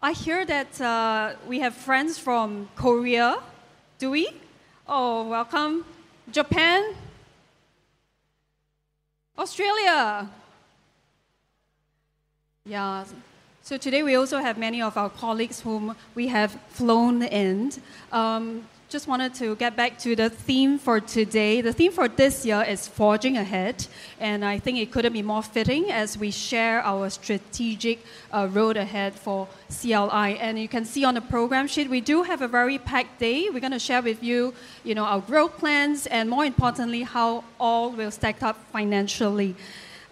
I hear that, we have friends from Korea, do we? Oh, welcome. Japan? Australia? Yeah. So today we also have many of our colleagues whom we have flown in. Just wanted to get back to the theme for today. The theme for this year is Forging Ahead, and I think it couldn't be more fitting as we share our strategic road ahead for CLI. And you can see on the program sheet we do have a very packed day. We're going to share with you, you know, our growth plans and, more importantly, how all will stack up financially.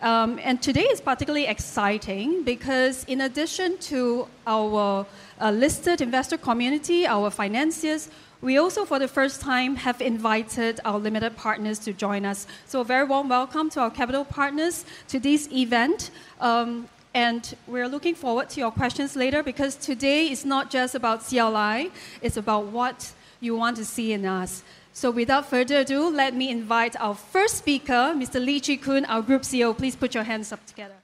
And today is particularly exciting because in addition to our listed investor community, our financiers, we also, for the first time, have invited our limited partners to join us. So a very warm welcome to our capital partners to this event. And we're looking forward to your questions later because today is not just about CLI. It's about what you want to see in us. So without further ado, let me invite our first speaker, Mr. Lee Chee Koon, our Group CEO. Please put your hands together.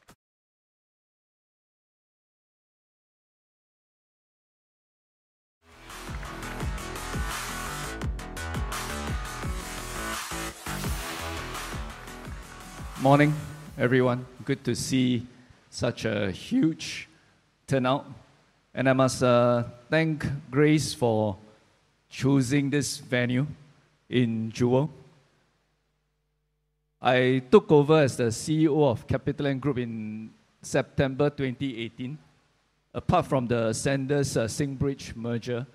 Morning, everyone. Good to see such a huge turnout. And I must thank Grace for choosing this venue in Jewel. I took over as the CEO of CapitaLand Group in September 2018. Apart from the Ascendas-Singbridge merger,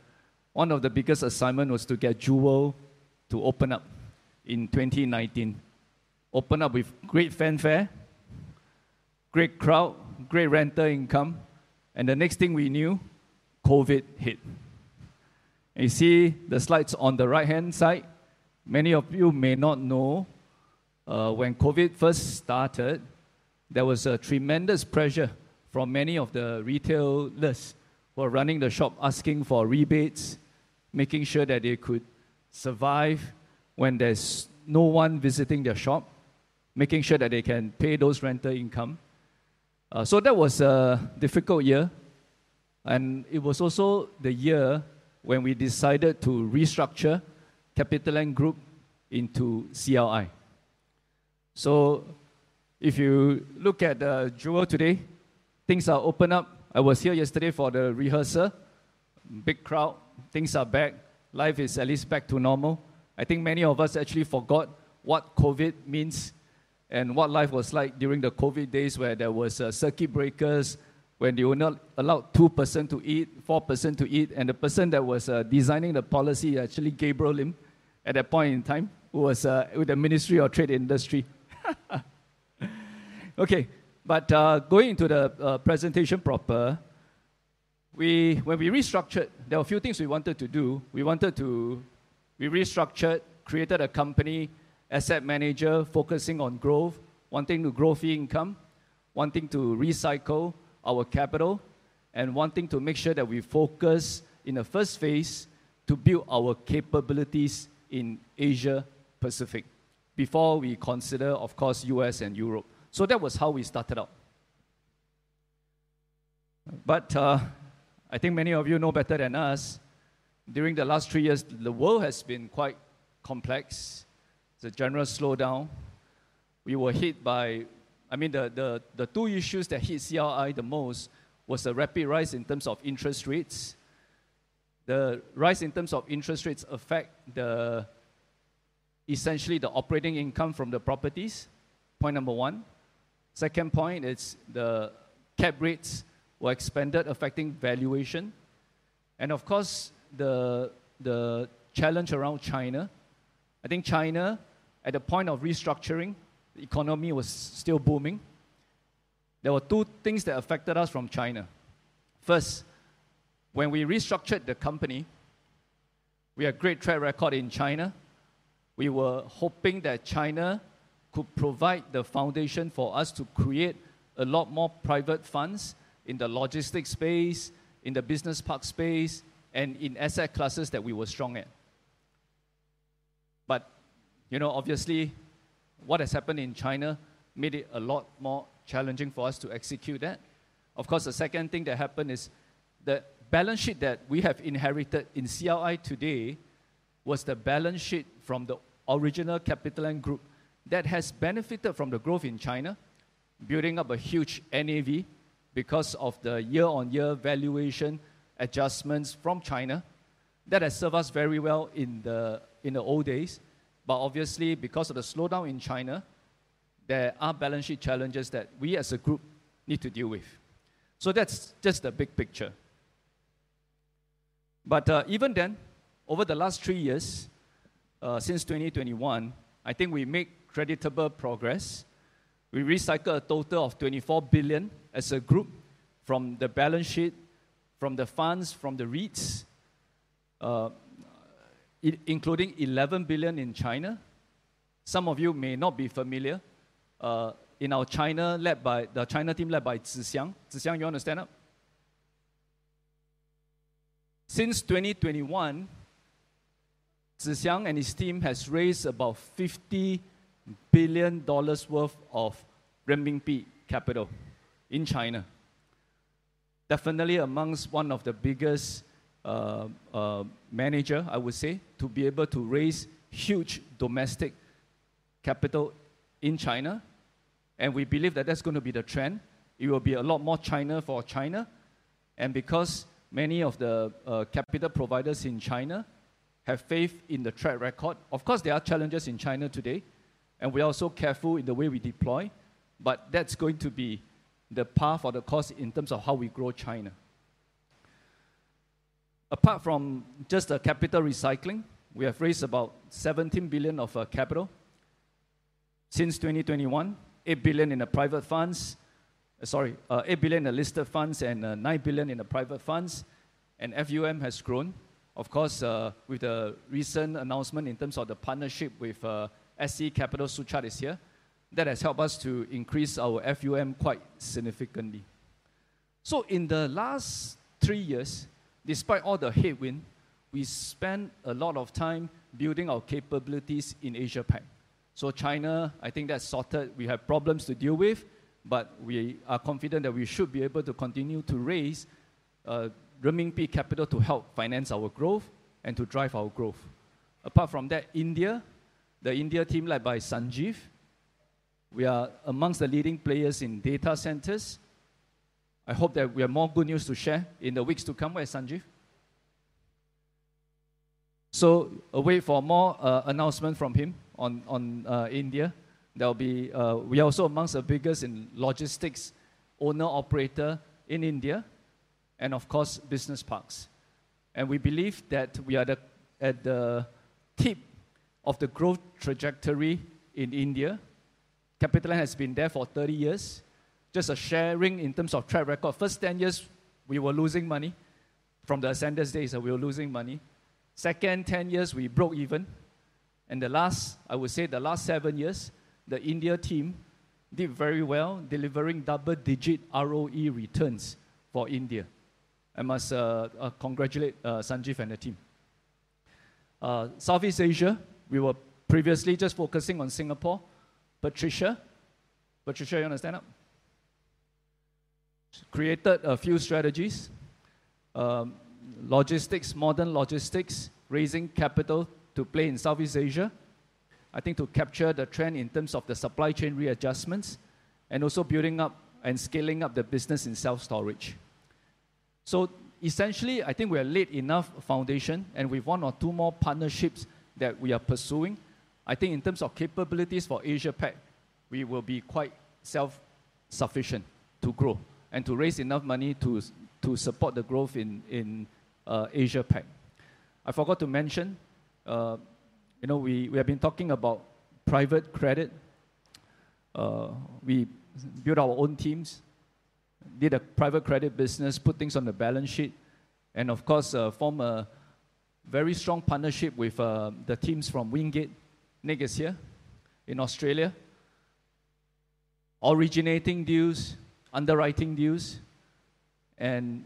one of the biggest assignments was to get Jewel to open up in 2019. Open up with great fanfare, great crowd, great rental income. And the next thing we knew, COVID hit. You see the slides on the right-hand side. Many of you may not know, when COVID first started, there was a tremendous pressure from many of the retailers who are running the shop, asking for rebates, making sure that they could survive when there's no one visiting their shop, making sure that they can pay those rental income. So that was a difficult year. And it was also the year when we decided to restructure CapitaLand Group into CLI. If you look at Jewel today, things are open up. I was here yesterday for the rehearsal. Big crowd. Things are back. Life is at least back to normal. I think many of us actually forgot what COVID means and what life was like during the COVID days where there were circuit breakers, when only allowed two persons to eat, four persons to eat. And the person that was designing the policy actually Gabriel Lim at that point in time, who was with the Ministry of Trade and Industry. Okay. But going into the presentation proper, when we restructured, there were a few things we wanted to do. We wanted to, we restructured, created a company, asset manager focusing on growth, wanting to grow fee income, wanting to recycle our capital, and wanting to make sure that we focus in the first phase to build our capabilities in Asia Pacific before we consider, of course, U.S. and Europe. So that was how we started out. But I think many of you know better than us. During the last three years, the world has been quite complex. It's a general slowdown. We were hit by, I mean, the two issues that hit CLI the most was a rapid rise in terms of interest rates. The rise in terms of interest rates affect essentially the operating income from the properties. Point number one. Second point is the cap rates were expanded, affecting valuation, and of course, the challenge around China. I think China, at the point of restructuring, the economy was still booming. There were two things that affected us from China. First, when we restructured the company, we had a great track record in China. We were hoping that China could provide the foundation for us to create a lot more private funds in the logistics space, in the business park space, and in asset classes that we were strong at. But, you know, obviously, what has happened in China made it a lot more challenging for us to execute that. Of course, the second thing that happened is the balance sheet that we have inherited in CLI today was the balance sheet from the original CapitaLand Group that has benefited from the growth in China, building up a huge NAV because of the year-on-year valuation adjustments from China that has served us very well in the old days. But obviously, because of the slowdown in China, there are balance sheet challenges that we as a group need to deal with. So that's just the big picture. But even then, over the last three years, since 2021, I think we made creditable progress. We recycled a total of 24 billion as a group from the balance sheet, from the funds, from the REITs, including 11 billion in China. Some of you may not be familiar. In our China, led by the China team led by Tze Shyang. Tze Shyang, you want to stand up? Since 2021, Tze Shyang and his team have raised about 50 billion dollars worth of renminbi capital in China. Definitely amongst one of the biggest managers, I would say, to be able to raise huge domestic capital in China. And we believe that that's going to be the trend. It will be a lot more China for China. Because many of the capital providers in China have faith in the track record, of course, there are challenges in China today. We are also careful in the way we deploy. But that's going to be the path or the course in terms of how we grow China. Apart from just the capital recycling, we have raised about 17 billion of capital. Since 8 billion in the listed funds and 9 billion in the private funds. And FUM has grown. Of course, with the recent announcement in terms of the partnership with SC Capital, Suchad is here, that has helped us to increase our FUM quite significantly. So in the last three years, despite all the headwind, we spent a lot of time building our capabilities in Asia-Pac. So China, I think that's sorted. We have problems to deal with, but we are confident that we should be able to continue to raise renminbi capital to help finance our growth and to drive our growth. Apart from that, India, the India team led by Sanjeev, we are amongst the leading players in data centers. I hope that we have more good news to share in the weeks to come with Sanjeev. So await for more announcements from him on India. There will be, we are also amongst the biggest in logistics, owner-operator in India, and of course, business parks. And we believe that we are at the tip of the growth trajectory in India. CapitaLand has been there for 30 years. Just a sharing in terms of track record. First 10 years, we were losing money from the Ascendas, and we were losing money. Second 10 years, we broke even. The last, I would say the last seven years, the India team did very well, delivering double-digit ROE returns for India. I must congratulate Sanjeev and the team. Southeast Asia, we were previously just focusing on Singapore. Patricia, Patricia, you want to stand up? Created a few strategies. Logistics, modern logistics, raising capital to play in Southeast Asia. I think to capture the trend in terms of the supply chain readjustments and also building up and scaling up the business in self-storage. So essentially, I think we are laid enough foundation and with one or two more partnerships that we are pursuing. I think in terms of capabilities for Asia-Pac, we will be quite self-sufficient to grow and to raise enough money to support the growth in Asia-Pac. I forgot to mention, you know, we have been talking about private credit. We built our own teams, did a private credit business, put things on the balance sheet, and of course, formed a very strong partnership with the teams from Wingate. Nick is here in Australia, originating deals, underwriting deals, and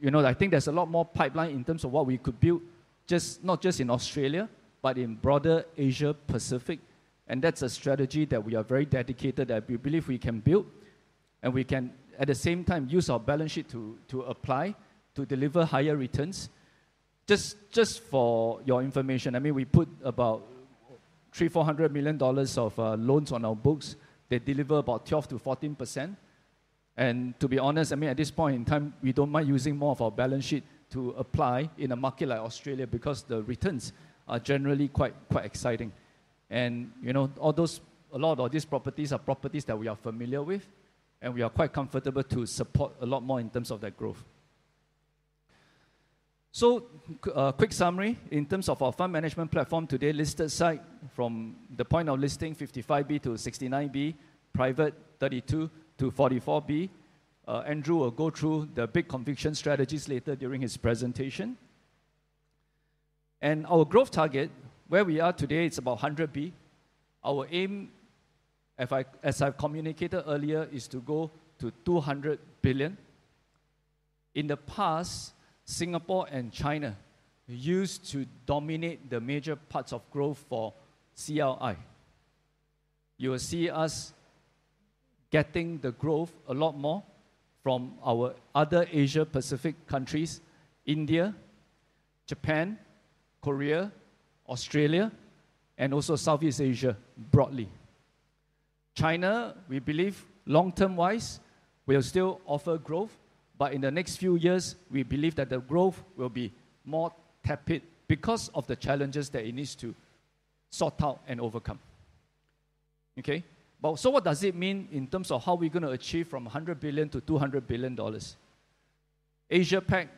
you know, I think there's a lot more pipeline in terms of what we could build, not just in Australia, but in broader Asia-Pacific, and that's a strategy that we are very dedicated that we believe we can build and we can, at the same time, use our balance sheet to apply to deliver higher returns. Just for your information, I mean, we put about 300-400 million dollars of loans on our books. They deliver about 12%-14%. To be honest, I mean, at this point in time, we don't mind using more of our balance sheet to apply in a market like Australia because the returns are generally quite exciting. You know, all those, a lot of these properties are properties that we are familiar with and we are quite comfortable to support a lot more in terms of that growth. Quick summary in terms of our fund management platform today, listed side from the point of listing 55 billion to 69 billion, private 32 billion to 44 billion. Andrew will go through the big conviction strategies later during his presentation. Our growth target, where we are today, it's about 100 billion. Our aim, as I've communicated earlier, is to go to 200 billion. In the past, Singapore and China used to dominate the major parts of growth for CLI. You will see us getting the growth a lot more from our other Asia-Pacific countries, India, Japan, Korea, Australia, and also Southeast Asia broadly. China, we believe long-term-wise, will still offer growth, but in the next few years, we believe that the growth will be more tepid because of the challenges that it needs to sort out and overcome. Okay. So what does it mean in terms of how we're going to achieve from 100 billion to 200 billion dollars? Asia-Pac,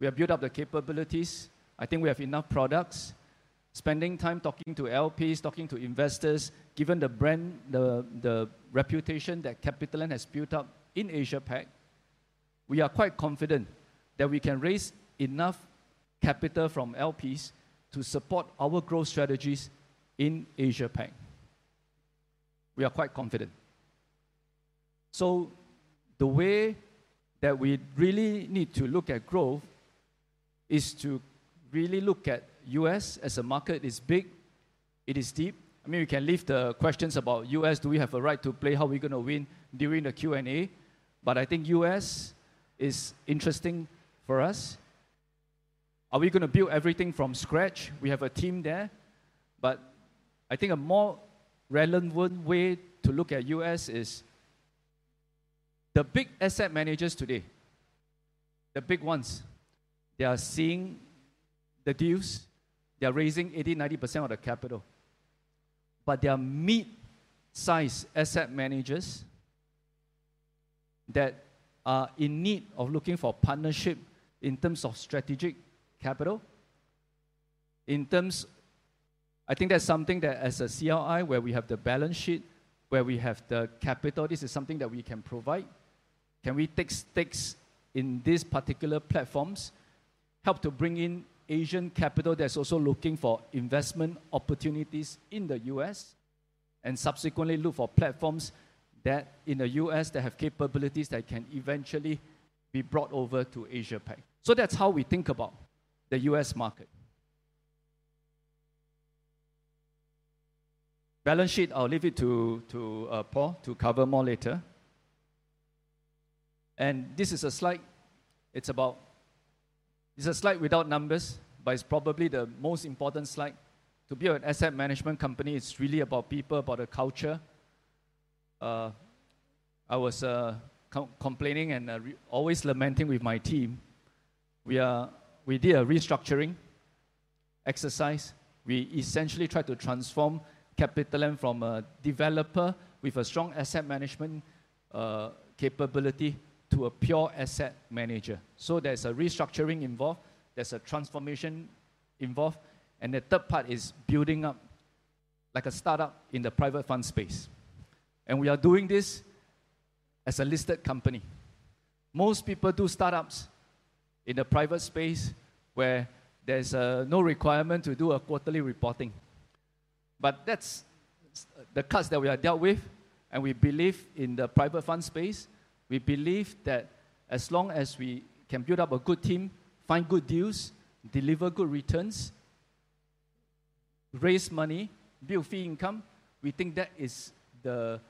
we have built up the capabilities. I think we have enough products. Spending time talking to LPs, talking to investors, given the brand, the reputation that CapitaLand has built up in Asia-Pac, we are quite confident that we can raise enough capital from LPs to support our growth strategies in Asia-Pac. We are quite confident. So the way that we really need to look at growth is to really look at the U.S. as a market. It's big. It is deep. I mean, we can leave the questions about the U.S., do we have a right to play, how are we going to win during the Q&A? But I think the U.S. is interesting for us. Are we going to build everything from scratch? We have a team there. But I think a more relevant way to look at the U.S. is the big asset managers today, the big ones. They are seeing the deals. They are raising 80%, 90% of the capital. But there are mid-size asset managers that are in need of looking for partnership in terms of strategic capital. In terms, I think that's something that as a CLI, where we have the balance sheet, where we have the capital, this is something that we can provide. Can we take stakes in these particular platforms, help to bring in Asian capital that's also looking for investment opportunities in the U.S. and subsequently look for platforms that in the U.S. that have capabilities that can eventually be brought over to Asia-Pac? So that's how we think about the U.S. market. Balance sheet, I'll leave it to Paul to cover more later. And this is a slide. It's about, it's a slide without numbers, but it's probably the most important slide. To be an asset management company, it's really about people, about the culture. I was complaining and always lamenting with my team. We did a restructuring exercise. We essentially tried to transform CapitaLand from a developer with a strong asset management capability to a pure asset manager. So there's a restructuring involved. There's a transformation involved. And the third part is building up like a startup in the private fund space. And we are doing this as a listed company. Most people do startups in the private space where there's no requirement to do a quarterly reporting. But that's the cuts that we have dealt with. And we believe in the private fund space. We believe that as long as we can build up a good team, find good deals, deliver good returns, raise money, build fee income, we think that is the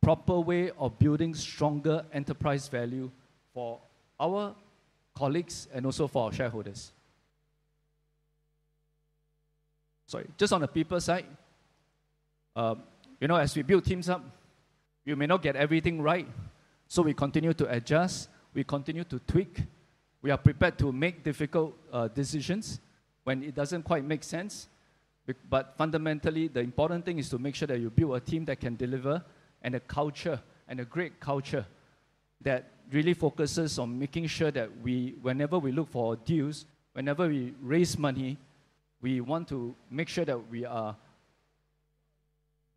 proper way of building stronger enterprise value for our colleagues and also for our shareholders. Sorry, just on the people side, you know, as we build teams up, you may not get everything right. We continue to adjust. We continue to tweak. We are prepared to make difficult decisions when it doesn't quite make sense. But fundamentally, the important thing is to make sure that you build a team that can deliver and a culture and a great culture that really focuses on making sure that whenever we look for deals, whenever we raise money, we want to make sure that we are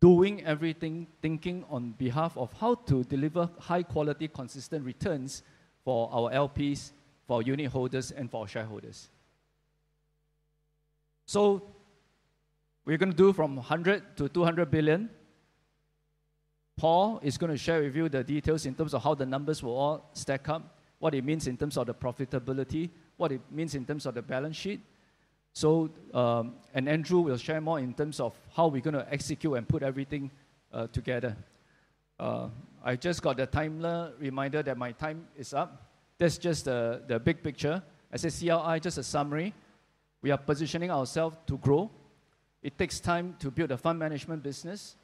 doing everything, thinking on behalf of how to deliver high-quality, consistent returns for our LPs, for our unit holders, and for our shareholders. So we're going to do from 100 billion to 200 billion. Paul is going to share with you the details in terms of how the numbers will all stack up, what it means in terms of the profitability, what it means in terms of the balance sheet. So Andrew will share more in terms of how we're going to execute and put everything together. I just got the timer reminder that my time is up. That's just the big picture. As a CLI, just a summary. We are positioning ourselves to grow. It takes time to build a fund management business.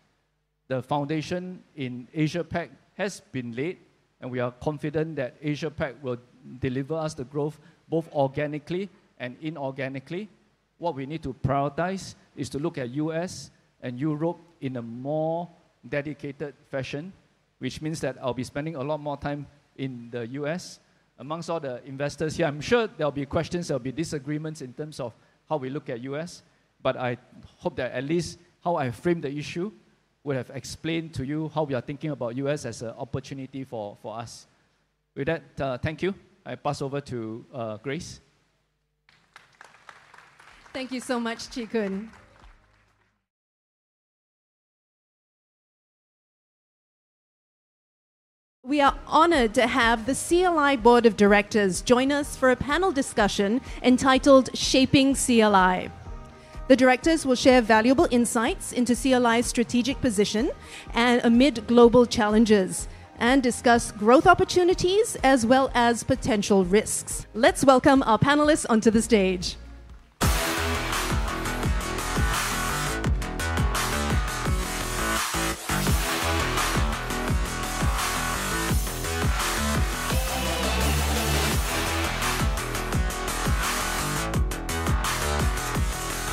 The foundation in Asia-Pac has been laid, and we are confident that Asia-Pac will deliver us the growth both organically and inorganically. What we need to prioritize is to look at the U.S. and Europe in a more dedicated fashion, which means that I'll be spending a lot more time in the U.S. Amongst all the investors here, I'm sure there'll be questions, there'll be disagreements in terms of how we look at the U.S. But I hope that at least how I framed the issue would have explained to you how we are thinking about the U.S. as an opportunity for us. With that, thank you. I pass over to Grace. Thank you so much, Chee Koon. We are honored to have the CLI Board of Directors join us for a panel discussion entitled Shaping CLI. The directors will share valuable insights into CLI's strategic position amid global challenges and discuss growth opportunities as well as potential risks. Let's welcome our panelists onto the stage.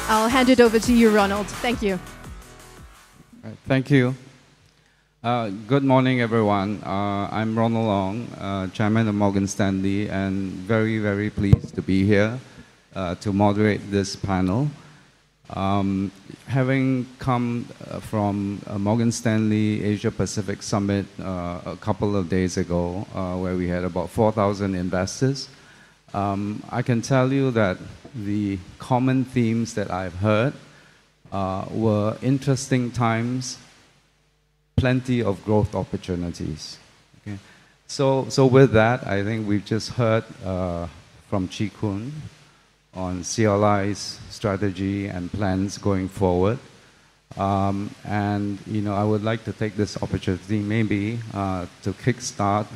I'll hand it over to you, Ronald. Thank you. Thank you. Good morning, everyone. I'm Ronald Ong, Chairman of Morgan Stanley, and very, very pleased to be here to moderate this panel. Having come from Morgan Stanley Asia-Pacific Summit a couple of days ago, where we had about 4,000 investors, I can tell you that the common themes that I've heard were interesting times, plenty of growth opportunities. So with that, I think we've just heard from Chee Koon on CLI's strategy and plans going forward. And you know, I would like to take this opportunity maybe to kickstart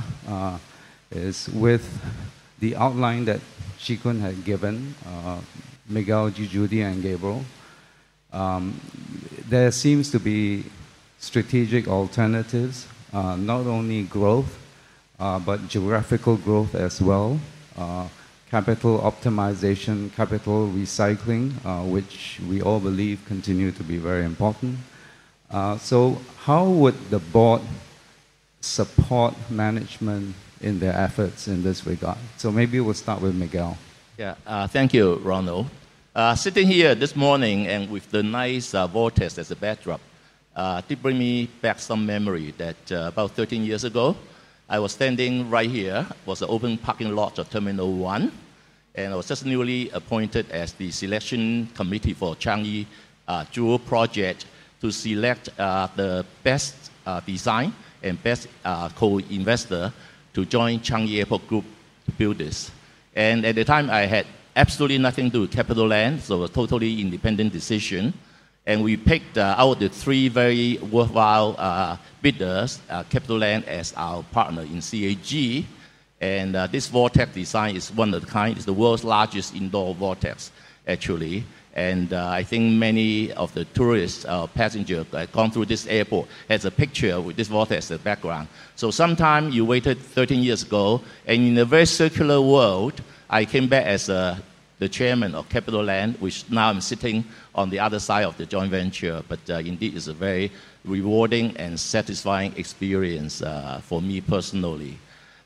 this with the outline that Chee Koon had given, Miguel, Judy, and Gabriel. There seems to be strategic alternatives, not only growth, but geographical growth as well, capital optimization, capital recycling, which we all believe continue to be very important. So how would the board support management in their efforts in this regard? So maybe we'll start with Miguel. Yeah, thank you, Ronald. Sitting here this morning and with the nice vortex as a backdrop, it brings me back some memory that about 13 years ago, I was standing right here. It was an open parking lot at Terminal 1, and I was just newly appointed as the selection committee for Changi Jewel Project to select the best design and best co-investor to join Changi Airport Group to build this. At the time, I had absolutely nothing to do with CapitaLand, so it was a totally independent decision. We picked out the three very worthwhile bidders, CapitaLand as our partner in CAG. This vortex design is one of a kind. It's the world's largest indoor vortex, actually. I think many of the tourists, passengers that have gone through this airport have a picture with this vortex in the background. So sometimes you waited 13 years ago, and in a very circular world, I came back as the chairman of CapitaLand, which now I'm sitting on the other side of the joint venture. But indeed, it's a very rewarding and satisfying experience for me personally.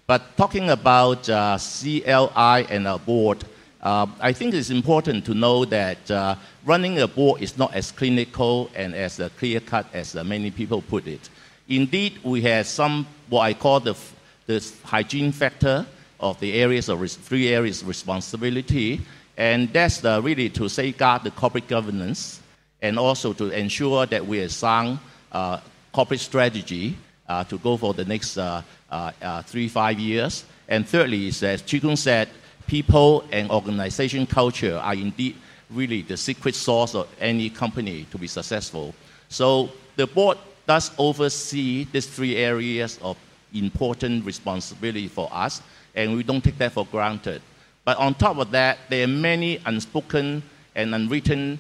But talking about CLI and our board, I think it's important to know that running a board is not as clinical and as clear-cut as many people put it. Indeed, we have some, what I call, the hygiene factor of three areas of responsibility. And that's really to safeguard the corporate governance and also to ensure that we are sound corporate strategy to go for the next three, five years. And thirdly, as Chee Koon said, people and organization culture are indeed really the secret sauce of any company to be successful. So the board does oversee these three areas of important responsibility for us, and we don't take that for granted. But on top of that, there are many unspoken and unwritten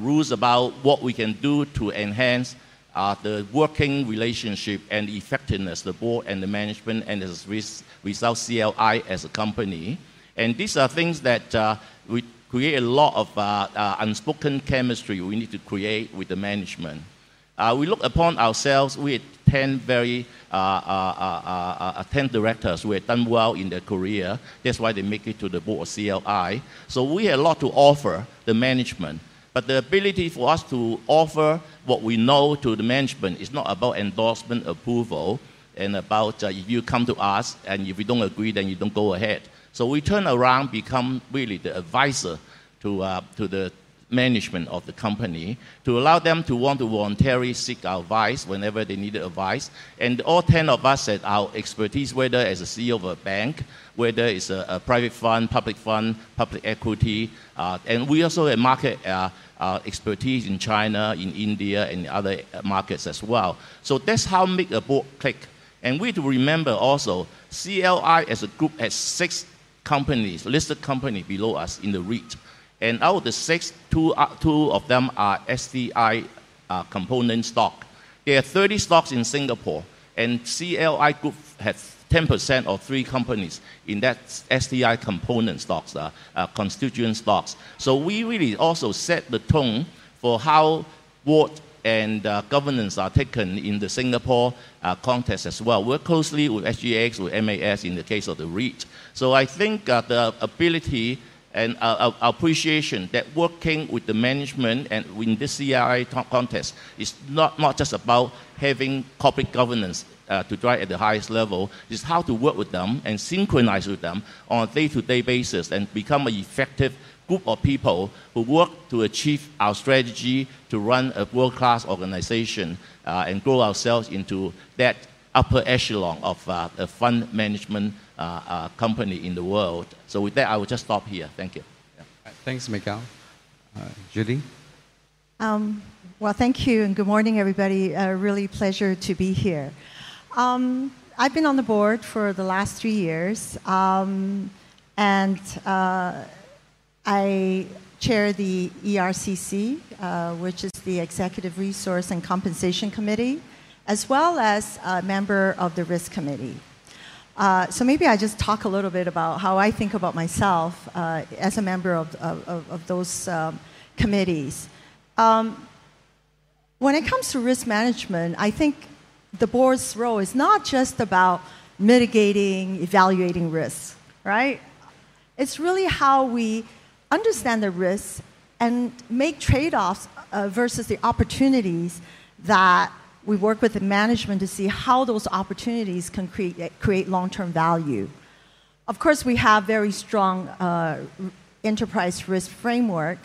rules about what we can do to enhance the working relationship and effectiveness, the board and the management, and as a result, CLI as a company. And these are things that we create a lot of unspoken chemistry we need to create with the management. We look upon ourselves, we have 10 very attentive directors who have done well in their career. That's why they make it to the board of CLI. So we have a lot to offer the management. But the ability for us to offer what we know to the management is not about endorsement approval and about if you come to us and if we don't agree, then you don't go ahead. So we turn around, become really the advisor to the management of the company to allow them to want to voluntarily seek our advice whenever they need advice. And all 10 of us had our expertise, whether as a CEO of a bank, whether it's a private fund, public fund, public equity. And we also have market expertise in China, in India, and other markets as well. So that's how we make a board click. And we need to remember also, CLI as a group has six companies, listed companies below us in the REIT. And out of the six, two of them are STI component stock. There are 30 stocks in Singapore, and CLI Group has 10% of three companies in that STI component stocks, constituent stocks. So we really also set the tone for how board and governance are taken in the Singapore context as well. work closely with SGX, with MAS in the case of the REIT. So I think the ability and appreciation that working with the management and in this CLI context is not just about having corporate governance to drive at the highest level. It's how to work with them and synchronize with them on a day-to-day basis and become an effective group of people who work to achieve our strategy, to run a world-class organization, and grow ourselves into that upper echelon of a fund management company in the world. So with that, I will just stop here. Thank you. Thanks, Miguel. Judy. Well, thank you and good morning, everybody. A real pleasure to be here. I've been on the board for the last three years, and I chair the ERCC, which is the Executive Resource and Compensation Committee, as well as a member of the Risk Committee. So maybe I just talk a little bit about how I think about myself as a member of those committees. When it comes to risk management, I think the board's role is not just about mitigating, evaluating risks, right? It's really how we understand the risks and make trade-offs versus the opportunities that we work with the management to see how those opportunities can create long-term value. Of course, we have a very strong enterprise risk framework,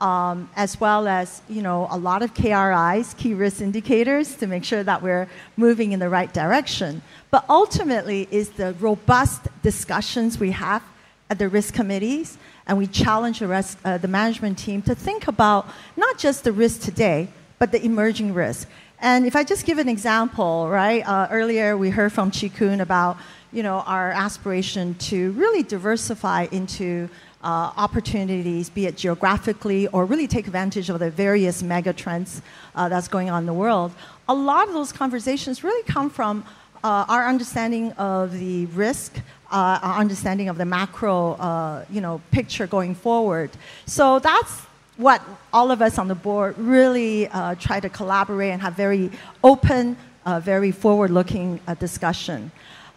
as well as a lot of KRIs, key risk indicators, to make sure that we're moving in the right direction. But ultimately, it's the robust discussions we have at the Risk Committees, and we challenge the management team to think about not just the risk today, but the emerging risk. And if I just give an example, right? Earlier, we heard from Chee Koon about our aspiration to really diversify into opportunities, be it geographically or really take advantage of the various megatrends that's going on in the world. A lot of those conversations really come from our understanding of the risk, our understanding of the macro picture going forward. So that's what all of us on the board really try to collaborate and have very open, very forward-looking discussion.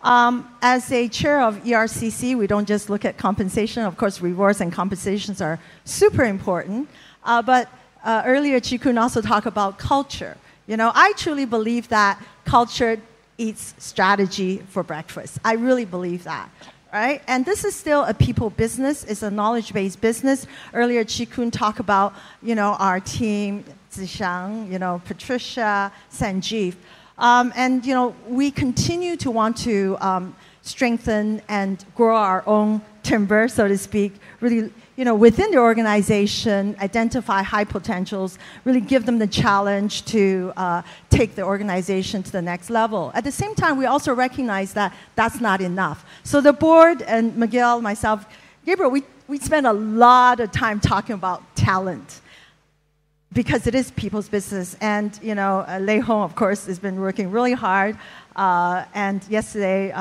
As a chair of ERCC, we don't just look at compensation. Of course, rewards and compensations are super important. But earlier, Chee Koon also talked about culture. You know, I truly believe that culture eats strategy for breakfast. I really believe that, right? And this is still a people business. It's a knowledge-based business. Earlier, Chee Koon talked about our team, Tze Shyang, Patricia, Sanjeev. And we continue to want to strengthen and grow our own timber, so to speak, really within the organization, identify high potentials, really give them the challenge to take the organization to the next level. At the same time, we also recognize that that's not enough. So the board and Miguel, myself, Gabriel, we spend a lot of time talking about talent because it is people's business. And Ley Hoon, of course, has been working really hard. And yesterday,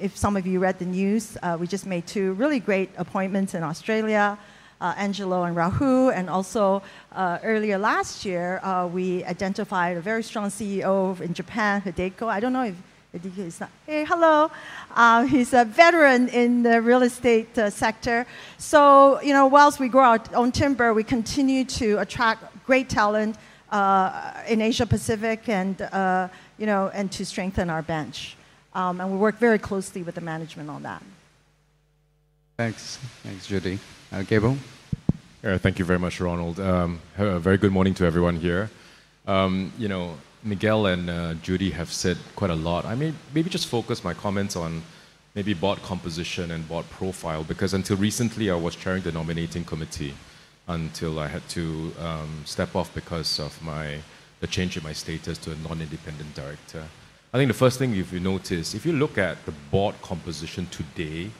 if some of you read the news, we just made two really great appointments in Australia, Angelo and Rahul. And also, earlier last year, we identified a very strong CEO in Japan, Hideto. I don't know if Hideto is not here. Hello. He's a veteran in the real estate sector. So whilst we grow our own timber, we continue to attract great talent in Asia-Pacific and to strengthen our bench. And we work very closely with the management on that. Thanks. Thanks, Judy. Gabriel? Yeah, thank you very much, Ronald. A very good morning to everyone here. Miguel and Judy have said quite a lot. I maybe just focus my comments on maybe board composition and board profile because until recently, I was chairing the Nominating Committee until I had to step off because of the change in my status to a non-independent director. I think the first thing you've noticed, if you look at the board composition today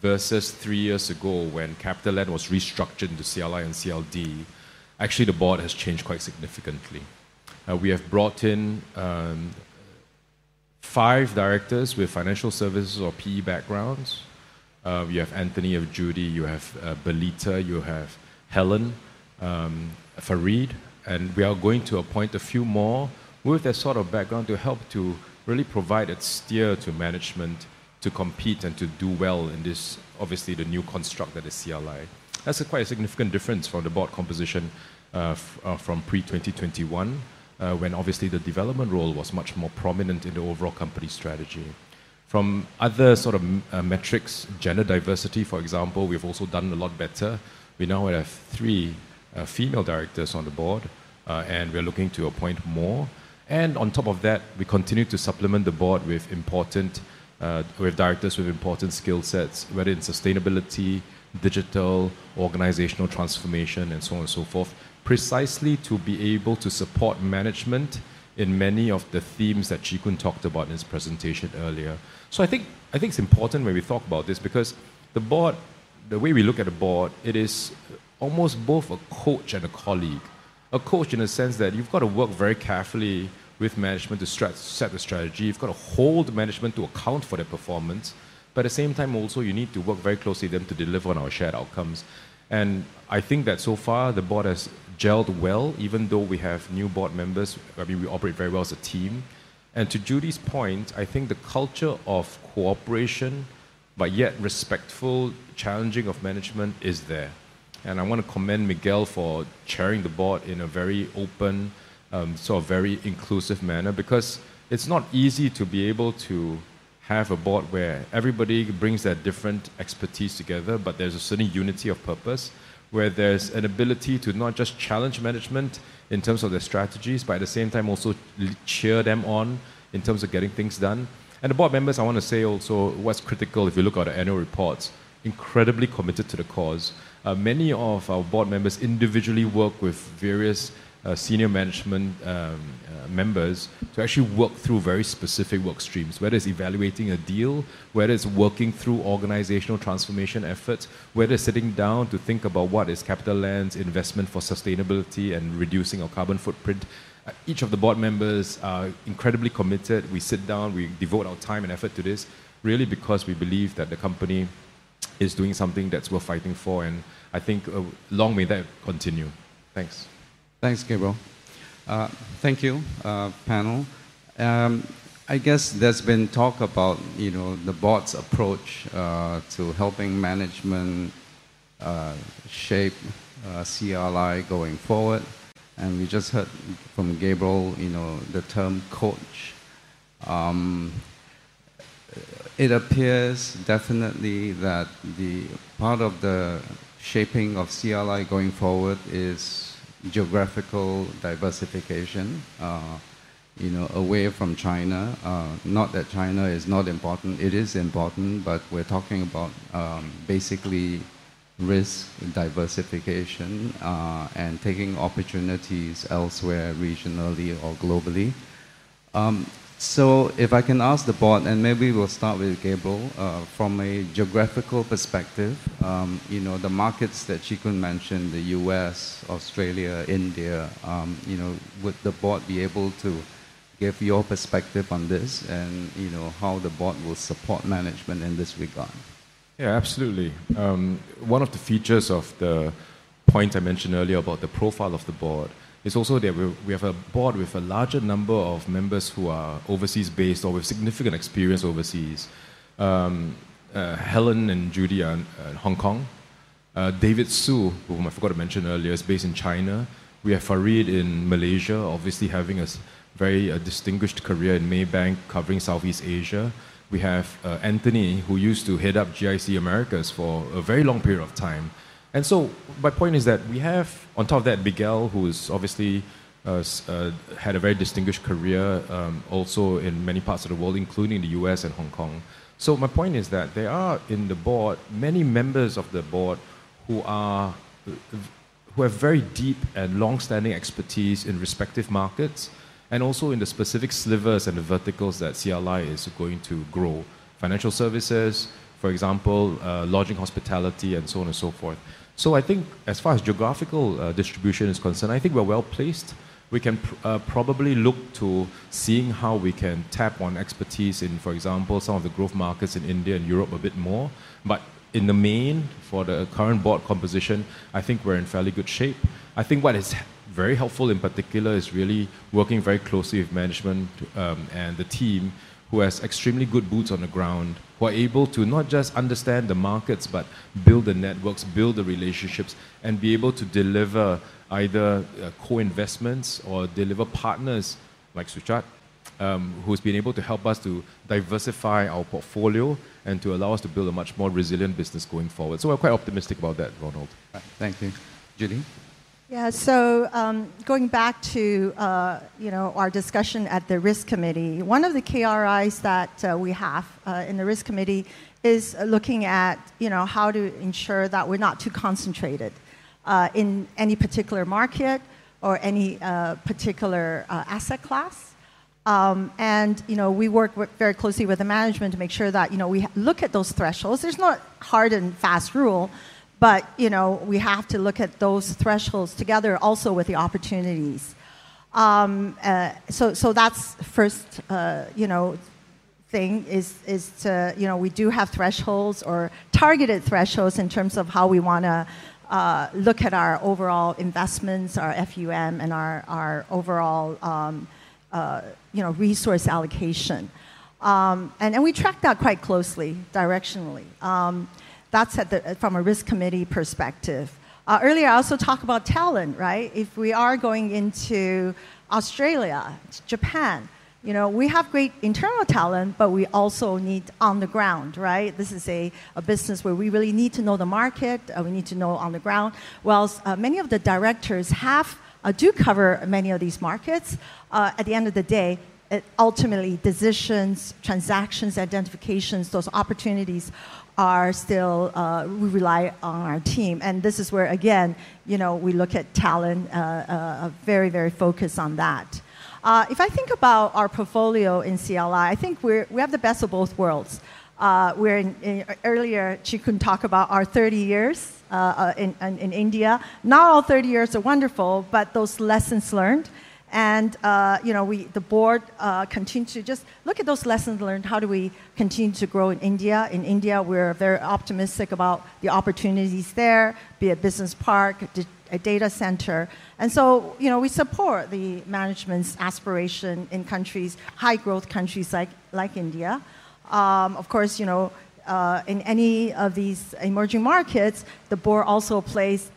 versus three years ago when CapitaLand was restructured into CLI and CLD. Actually the board has changed quite significantly. We have brought in five directors with financial services or PE backgrounds. You have Anthony, you have Judy, you have Belita, you have Helen, Farid. We are going to appoint a few more with a sort of background to help to really provide a steer to management to compete and to do well in this, obviously, the new construct that is CLI. That's quite a significant difference from the board composition from pre-2021, when obviously the development role was much more prominent in the overall company strategy. From other sort of metrics, gender diversity, for example, we've also done a lot better. We now have three female directors on the board, and we're looking to appoint more. On top of that, we continue to supplement the board with directors with important skill sets, whether in sustainability, digital, organizational transformation, and so on and so forth, precisely to be able to support management in many of the themes that Chee Koon talked about in his presentation earlier. So I think it's important when we talk about this because the board, the way we look at the board, it is almost both a coach and a colleague. A coach in the sense that you've got to work very carefully with management to set the strategy. You've got to hold management to account for their performance. But at the same time, also, you need to work very closely with them to deliver on our shared outcomes. And I think that so far, the board has gelled well, even though we have new board members. I mean, we operate very well as a team. And to Judy's point, I think the culture of cooperation, but yet respectful, challenging of management is there. I want to commend Miguel for chairing the board in a very open, so a very inclusive manner because it's not easy to be able to have a board where everybody brings their different expertise together, but there's a certain unity of purpose where there's an ability to not just challenge management in terms of their strategies, but at the same time, also cheer them on in terms of getting things done. The board members, I want to say also what's critical if you look at our annual reports, incredibly committed to the cause. Many of our board members individually work with various senior management members to actually work through very specific work streams, whether it's evaluating a deal, whether it's working through organizational transformation efforts, whether it's sitting down to think about what is CapitaLand's investment for sustainability and reducing our carbon footprint. Each of the board members are incredibly committed. We sit down, we devote our time and effort to this, really because we believe that the company is doing something that's worth fighting for. And I think along with that, continue. Thanks. Thanks, Gabriel. Thank you, panel. I guess there's been talk about the board's approach to helping management shape CLI going forward. And we just heard from Gabriel the term coach. It appears definitely that part of the shaping of CLI going forward is geographical diversification away from China. Not that China is not important. It is important, but we're talking about basically risk diversification and taking opportunities elsewhere, regionally or globally. So if I can ask the board, and maybe we'll start with Gabriel, from a geographical perspective, the markets that Chee Koon mentioned, the U.S., Australia, India, would the board be able to give your perspective on this and how the board will support management in this regard? Yeah, absolutely. One of the features of the points I mentioned earlier about the profile of the board is also that we have a board with a larger number of members who are overseas-based or with significant experience overseas. Helen and Judy are in Hong Kong. David Su, whom I forgot to mention earlier, is based in China. We have Farid in Malaysia, obviously having a very distinguished career in Maybank covering Southeast Asia. We have Anthony, who used to head up GIC Americas for a very long period of time. And so my point is that we have, on top of that, Miguel, who has obviously had a very distinguished career also in many parts of the world, including the U.S. and Hong Kong. So my point is that there are in the board many members of the board who have very deep and long-standing expertise in respective markets and also in the specific slivers and the verticals that CLI is going to grow: financial services, for example, lodging, hospitality, and so on and so forth. So I think as far as geographical distribution is concerned, I think we're well placed. We can probably look to seeing how we can tap on expertise in, for example, some of the growth markets in India and Europe a bit more. But in the main, for the current board composition, I think we're in fairly good shape. I think what is very helpful in particular is really working very closely with management and the team who has extremely good boots on the ground, who are able to not just understand the markets, but build the networks, build the relationships, and be able to deliver either co-investments or deliver partners like Suchad, who has been able to help us to diversify our portfolio and to allow us to build a much more resilient business going forward, so we're quite optimistic about that, Ronald. Thank you. Judy? Yeah, so going back to our discussion at the risk committee, one of the KRIs that we have in the risk committee is looking at how to ensure that we're not too concentrated in any particular market or any particular asset class, and we work very closely with the management to make sure that we look at those thresholds. There's not a hard and fast rule, but we have to look at those thresholds together also with the opportunities. So that's the first thing is we do have thresholds or targeted thresholds in terms of how we want to look at our overall investments, our FUM, and our overall resource allocation, and we track that quite closely directionally. That's from a risk committee perspective. Earlier, I also talked about talent, right? If we are going into Australia, Japan, we have great internal talent, but we also need on-the-ground, right? This is a business where we really need to know the market. We need to know on the ground. While many of the directors do cover many of these markets, at the end of the day, ultimately, decisions, transactions, identifications, those opportunities are still we rely on our team. This is where, again, we look at talent, very, very focused on that. If I think about our portfolio in CLI, I think we have the best of both worlds. Where earlier, Chee Koon talked about our 30 years in India. Not all 30 years are wonderful, but those lessons learned. The board continues to just look at those lessons learned. How do we continue to grow in India? In India, we're very optimistic about the opportunities there, be it business park, a data center. So we support the management's aspiration in countries, high-growth countries like India. Of course, in any of these emerging markets, the board also plays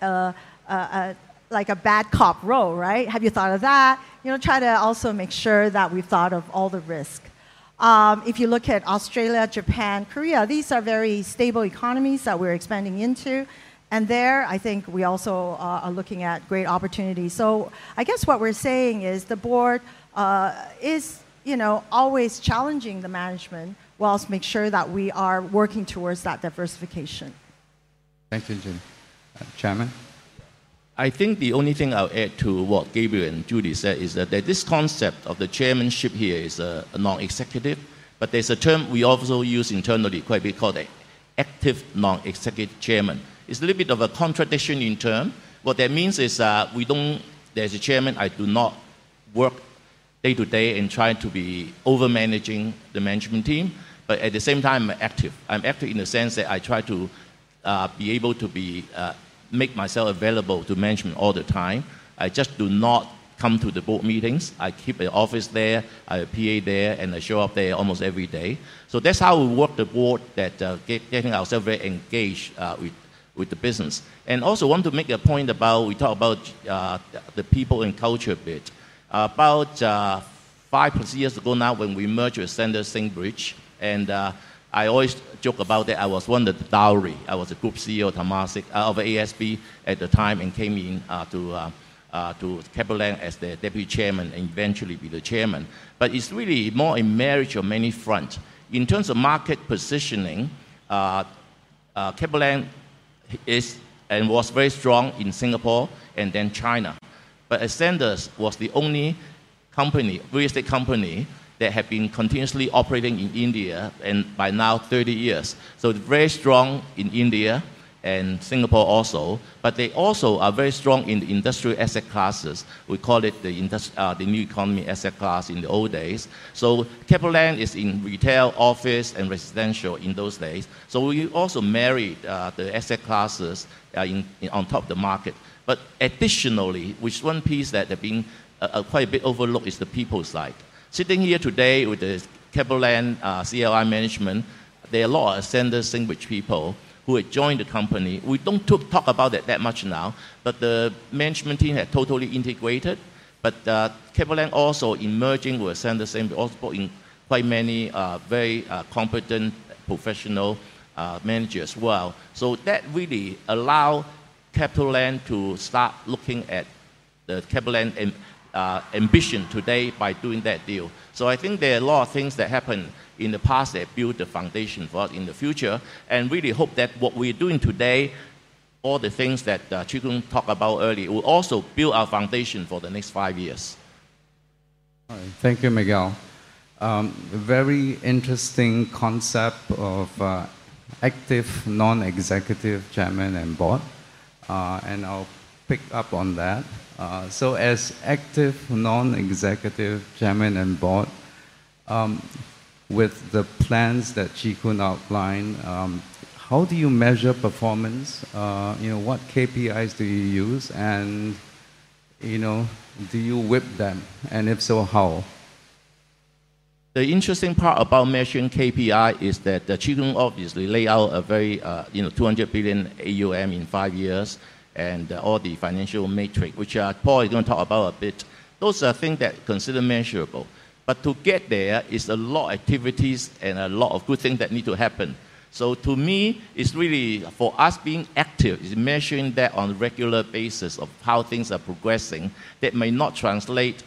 like a bad cop role, right? Have you thought of that? Try to also make sure that we've thought of all the risks. If you look at Australia, Japan, Korea, these are very stable economies that we're expanding into, and there, I think we also are looking at great opportunities, so I guess what we're saying is the board is always challenging the management while making sure that we are working towards that diversification. Thank you, Judy. Chairman? I think the only thing I'll add to what Gabriel and Judy said is that this concept of the chairmanship here is a non-executive, but there's a term we also use internally quite a bit called an active non-executive chairman. It's a little bit of a contradiction in term. What that means is that there's a chairman. I do not work day-to-day and try to be over-managing the management team, but at the same time, I'm active. I'm active in the sense that I try to be able to make myself available to management all the time. I just do not come to the board meetings. I keep an office there. I have a PA there, and I show up there almost every day. So that's how we work the board, getting ourselves very engaged with the business. And also want to make a point about we talk about the people and culture a bit. About five plus years ago now, when we merged with Ascendas-Singbridge, and I always joke about that I was one of the dowry. I was a Group CEO of Temasek ASB at the time and came in to CapitaLand as the Deputy Chairman and eventually be the Chairman. But it's really more a marriage of many fronts. In terms of market positioning, CapitaLand was very strong in Singapore and then China. But Ascendas was the only real estate company that had been continuously operating in India and by now 30 years. So very strong in India and Singapore also. But they also are very strong in the industrial asset classes. We call it the new economy asset class in the old days. So CapitaLand is in retail, office, and residential in those days. So we also married the asset classes on top of the market. But additionally, which one piece that has been quite a bit overlooked is the people side. Sitting here today with the CapitaLand CLI management, there are a lot of Ascendas-Singbridge people who had joined the company. We don't talk about that that much now, but the management team had totally integrated. But CapitaLand also merging with Ascendas-Singbridge also brought in quite many very competent professional managers as well. That really allowed CapitaLand to start looking at the CapitaLand ambition today by doing that deal. I think there are a lot of things that happened in the past that built the foundation for us in the future. Really hope that what we're doing today, all the things that Chee Koon talked about earlier, will also build our foundation for the next five years Thank you, Miguel. Very interesting concept of active non-executive Chairman and Board. I'll pick up on that. As active non-executive Chairman and Board, with the plans that Chee Koon outlined, how do you measure performance? What KPIs do you use? Do you whip them? If so, how? The interesting part about measuring KPI is that Chee Koon obviously laid out a very 200 billion AUM in five years and all the financial metrics, which Paul is going to talk about a bit. Those are things that are considered measurable. But to get there, it's a lot of activities and a lot of good things that need to happen. So to me, it's really for us being active, it's measuring that on a regular basis of how things are progressing that may not translate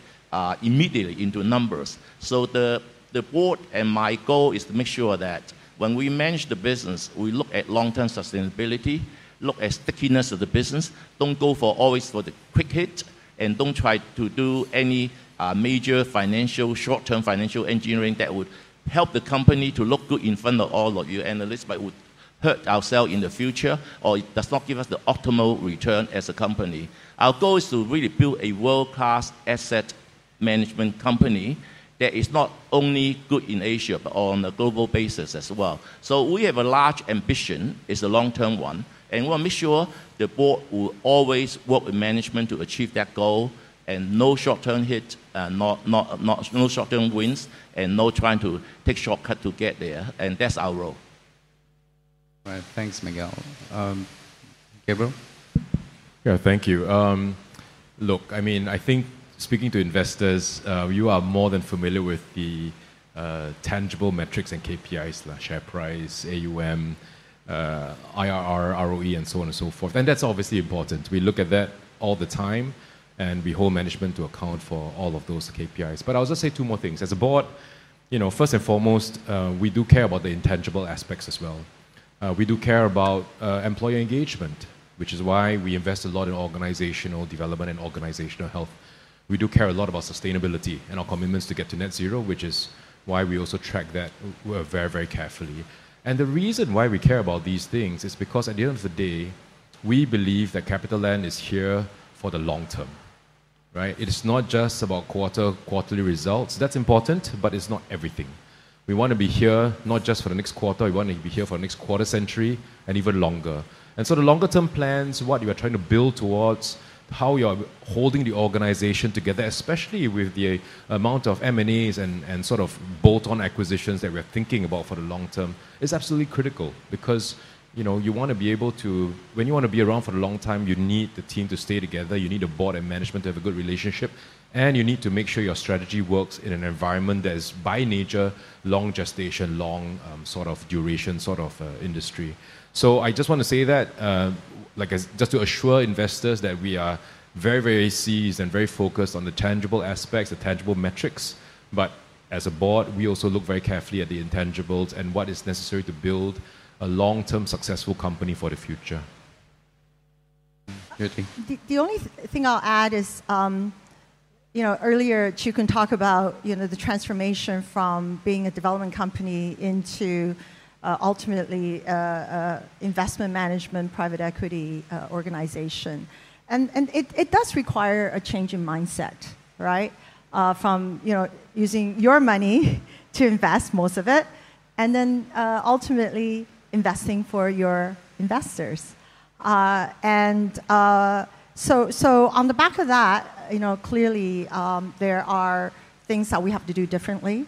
immediately into numbers. The board and my goal is to make sure that when we manage the business, we look at long-term sustainability, look at stickiness of the business, don't always go for the quick hit, and don't try to do any major short-term financial engineering that would help the company to look good in front of all of your analysts, but would hurt ourselves in the future or does not give us the optimal return as a company. Our goal is to really build a world-class asset management company that is not only good in Asia, but on a global basis as well. We have a large ambition. It's a long-term one. We want to make sure the board will always work with management to achieve that goal and no short-term hits, no short-term wins, and no trying to take shortcuts to get there. And that's our role. Right. Thanks, Miguel. Gabriel? Yeah, thank you. Look, I mean, I think speaking to investors, you are more than familiar with the tangible metrics and KPIs: share price, AUM, IRR, ROE, and so on and so forth. And that's obviously important. We look at that all the time, and we hold management to account for all of those KPIs. But I'll just say two more things. As a board, first and foremost, we do care about the intangible aspects as well. We do care about employee engagement, which is why we invest a lot in organizational development and organizational health. We do care a lot about sustainability and our commitments to get to net zero, which is why we also track that very, very carefully. And the reason why we care about these things is because at the end of the day, we believe that CapitaLand is here for the long term. It's not just about quarter-quarterly results. That's important, but it's not everything. We want to be here not just for the next quarter. We want to be here for the next quarter century and even longer. And so the longer-term plans, what you are trying to build towards, how you're holding the organization together, especially with the amount of M&As and sort of bolt-on acquisitions that we're thinking about for the long term, is absolutely critical because you want to be able to when you want to be around for a long time, you need the team to stay together. You need the board and management to have a good relationship. You need to make sure your st ategy works in an environment that is by nature long gestation, long sort of duration sort of industry. So I just want to say that just to assure investors that we are very, very seized and very focused on the tangible aspects, the tangible metrics. But as a board, we also look very carefully at the intangibles and what is necessary to build a long-term successful company for the future. The only thing I'll add is earlier, Chee Koon talked about the transformation from being a development company into ultimately investment management, private equity organization. It does require a change in mindset from using your money to invest most of it and then ultimately investing for your investors. So on the back of that, clearly there are things that we have to do differently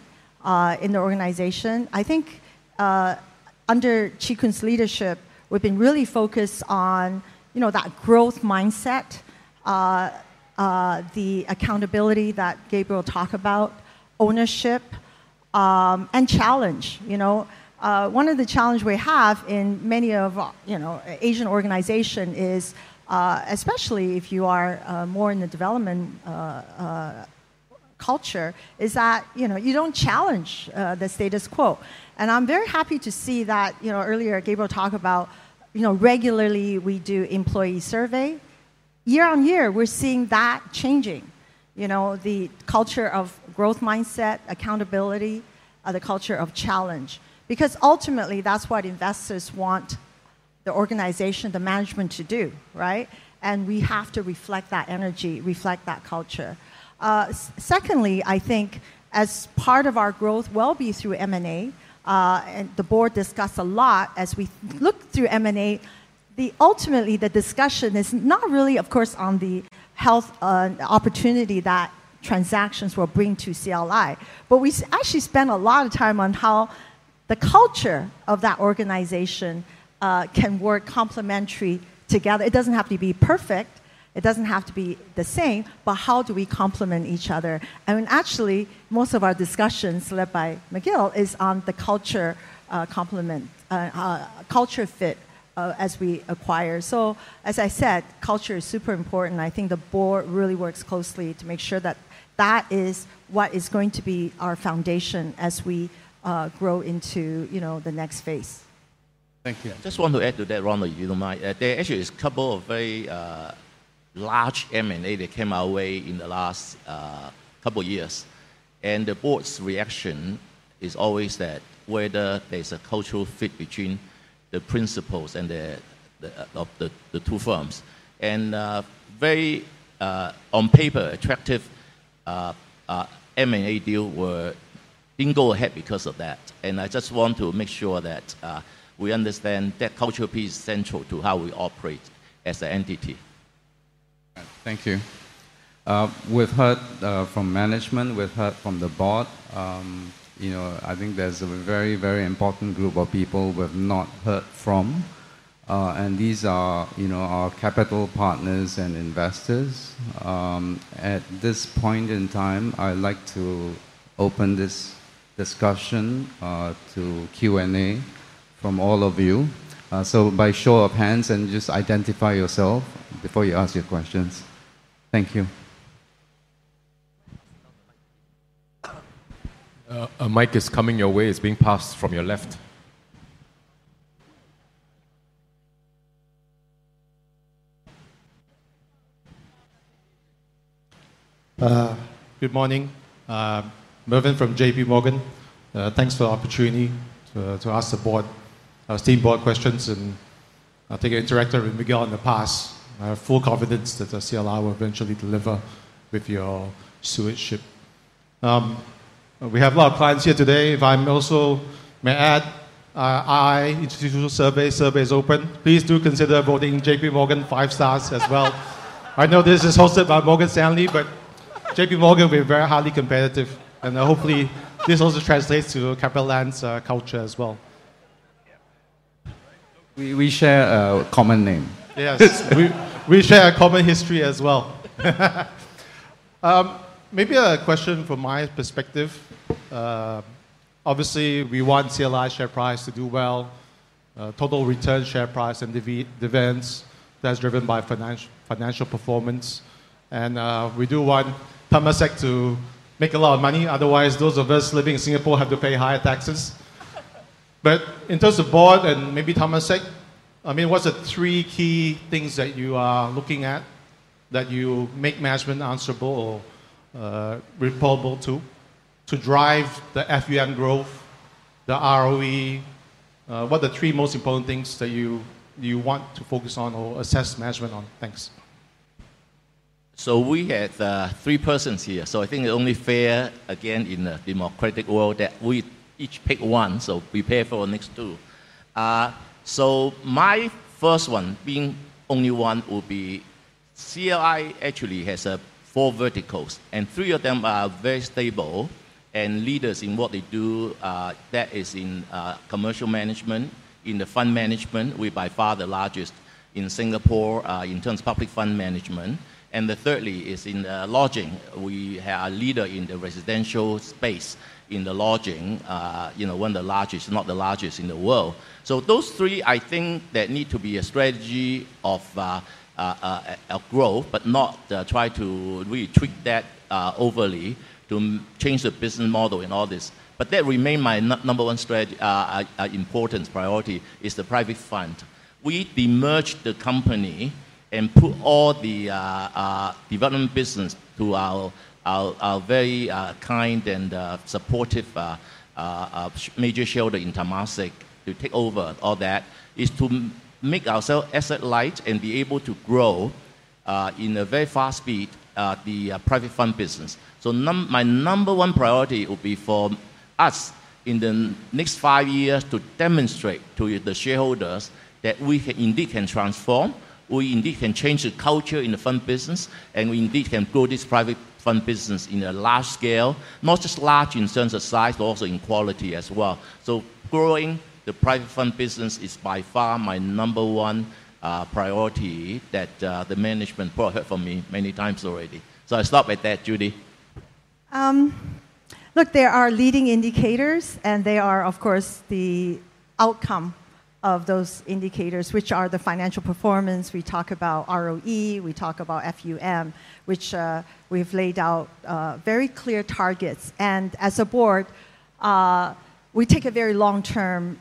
in the organization. I think under Chee Koon's leadership, we've been really focused on that growth mindset, the accountability that Gabriel talked about, ownership, and challenge. One of the challenges we have in many Asian organizations is, especially if you are more in the development culture, is that you don't challenge the status quo. And I'm very happy to see that earlier Gabriel talked about regularly we do employee survey. Year on year, we're seeing that changing, the culture of growth mindset, accountability, the culture of challenge. Because ultimately, that's what investors want the organization, the management to do. And we have to reflect that energy, reflect that culture. Secondly, I think as part of our growth, wealth through M&A, and the board discussed a lot as we looked through M&A, ultimately the discussion is not really, of course, on the wealth opportunity that transactions will bring to CLI. But we actually spent a lot of time on how the culture of that organization can work complementary together. It doesn't have to be perfect. It doesn't have to be the same. But how do we complement each other? And actually, most of our discussions led by Miguel is on the culture complement, culture fit as we acquire. So as I said, culture is super important. I think the board really works closely to make sure that that is what is going to be our foundation as we grow into the next phase. Thank you. I just want to add to that, Ronald, if you don't mind. There actually is a couple of very large M&A that came our way in the last couple of years. And the board's reaction is always that whether there's a cultural fit between the principles of the two firms. Very on-paper attractive M&A deal will dangle ahead because of that. I just want to make sure that we understand that culture piece is central to how we operate as an entity. Thank you. We've heard from management. We've heard from the board. I think there's a very, very important group of people we've not heard from. These are our capital partners and investors. At this point in time, I'd like to open this discussion to Q&A from all of you. By show of hands and just identify yourself before you ask your questions. Thank you. A mic is coming your way. It's being passed from your left. Good morning. Mervin from JPMorgan. Thanks for the opportunity to ask the esteemed board questions and to have worked with Miguel in the past. I have full confidence that the CLI will eventually deliver with your stewardship. We have a lot of plans here today. If I also may add, an institutional survey, survey is open. Please do consider voting JPMorgan five stars as well. I know this is hosted by Morgan Stanley, but JPMorgan will be very highly competitive. And hopefully, this also translates to CapitaLand's culture as well. We share a common name. Yes. We share a common history as well. Maybe a question from my perspective. Obviously, we want CLI share price to do well, total return share price and dividends that's driven by financial performance. And we do want Temasek to make a lot of money. Otherwise, those of us living in Singapore have to pay higher taxes. But in terms of the board and maybe Temasek, I mean, what's the three key things that you are looking at that you make management answerable or accountable to drive the FUM growth, the ROE? What are the three most important things that you want to focus on or assess management on? Thanks. So we have three persons here. So I think it's only fair, again, in the democratic world that we each pick one. So prepare for the next two. So my first one, being only one, will be CLI actually has four verticals. And three of them are very stable and leaders in what they do. That is in commercial management, in the fund management. We're by far the largest in Singapore in terms of public fund management. And the thirdly is in lodging. We have a leader in the residential space in the lodging, one of the largest, not the largest in the world, so those three, I think, that need to be a strategy of growth, but not try to retreat that overly to change the business model and all this, but that remains my number one important priority is the private fund. We demerge the company and put all the development business to our very kind and supportive major shareholder in Temasek to take over all that is to make ourselves asset light and be able to grow in a very fast speed the private fund business, so my number one priority will be for us in the next five years to demonstrate to the shareholders that we indeed can transform. We indeed can change the culture in the fund business. We indeed can grow this private fund business in a large scale, not just large in terms of size, but also in quality as well. Growing the private fund business is by far my number one priority that the management put out for me many times already. I'll stop at that, Judy. Look, there are leading indicators. They are, of course, the outcome of those indicators, which are the financial performance. We talk about ROE. We talk about FUM, which we've laid out very clear targets. As a board, we take a very long-term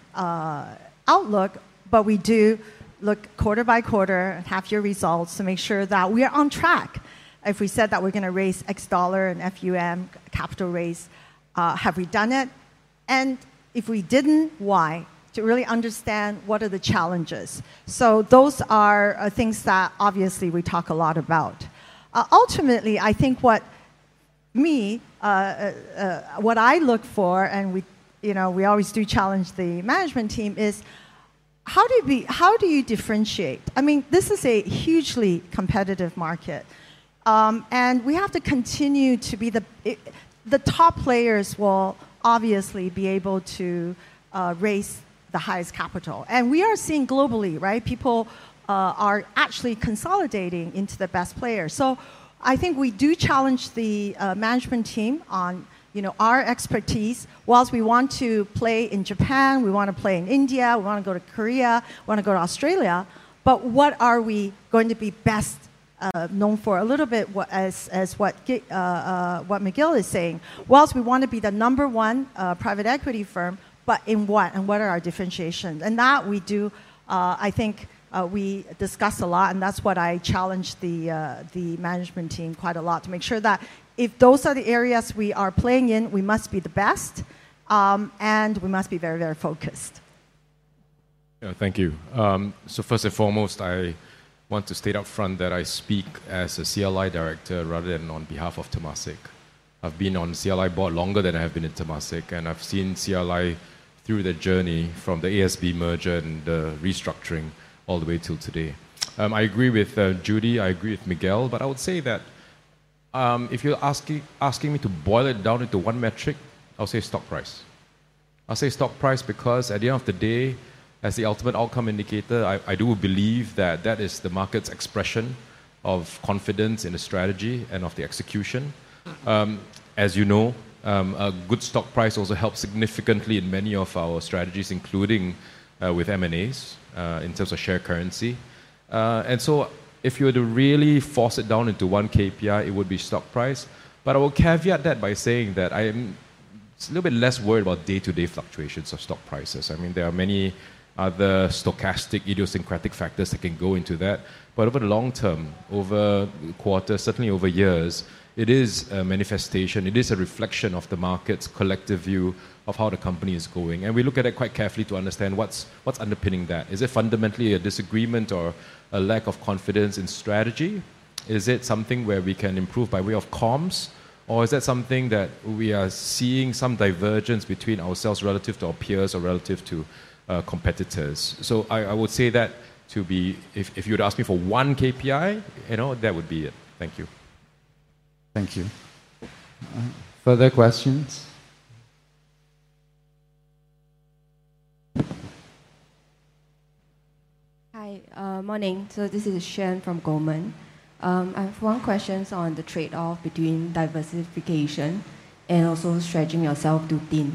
outlook. We do look quarter by quarter, half-year results to make sure that we are on track. If we said that we're going to raise X dollar in FUM capital raise, have we done it? If we didn't, why? To really understand what are the challenges. So those are things that obviously we talk a lot about. Ultimately, I think what I look for, and we always do challenge the management team, is how do you differentiate? I mean, this is a hugely competitive market. And we have to continue to be the top players will obviously be able to raise the highest capital. And we are seeing globally, people are actually consolidating into the best players. So I think we do challenge the management team on our expertise. Whilst we want to play in Japan, we want to play in India, we want to go to Korea, we want to go to Australia. But what are we going to be best known for a little bit as what Miguel is saying? Whilst we want to be the number one private equity firm, but in what? And what are our differentiations? And that we do. I think we discuss a lot. And that's what I challenge the management team quite a lot to make sure that if those are the areas we are playing in, we must be the best. And we must be very, very focused. Yeah, thank you. So first and foremost, I want to state upfront that I speak as a CLI director rather than on behalf of Temasek. I've been on CLI board longer than I have been in Temasek. And I've seen CLI through the journey from the ASB merger and the restructuring all the way till today. I agree with Judy. I agree with Miguel. But I would say that if you're asking me to boil it down into one metric, I'll say stock price. I'll say stock price because at the end of the day, as the ultimate outcome indicator, I do believe that that is the market's expression of confidence in the strategy and of the execution. As you know, a good stock price also helps significantly in many of our strategies, including with M&As in terms of share currency. And so if you were to really force it down into one KPI, it would be stock price. But I will caveat that by saying that I am a little bit less worried about day-to-day fluctuations of stock prices. I mean, there are many other stochastic idiosyncratic factors that can go into that. But over the long term, over quarters, certainly over years, it is a manifestation. It is a reflection of the market's collective view of how the company is going. And we look at it quite carefully to understand what's underpinning that. Is it fundamentally a disagreement or a lack of confidence in strategy? Is it something where we can improve by way of comms? Or is that something that we are seeing some divergence between ourselves relative to our peers or relative to competitors? So I would say that to be, if you'd ask me for one KPI, that would be it. Thank you. Thank you. Further questions? Hi, morning. So this is Shen from Goldman. I have one question on the trade-off between diversification and also stretching yourself too thin.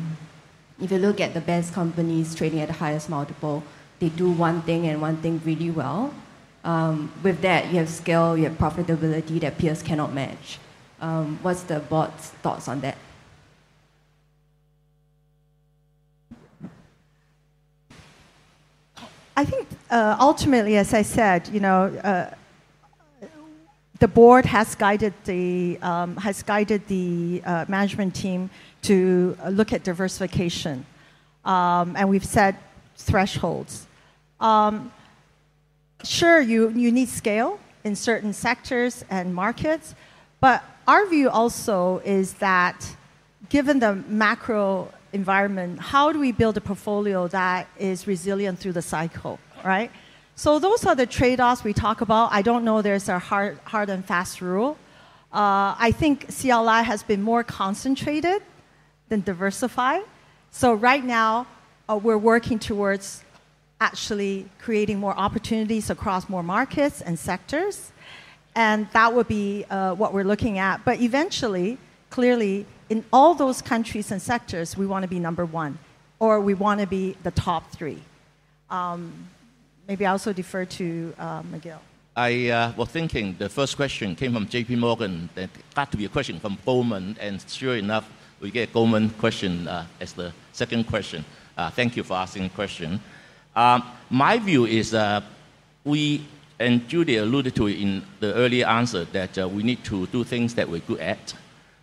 If you look at the best companies trading at the highest multiple, they do one thing and one thing really well. With that, you have scale, you have profitability that peers cannot match. What's the board's thoughts on that? I think ultimately, as I said, the board has guided the management team to look at diversification. And we've set thresholds. Sure, you need scale in certain sectors and markets. But our view also is that given the macro environment, how do we build a portfolio that is resilient through the cycle? So those are the trade-offs we talk about. I don't know there's a hard and fast rule. I think CLI has been more concentrated than diversified. So right now, we're working towards actually creating more opportunities across more markets and sectors. And that would be what we're looking at. But eventually, clearly, in all those countries and sectors, we want to be number one. Or we want to be the top three. Maybe I'll also defer to Miguel. I was thinking the first question came from JPMorgan. That got to be a question from Goldman. And sure enough, we get Goldman's question as the second question. Thank you for asking the question. My view is, and Judy alluded to it in the earlier answer, that we need to do things that we're good at.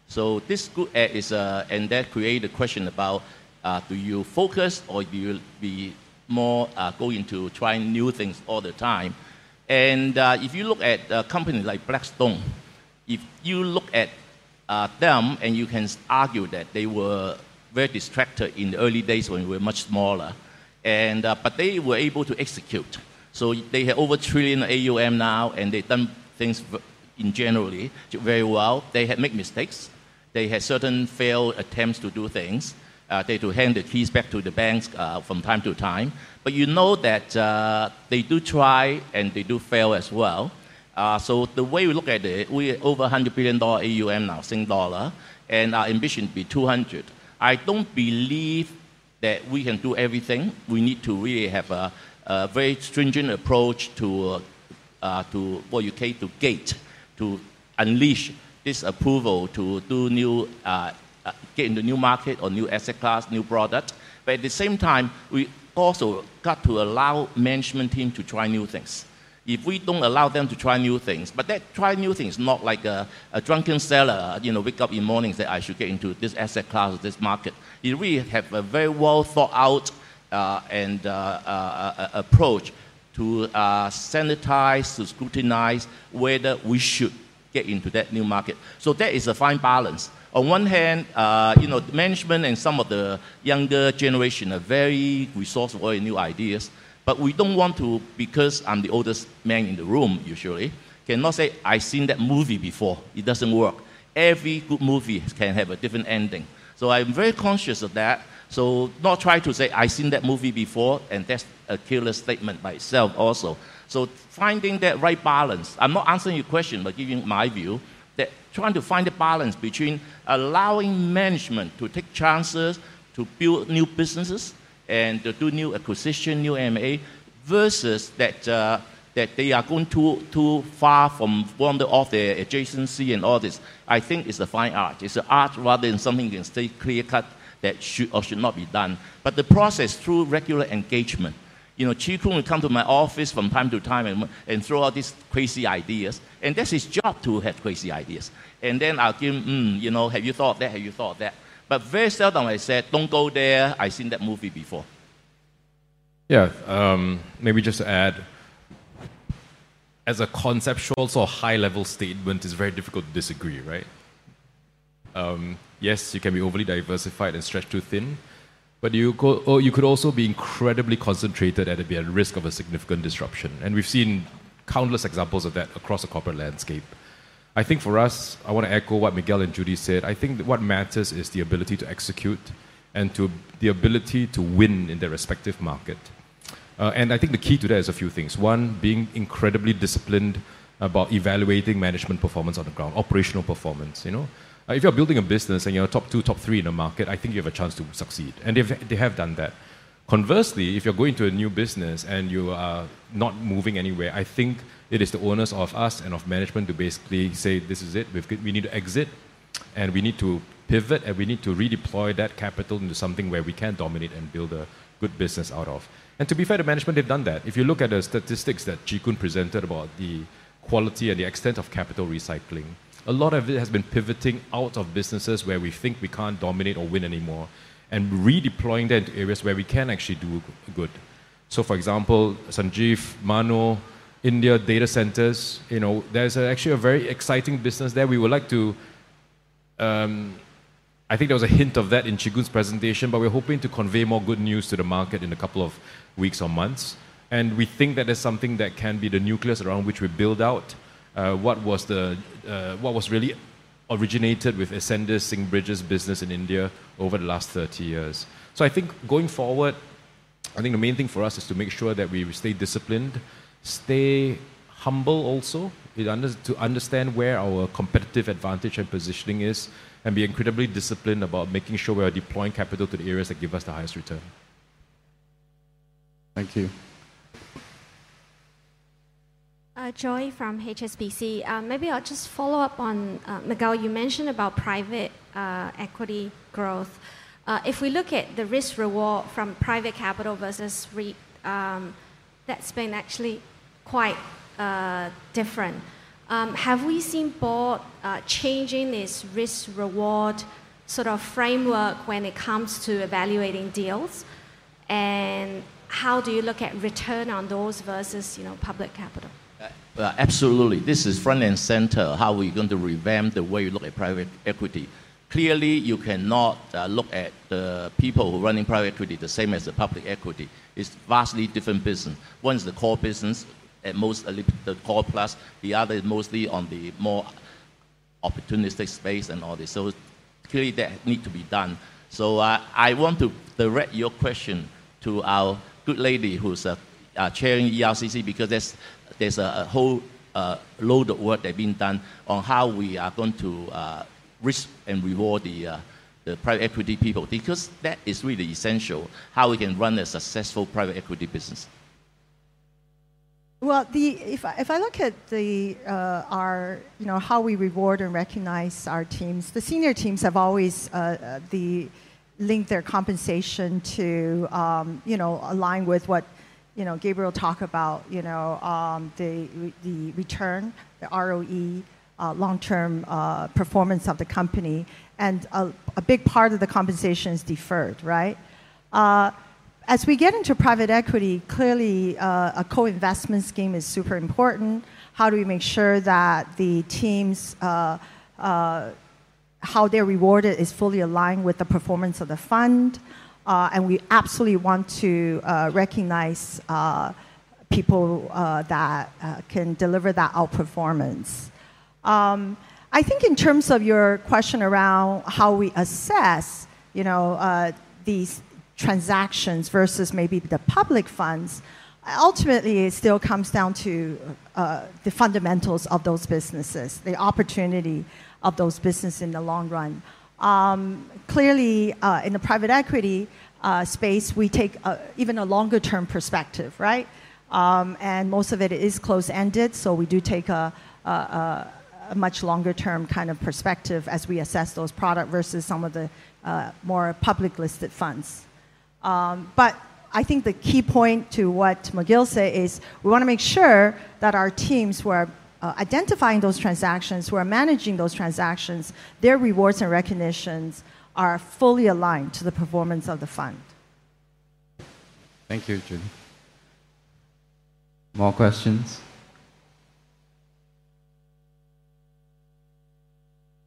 So this good at is, and that created a question about, do you focus or do you more go into trying new things all the time? And if you look at a company like Blackstone, if you look at them, and you can argue that they were very distracted in the early days when we were much smaller. But they were able to execute. So they have over a trillion AUM now. And they've done things generally very well. They had made mistakes. They had certain failed attempts to do things. They had to hand the keys back to the banks from time to time. But you know that they do try and they do fail as well. So the way we look at it, we have over 100 billion dollar AUM now, Sing dollar. And our ambition to be 200. I don't believe that we can do everything. We need to really have a very stringent approach to what we call the gate to unleash this approval to get into new market or new asset class, new product. But at the same time, we also got to allow management team to try new things. If we don't allow them to try new things, but that try new thing is not like a drunken sailor wake up in the morning and say, "I should get into this asset class or this market." You really have a very well thought out approach to sanitize, to scrutinize whether we should get into that new market. That is a fine balance. On one hand, management and some of the younger generation are very resourceful in new ideas. But we don't want to, because I'm the oldest man in the room usually, cannot say, "I've seen that movie before. It doesn't work." Every good movie can have a different ending. So I'm very conscious of that. So not try to say, "I've seen that movie before." And that's a killer statement by itself also. So finding that right balance, I'm not answering your question, but giving my view that trying to find a balance between allowing management to take chances to build new businesses and to do new acquisition, new M&A versus that they are going too far from the adjacency and all this. I think it's a fine art. It's an art rather than something that's clear cut that should or should not be done. But the process through regular engagement. Chee Koon would come to my office from time to time and throw out these crazy ideas. And that's his job to have crazy ideas. And then I'll give him, "Have you thought of that? Have you thought of that?" But very seldom I said, "Don't go there. I've seen that movie before." Yeah. Maybe just to add, as a conceptual sort of high-level statement, it's very difficult to disagree. Yes, you can be overly diversified and stretched too thin. But you could also be incredibly concentrated and be at risk of a significant disruption. And we've seen countless examples of that across the corporate landscape. I think for us, I want to echo what Miguel and Judy said. I think what matters is the ability to execute and the ability to win in their respective market. And I think the key to that is a few things. One, being incredibly disciplined about evaluating management performance on the ground, operational performance. If you're building a business and you're top two, top three in a market, I think you have a chance to succeed. And they have done that. Conversely, if you're going to a new business and you are not moving anywhere, I think it is the onus of us and of management to basically say, "This is it. We need to exit. And we need to pivot. And we need to redeploy that capital into something where we can dominate and build a good business out of." And to be fair to management, they've done that. If you look at the statistics that Chee Koon presented about the quality and the extent of capital recycling, a lot of it has been pivoting out of businesses where we think we can't dominate or win anymore and redeploying that into areas where we can actually do good. So for example, Sanjeev, Mano, India data centers, there's actually a very exciting business there. We would like to, I think there was a hint of that in Chee Koon's presentation. But we're hoping to convey more good news to the market in a couple of weeks or months. And we think that there's something that can be the nucleus around which we build out what was really originated with Ascendas-Singbridge business in India over the last 30 years. So I think going forward, I think the main thing for us is to make sure that we stay disciplined, stay humble also to understand where our competitive advantage and positioning is, and be incredibly disciplined about making sure we are deploying capital to the areas that give us the highest return. Thank you. Choi from HSBC. Maybe I'll just follow up on Miguel. You mentioned about private equity growth. If we look at the risk-reward from private capital versus REIT, that's been actually quite different. Have we seen board changing this risk-reward sort of framework when it comes to evaluating deals? And how do you look at return on those versus public capital? Absolutely. This is front and center. How are we going to revamp the way you look at private equity? Clearly, you cannot look at the people who are running private equity the same as the public equity. It's vastly different business. One is the core business, at most the core plus. The other is mostly on the more opportunistic space and all this. So clearly, that needs to be done. So I want to direct your question to our good lady who's chairing ERCC because there's a whole load of work that's being done on how we are going to risk and reward the private equity people. Because that is really essential, how we can run a successful private equity business. Well, if I look at how we reward and recognize our teams, the senior teams have always linked their compensation to align with what Gabriel talked about, the return, the ROE, long-term performance of the company. And a big part of the compensation is deferred. As we get into private equity, clearly, a co-investment scheme is super important. How do we make sure that the teams, how they're rewarded is fully aligned with the performance of the fund? And we absolutely want to recognize people that can deliver that outperformance. I think in terms of your question around how we assess these transactions versus maybe the public funds, ultimately, it still comes down to the fundamentals of those businesses, the opportunity of those businesses in the long run. Clearly, in the private equity space, we take even a longer-term perspective. And most of it is close-ended. So we do take a much longer-term kind of perspective as we assess those products versus some of the more public-listed funds. But I think the key point to what Miguel said is we want to make sure that our teams who are identifying those transactions, who are managing those transactions, their rewards and recognitions are fully aligned to the performance of thefund. Thank you, Judy. More questions?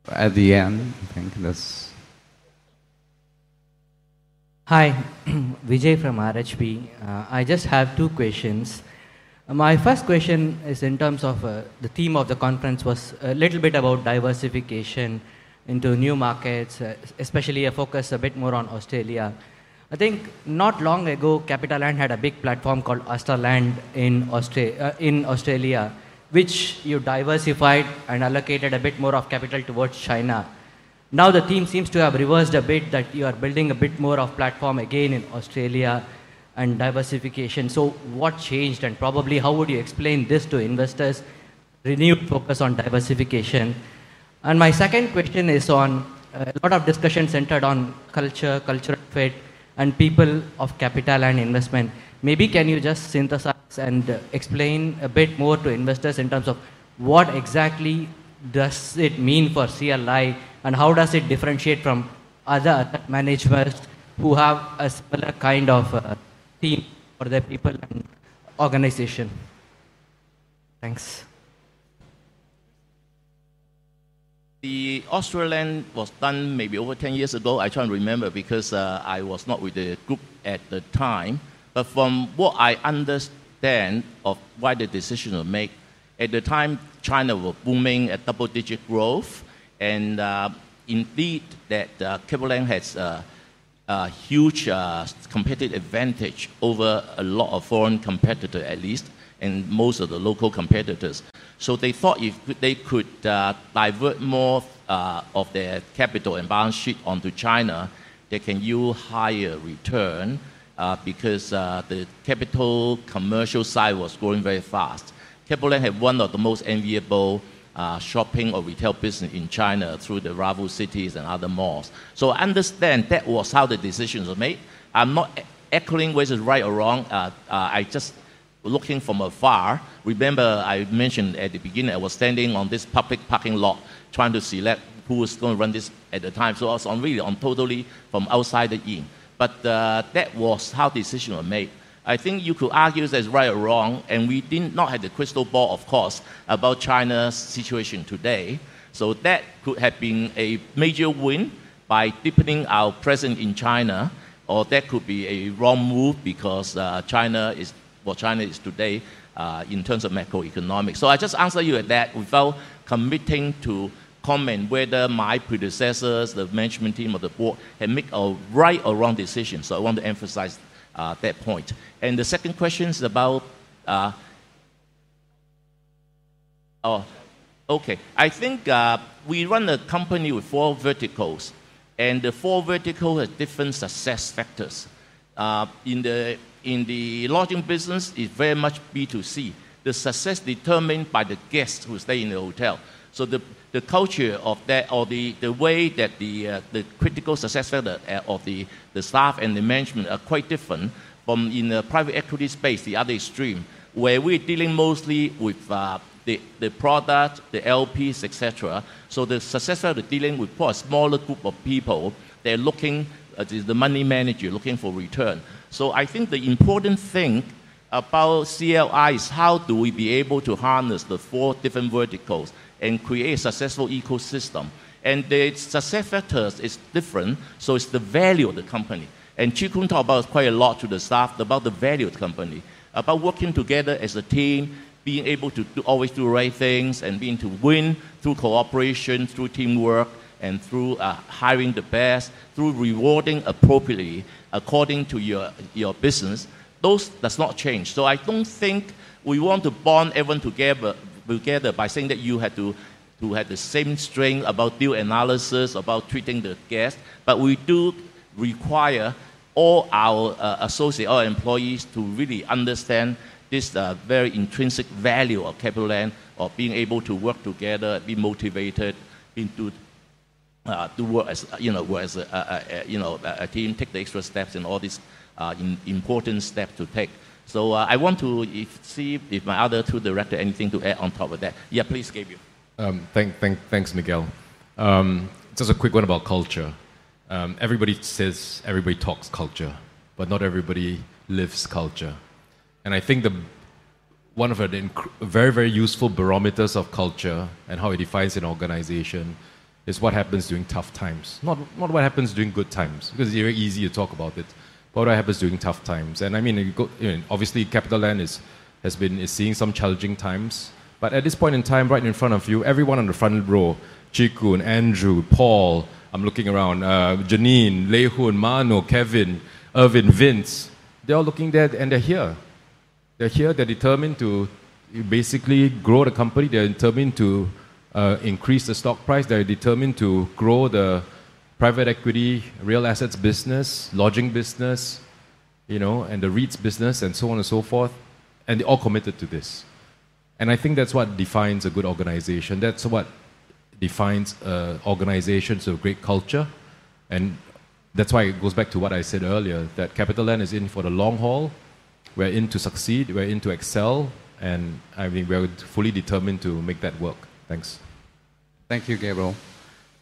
At the end, I think that's. Hi, Vijay from RHB. I just have two questions. My first question is in terms of the theme of the conference was a little bit about diversification into new markets, especially a focus a bit more on Australia. I think not long ago, CapitaLand had a big platform called Australand in Australia, which you diversified and allocated a bit more of capital towards China. Now the theme seems to have reversed a bit that you are building a bit more of platform again in Australia and diversification. So what changed? Probably, how would you explain this to investors? Renewed focus on diversification. And my second question is on a lot of discussion centered on culture, cultural fit, and people of CapitaLand Investment. Maybe can you just synthesize and explain a bit more to investors in terms of what exactly does it mean for CLI? And how does it differentiate from other asset managers who have a similar kind of theme for their people and organization? Thanks. The Australand was done maybe over 10 years ago. I try to remember because I was not with the group at the time. But from what I understand of why the decision was made, at the time, China was booming at double-digit growth. And indeed, that CapitaLand has a huge competitive advantage over a lot of foreign competitors, at least, and most of the local competitors. They thought if they could divert more of their capital and balance sheet onto China, they can yield higher return because the CapitaLand commercial side was growing very fast. CapitaLand had one of the most enviable shopping or retail businesses in China through the Raffles City and other malls. I understand that was how the decision was made. I'm not echoing whether it's right or wrong. I'm just looking from afar. Remember, I mentioned at the beginning, I was standing on this public parking lot trying to select who was going to run this at the time. I was really totally from outside the scene. That was how the decision was made. I think you could argue that it's right or wrong. We did not have the crystal ball, of course, about China's situation today. So that could have been a major win by deepening our presence in China. Or that could be a wrong move because what China is today in terms of macroeconomics. So I just answer you at that without committing to comment whether my predecessors, the management team or the board had made a right or wrong decision. So I want to emphasize that point. And the second question is about, okay, I think we run a company with four verticals. And the four verticals have different success factors. In the lodging business, it's very much B2C. The success is determined by the guests who stay in the hotel. So the culture of that or the way that the critical success factor of the staff and the management are quite different from in the private equity space, the other extreme, where we're dealing mostly with the product, the LPs, et cetera. The success factor dealing with a smaller group of people, they're looking, the money manager looking for return. I think the important thing about CLI is how do we be able to harness the four different verticals and create a successful ecosystem. The success factors are different. It's the value of the company. Chee Koon talked about quite a lot to the staff about the value of the company, about working together as a team, being able to always do the right things, and being able to win through cooperation, through teamwork, and through hiring the best, through rewarding appropriately according to your business. Those do not change. I don't think we want to bond everyone together by saying that you have to have the same strength about deal analysis, about treating the guests. But we do require all our associates, all employees, to really understand this very intrinsic value of CapitaLand, of being able to work together, be motivated, to work as a team, take the extra steps, and all these important steps to take. So I want to see if my other two directors have anything to add on top of that. Yeah, please, Gabriel. Thanks, Miguel. Just a quick one about culture. Everybody talks culture, but not everybody lives culture. And I think one of the very, very useful barometers of culture and how it defines an organization is what happens during tough times. Not what happens during good times, because it's very easy to talk about it. But what happens during tough times? And I mean, obviously, CapitaLand has been seeing some challenging times. But at this point in time, right in front of you, everyone in the front row, Chee Koon, Andrew, Paul. I'm looking around, Janine, Ley Hoon, Mano, Kevin, Erwin, Vince. They're all looking there. And they're here. They're here. They're determined to basically grow the company. They're determined to increase the stock price. They're determined to grow the private equity, real assets business, lodging business, and the REITs business, and so on and so forth. And they're all committed to this. And I think that's what defines a good organization. That's what defines organizations of great culture. And that's why it goes back to what I said earlier, that CapitaLand is in for the long haul. We're in to succeed. We're in to excel. And I mean, we're fully determined to make that work. Thanks. Thank you, Gabriel.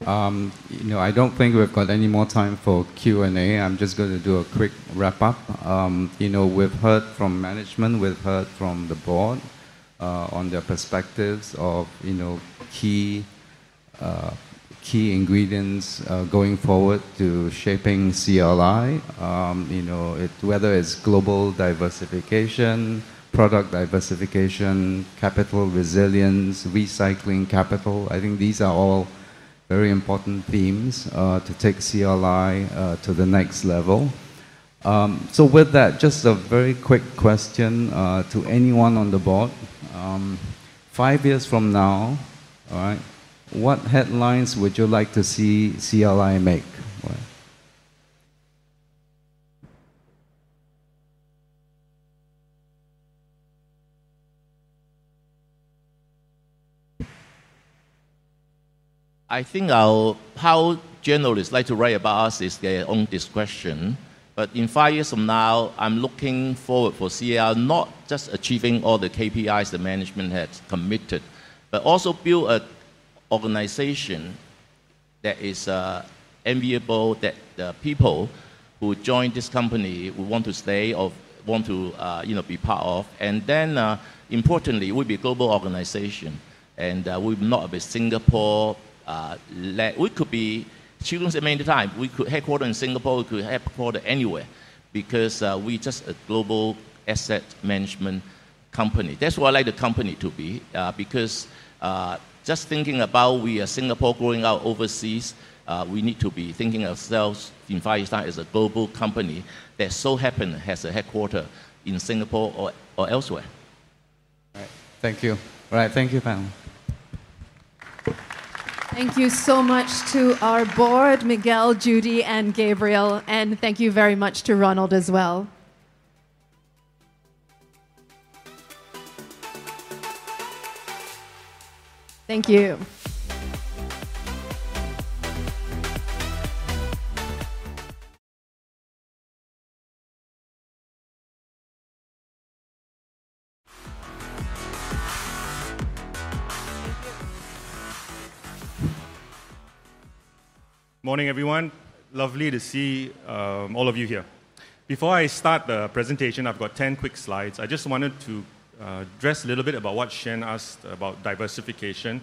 I don't think we've got any more time for Q&A. I'm just going to do a quick wrap-up. We've heard from management. We've heard from the board on their perspectives of key ingredients going forward to shaping CLI, whether it's global diversification, product diversification, capital resilience, recycling capital. I think these are all very important themes to take CLI to the next level. So with that, just a very quick question to anyone on the board. Five years from now, what headlines would you like to see CLI make? I think how journalists like to write about us is their own discretion, but in five years from now, I'm looking forward for CLI not just achieving all the KPIs the management has committed, but also build an organization that is enviable, that the people who join this company will want to stay or want to be part of, and then, importantly, we'll be a global organization. We're not a Singapore-led company. Lee Chee Koon said many times, we could be headquartered in Singapore. We could be headquartered anywhere because we're just a global asset management company. That's what I like the company to be. Because just thinking about we are Singapore growing out overseas, we need to be thinking of ourselves in five years' time as a global company that so happens has a headquarters in Singapore or elsewhere. Right. Thank you. Right. Thank you, panel. Thank you so much to our board, Miguel, Judy, and Gabriel. And thank you very much to Ronald as well. Thank you. Morning, everyone. Lovely to see all of you here. Before I start the presentation, I've got 10 quick slides. I just wanted to address a little bit about what Shen asked about diversification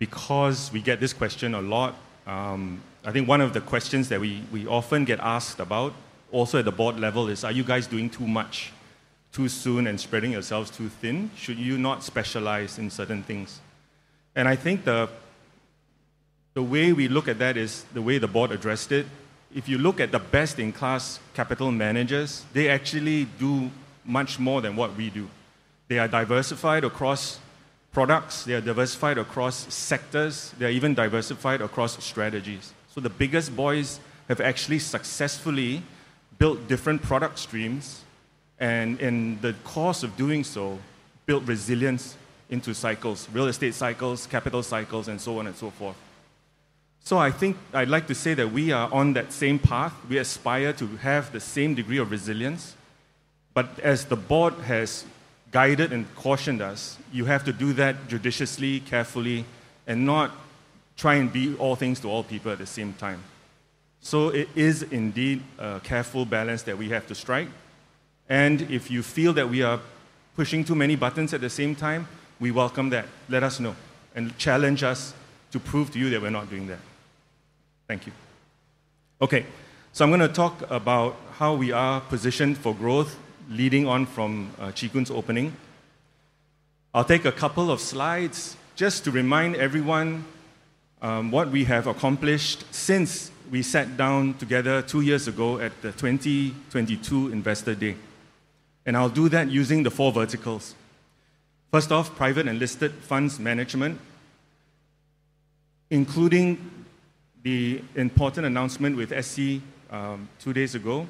because we get this question a lot. I think one of the questions that we often get asked about, also at the board level, is, are you guys doing too much too soon and spreading yourselves too thin? Should you not specialize in certain things? And I think the way we look at that is the way the board addressed it. If you look at the best-in-class capital managers, they actually do much more than what we do. They are diversified across products. They are diversified across sectors. They are even diversified across strategies. So the biggest boys have actually successfully built different product streams. And in the course of doing so, built resilience into cycles, real estate cycles, capital cycles, and so on and so forth. So I'd like to say that we are on that same path. We aspire to have the same degree of resilience. But as the board has guided and cautioned us, you have to do that judiciously, carefully, and not try and be all things to all people at the same time. So it is indeed a careful balance that we have to strike. And if you feel that we are pushing too many buttons at the same time, we welcome that. Let us know and challenge us to prove to you that we're not doing that. Thank you. Okay. So I'm going to talk about how we are positioned for growth leading on from Chee Koon's opening. I'll take a couple of slides just to remind everyone what we have accomplished since we sat down together two years ago at the 2022 Investor Day. And I'll do that using the four verticals. First off, private and listed funds management, including the important announcement with SC two days ago.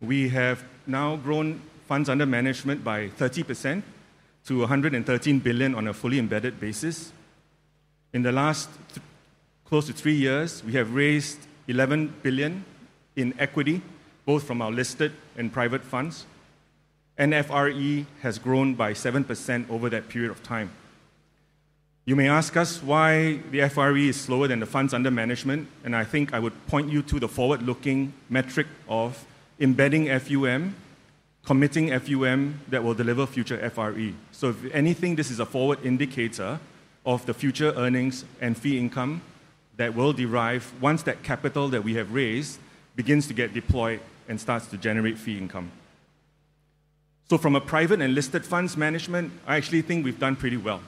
We have now grown funds under management by 30% to 113 billion on a fully embedded basis. In the last close to three years, we have raised 11 billion in equity, both from our listed and private funds, and FRE has grown by 7% over that period of time. You may ask us why the FRE is slower than the funds under management, and I think I would point you to the forward-looking metric of embedded FUM, committed FUM that will deliver future FRE, so if anything, this is a forward indicator of the future earnings and fee income that will drive once that capital that we have raised begins to get deployed and starts to generate fee income, so from a private and listed funds management, I actually think we've done pretty well.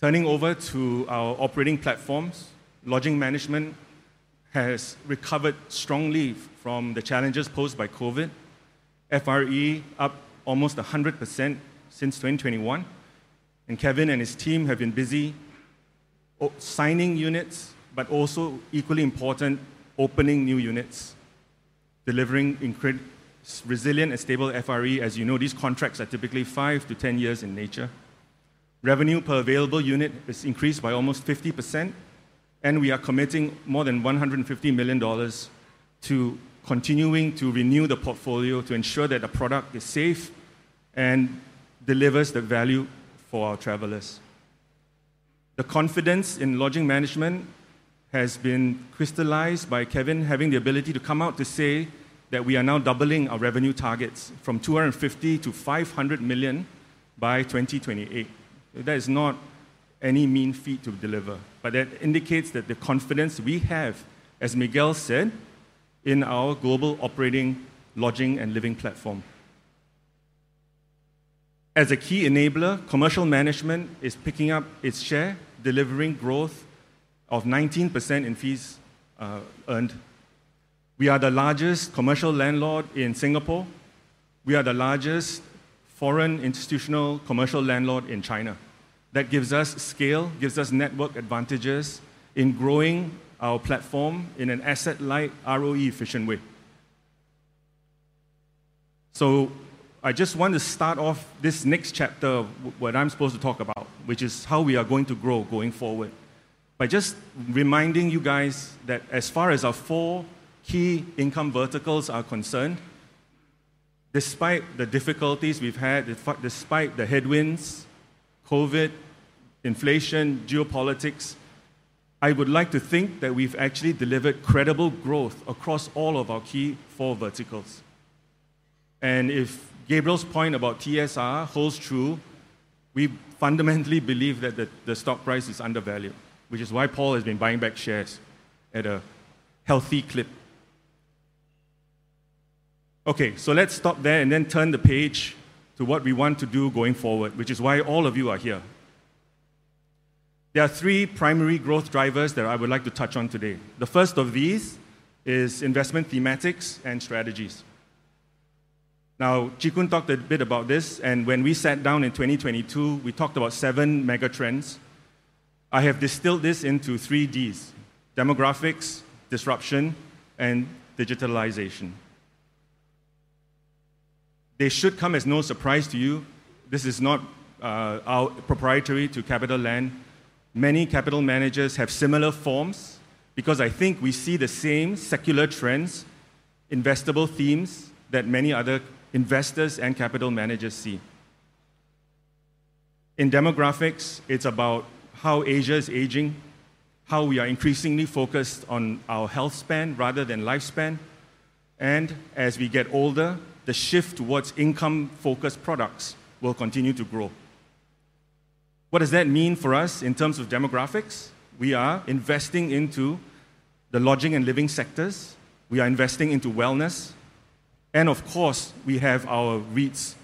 Turning over to our operating platforms, lodging management has recovered strongly from the challenges posed by COVID. FRE up almost 100% since 2021, and Kevin and his team have been busy signing units, but also, equally important, opening new units, delivering resilient and stable FRE. As you know, these contracts are typically five to 10 years in nature. Revenue per available unit has increased by almost 50%. We are committing more than 150 million dollars to continuing to renew the portfolio to ensure that the product is safe and delivers the value for our travelers. The confidence in lodging management has been crystallized by Kevin having the ability to come out to say that we are now doubling our revenue targets from 250 million to 500 million by 2028. That is no mean feat to deliver. But that indicates that the confidence we have, as Miguel said, in our global operating lodging and living platform. As a key enabler, commercial management is picking up its share, delivering growth of 19% in fees earned. We are the largest commercial landlord in Singapore. We are the largest foreign institutional commercial landlord in China. That gives us scale, gives us network advantages in growing our platform in an asset-light, ROE-efficient way. So I just want to start off this next chapter of what I'm supposed to talk about, which is how we are going to grow going forward, by just reminding you guys that as far as our four key income verticals are concerned, despite the difficulties we've had, despite the headwinds, COVID, inflation, geopolitics, I would like to think that we've actually delivered credible growth across all of our key four verticals. And if Gabriel's point about TSR holds true, we fundamentally believe that the stock price is undervalued, which is why Paul has been buying back shares at a healthy clip. Okay. So let's stop there and then turn the page to what we want to do going forward, which is why all of you are here. There are three primary growth drivers that I would like to touch on today. The first of these is investment thematics and strategies. Now, Chee Koon talked a bit about this. And when we sat down in 2022, we talked about seven megatrends. I have distilled this into three Ds: demographics, disruption, and digitalization. They should come as no surprise to you. This is not proprietary to CapitaLand. Many capital managers have similar forms because I think we see the same secular trends, investable themes that many other investors and capital managers see. In demographics, it's about how Asia is aging, how we are increasingly focused on our health span rather than lifespan, and as we get older, the shift towards income-focused products will continue to grow. What does that mean for us in terms of demographics? We are investing into the lodging and living sectors. We are investing into wellness, and of course, we have our REITs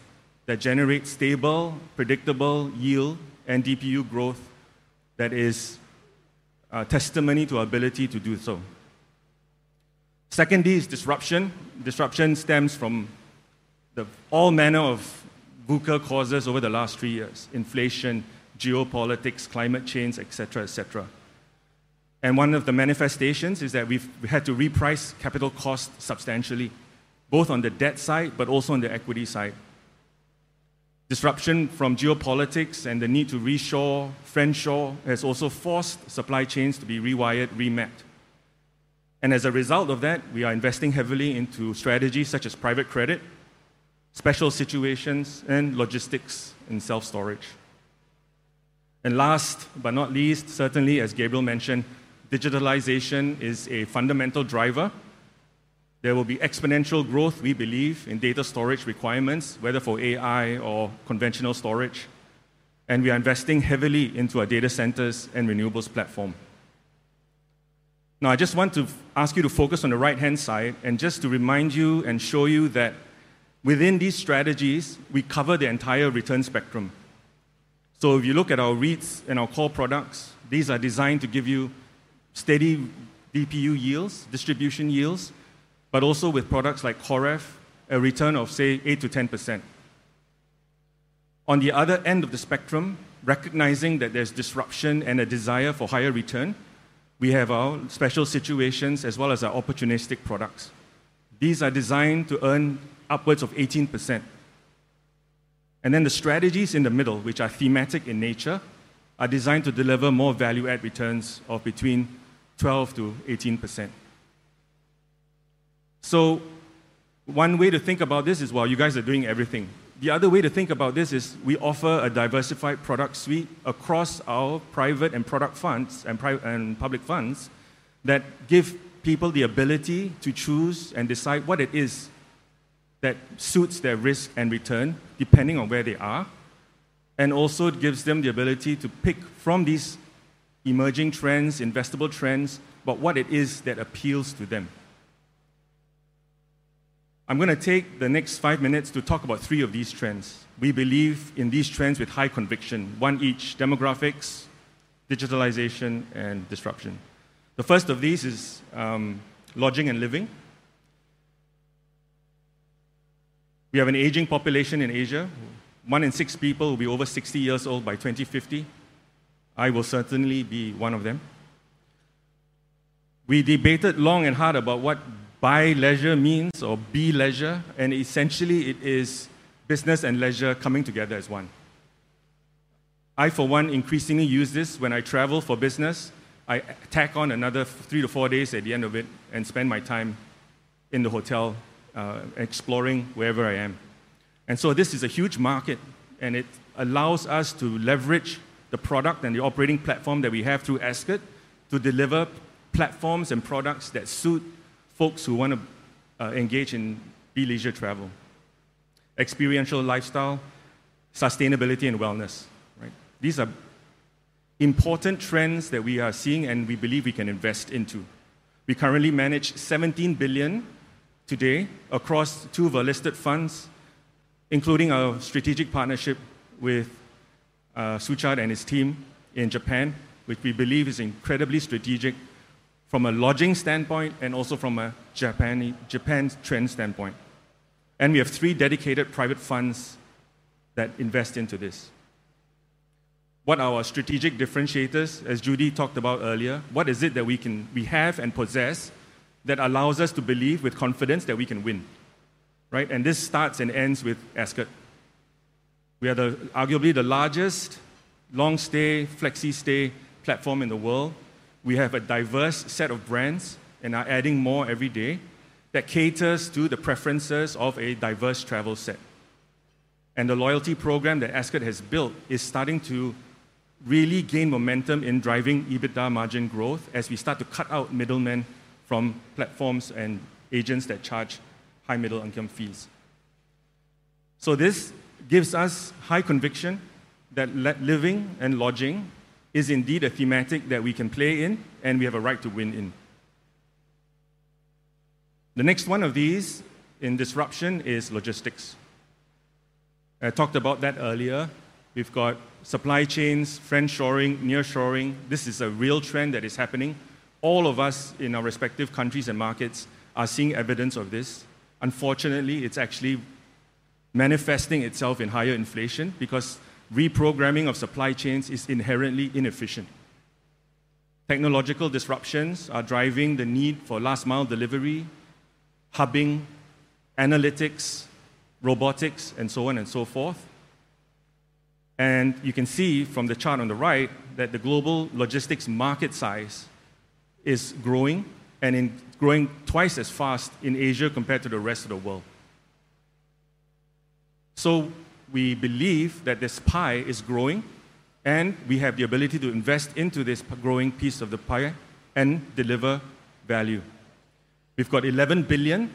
that generate stable, predictable yield and DPU growth that is testimony to our ability to do so. Second D is disruption. Disruption stems from all manner of VUCA causes over the last three years: inflation, geopolitics, climate change, et cetera, et cetera, and one of the manifestations is that we had to reprice capital costs substantially, both on the debt side but also on the equity side. Disruption from geopolitics and the need to reshore, friendshore has also forced supply chains to be rewired, remapped. As a result of that, we are investing heavily into strategies such as private credit, special situations, and logistics in self-storage. Last but not least, certainly, as Gabriel mentioned, digitalization is a fundamental driver. There will be exponential growth, we believe, in data storage requirements, whether for AI or conventional storage. We are investing heavily into our data centers and renewables platform. Now, I just want to ask you to focus on the right-hand side and just to remind you and show you that within these strategies, we cover the entire return spectrum. If you look at our REITs and our core products, these are designed to give you steady DPU yields, distribution yields, but also with products like COREF, a return of, say, 8%-10%. On the other end of the spectrum, recognizing that there's disruption and a desire for higher return, we have our special situations as well as our opportunistic products. These are designed to earn upwards of 18%. And then the strategies in the middle, which are thematic in nature, are designed to deliver more value-added returns of between 12%-18%. So one way to think about this is, well, you guys are doing everything. The other way to think about this is we offer a diversified product suite across our private and product funds and public funds that give people the ability to choose and decide what it is that suits their risk and return depending on where they are. And also, it gives them the ability to pick from these emerging trends, investable trends, but what it is that appeals to them. I'm going to take the next five minutes to talk about three of these trends. We believe in these trends with high conviction, one each: demographics, digitalization, and disruption. The first of these is lodging and living. We have an aging population in Asia. One in six people will be over 60 years old by 2050. I will certainly be one of them. We debated long and hard about what bleisure means or bleisure. And essentially, it is business and leisure coming together as one. I, for one, increasingly use this when I travel for business. I tack on another three to four days at the end of it and spend my time in the hotel exploring wherever I am. And so this is a huge market. It allows us to leverage the product and the operating platform that we have through Ascott to deliver platforms and products that suit folks who want to engage in bleisure travel, experiential lifestyle, sustainability, and wellness. These are important trends that we are seeing and we believe we can invest into. We currently manage 17 billion today across two of our listed funds, including our strategic partnership with Suchad and his team in Japan, which we believe is incredibly strategic from a lodging standpoint and also from a Japan trend standpoint. We have three dedicated private funds that invest into this. What are our strategic differentiators, as Judy talked about earlier? What is it that we have and possess that allows us to believe with confidence that we can win? This starts and ends with Ascott. We are arguably the largest long-stay, flexi-stay platform in the world. We have a diverse set of brands and are adding more every day that caters to the preferences of a diverse travel set. And the loyalty program that Ascott has built is starting to really gain momentum in driving EBITDA margin growth as we start to cut out middlemen from platforms and agents that charge high middleman fees. So this gives us high conviction that lifestyle and lodging is indeed a thematic that we can play in and we have a right to win in. The next one of these in disruption is logistics. I talked about that earlier. We've got supply chains, friendshoring, nearshoring. This is a real trend that is happening. All of us in our respective countries and markets are seeing evidence of this. Unfortunately, it's actually manifesting itself in higher inflation because reprogramming of supply chains is inherently inefficient. Technological disruptions are driving the need for last-mile delivery, hubbing, analytics, robotics, and so on and so forth, and you can see from the chart on the right that the global logistics market size is growing and growing twice as fast in Asia compared to the rest of the world. So we believe that this pie is growing and we have the ability to invest into this growing piece of the pie and deliver value. We've got 11 billion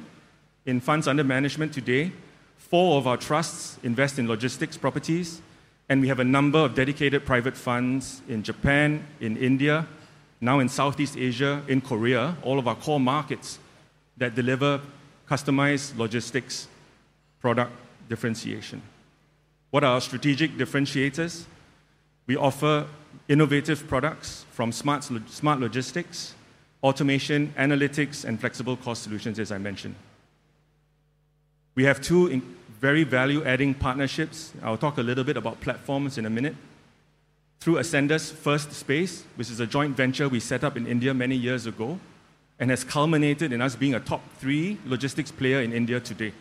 in funds under management today. Four of our trusts invest in logistics properties, and we have a number of dedicated private funds in Japan, in India, now in Southeast Asia, in Korea, all of our core markets that deliver customized logistics product differentiation. What are our strategic differentiators? We offer innovative products from smart logistics, automation, analytics, and flexible cost solutions, as I mentioned. We have two very value-adding partnerships. I'll talk a little bit about platforms in a minute. Through Ascendas-Firstspace, which is a joint venture we set up in India many years ago and has culminated in us being a top three logistics player in India today,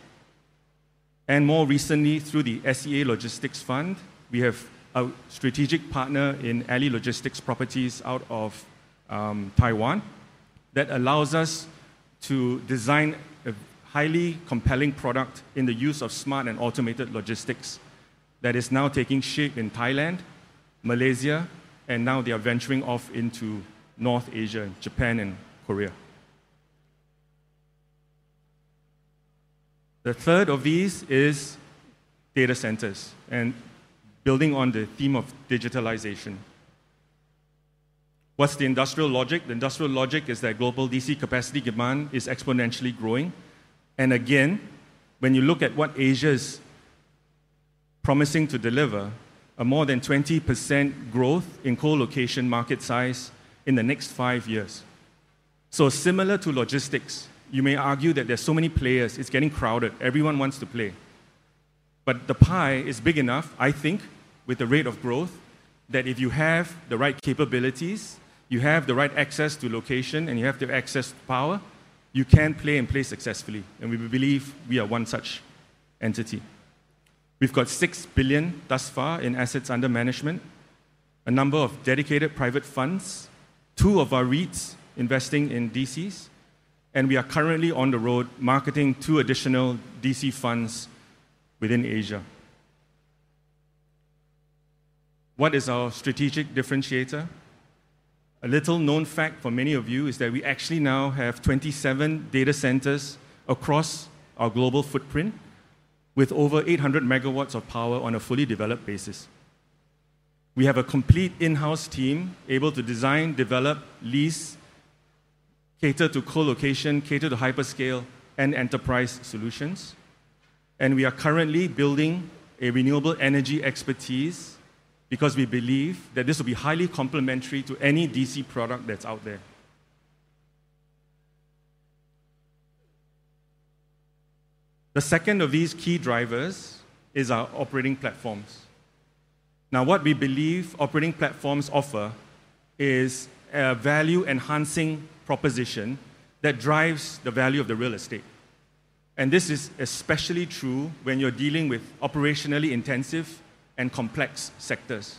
and more recently, through the SEA Logistics Fund, we have a strategic partner in Ally Logistic Property out of Taiwan that allows us to design a highly compelling product in the use of smart and automated logistics that is now taking shape in Thailand, Malaysia, and now they are venturing off into North Asia, Japan, and Korea. The third of these is data centers and building on the theme of digitalization. What's the industrial logic? The industrial logic is that global DC capacity demand is exponentially growing. And again, when you look at what Asia is promising to deliver, a more than 20% growth in co-location market size in the next five years. So similar to logistics, you may argue that there's so many players. It's getting crowded. Everyone wants to play. But the pie is big enough, I think, with the rate of growth, that if you have the right capabilities, you have the right access to location, and you have the access power, you can play and play successfully. And we believe we are one such entity. We've got 6 billion thus far in assets under management, a number of dedicated private funds, two of our REITs investing in DCs, and we are currently on the road marketing two additional DC funds within Asia. What is our strategic differentiator? A little known fact for many of you is that we actually now have 27 data centers across our global footprint with over 800 megawatts of power on a fully developed basis. We have a complete in-house team able to design, develop, lease, cater to co-location, cater to hyperscale and enterprise solutions. And we are currently building a renewable energy expertise because we believe that this will be highly complementary to any DC product that's out there. The second of these key drivers is our operating platforms. Now, what we believe operating platforms offer is a value-enhancing proposition that drives the value of the real estate. And this is especially true when you're dealing with operationally intensive and complex sectors.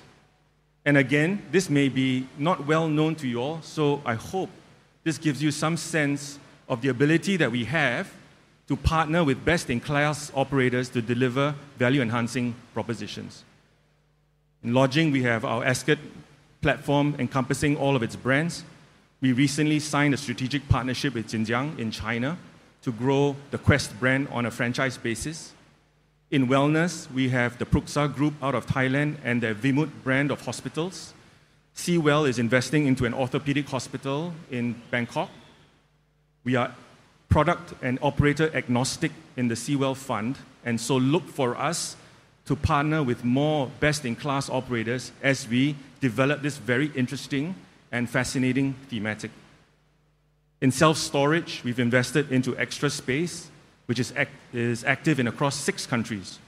Again, this may be not well known to you all, so I hope this gives you some sense of the ability that we have to partner with best-in-class operators to deliver value-enhancing propositions. In lodging, we have our Ascott platform encompassing all of its brands. We recently signed a strategic partnership with Jin Jiang in China to grow the Quest brand on a franchise basis. In wellness, we have the Pruksa Group out of Thailand and their ViMUT brand of hospitals. C-WELL is investing into an orthopedic hospital in Bangkok. We are product and operator agnostic in the C-WELL Fund. And so look for us to partner with more best-in-class operators as we develop this very interesting and fascinating thematic. In self-storage, we've invested into Extra Space, which is active across six countries.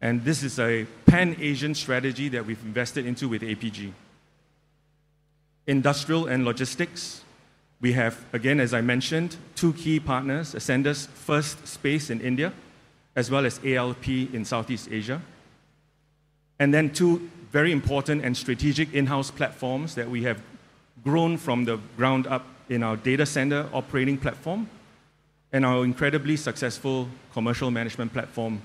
And this is a Pan-Asian strategy that we've invested into with APG. Industrial and logistics, we have, again, as I mentioned, two key partners, Ascendas-Firstspace in India, as well as ALP in Southeast Asia. And then two very important and strategic in-house platforms that we have grown from the ground up in our data center operating platform and our incredibly successful commercial management platform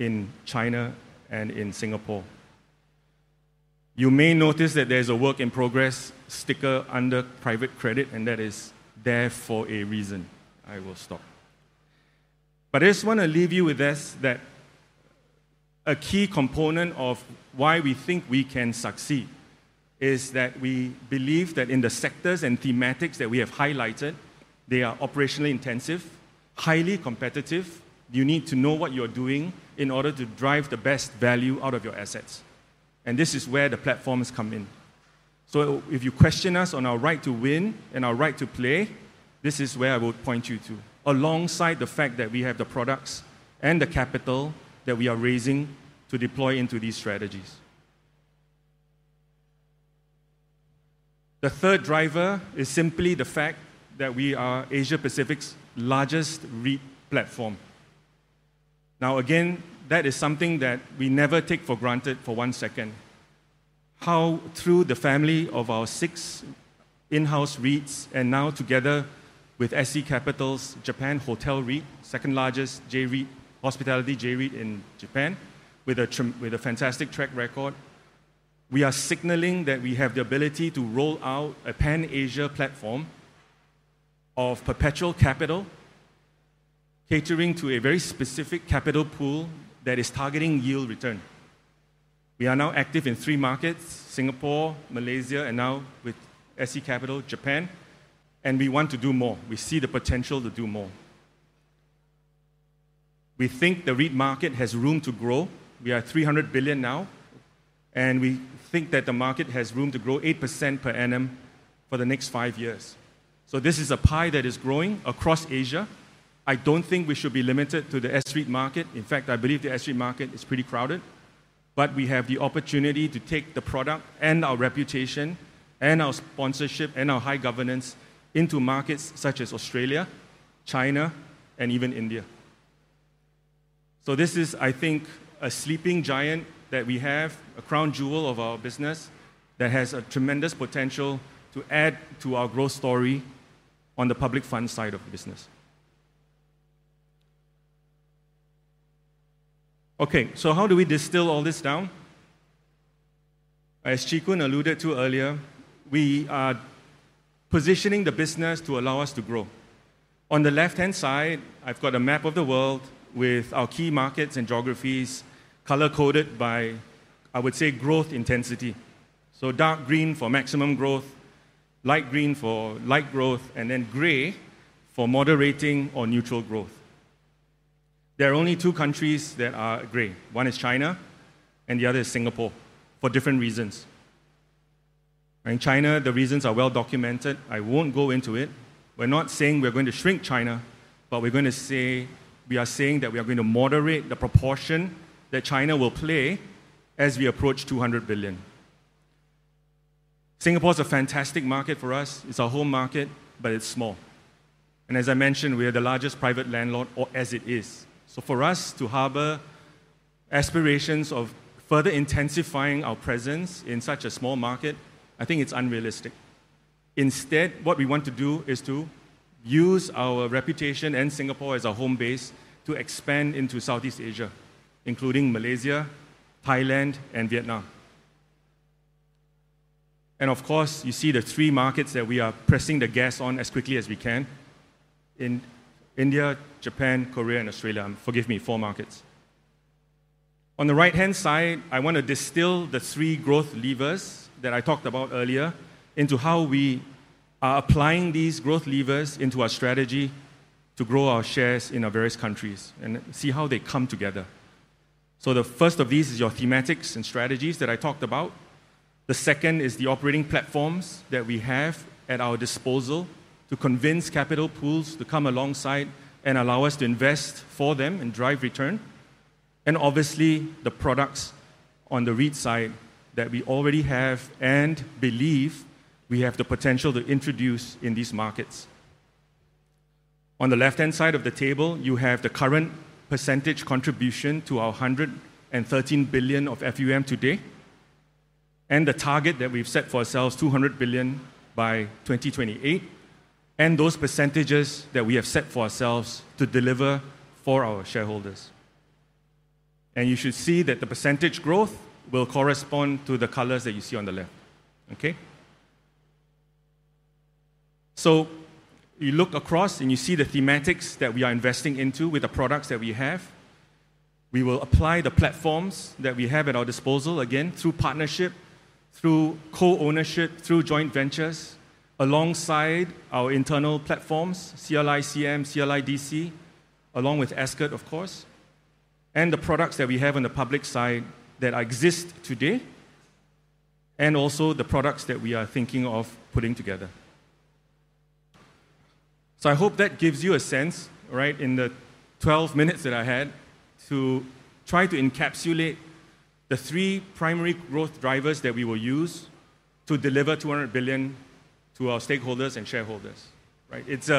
in China and in Singapore. You may notice that there's a work in progress sticker under private credit, and that is there for a reason. I will stop. But I just want to leave you with this: that a key component of why we think we can succeed is that we believe that in the sectors and thematics that we have highlighted, they are operationally intensive, highly competitive. You need to know what you're doing in order to drive the best value out of your assets. And this is where the platforms come in. So if you question us on our right to win and our right to play, this is where I will point you to, alongside the fact that we have the products and the capital that we are raising to deploy into these strategies. The third driver is simply the fact that we are Asia-Pacific's largest REIT platform. Now, again, that is something that we never take for granted for one second. How, through the family of our six in-house REITs and now together with SC Capital's Japan Hotel REIT, second largest J-REIT, Hospitality J-REIT in Japan, with a fantastic track record, we are signaling that we have the ability to roll out a Pan-Asia platform of perpetual capital catering to a very specific capital pool that is targeting yield return. We are now active in three markets: Singapore, Malaysia, and now with SC Capital, Japan. We want to do more. We see the potential to do more. We think the REIT market has room to grow. We are 300 billion now. We think that the market has room to grow 8% per annum for the next five years. This is a pie that is growing across Asia. I don't think we should be limited to the S-REIT market. In fact, I believe the S-REIT market is pretty crowded. We have the opportunity to take the product and our reputation and our sponsorship and our high governance into markets such as Australia, China, and even India. This is, I think, a sleeping giant that we have, a crown jewel of our business that has a tremendous potential to add to our growth story on the public fund side of the business. Okay, how do we distill all this down? As Chee Koon alluded to earlier, we are positioning the business to allow us to grow. On the left-hand side, I've got a map of the world with our key markets and geographies color-coded by, I would say, growth intensity. So dark green for maximum growth, light green for light growth, and then gray for moderating or neutral growth. There are only two countries that are gray. One is China, and the other is Singapore for different reasons. In China, the reasons are well documented. I won't go into it. We're not saying we're going to shrink China, but we're saying that we are going to moderate the proportion that China will play as we approach 200 billion. Singapore is a fantastic market for us. It's our home market, but it's small, and as I mentioned, we are the largest private landlord, or as it is. So for us to harbor aspirations of further intensifying our presence in such a small market, I think it's unrealistic. Instead, what we want to do is to use our reputation and Singapore as our home base to expand into Southeast Asia, including Malaysia, Thailand, and Vietnam. And of course, you see the three markets that we are pressing the gas on as quickly as we can: in India, Japan, Korea, and Australia. Forgive me, four markets. On the right-hand side, I want to distill the three growth levers that I talked about earlier into how we are applying these growth levers into our strategy to grow our shares in our various countries and see how they come together. So the first of these is your thematics and strategies that I talked about earlier. The second is the operating platforms that we have at our disposal to convince capital pools to come alongside and allow us to invest for them and drive return. And obviously, the products on the REIT side that we already have and believe we have the potential to introduce in these markets. On the left-hand side of the table, you have the current percentage contribution to our 113 billion of FUM today and the target that we've set for ourselves, 200 billion by 2028, and those percentages that we have set for ourselves to deliver for our shareholders. And you should see that the percentage growth will correspond to the colors that you see on the left. Okay? So you look across and you see the thematics that we are investing into with the products that we have. We will apply the platforms that we have at our disposal, again, through partnership, through co-ownership, through joint ventures alongside our internal platforms, CLI CM, CLI DC, along with Ascott, of course, and the products that we have on the public side that exist today and also the products that we are thinking of putting together. So I hope that gives you a sense, right, in the 12 minutes that I had to try to encapsulate the three primary growth drivers that we will use to deliver 200 billion to our stakeholders and shareholders. It's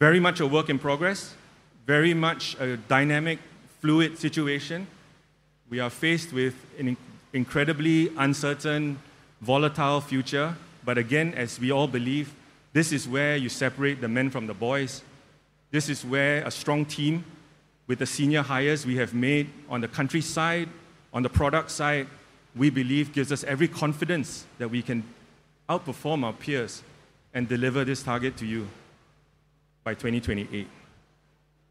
very much a work in progress, very much a dynamic, fluid situation. We are faced with an incredibly uncertain, volatile future. But again, as we all believe, this is where you separate the men from the boys. This is where a strong team with the senior hires we have made on the countryside, on the product side, we believe gives us every confidence that we can outperform our peers and deliver this target to you by 2028.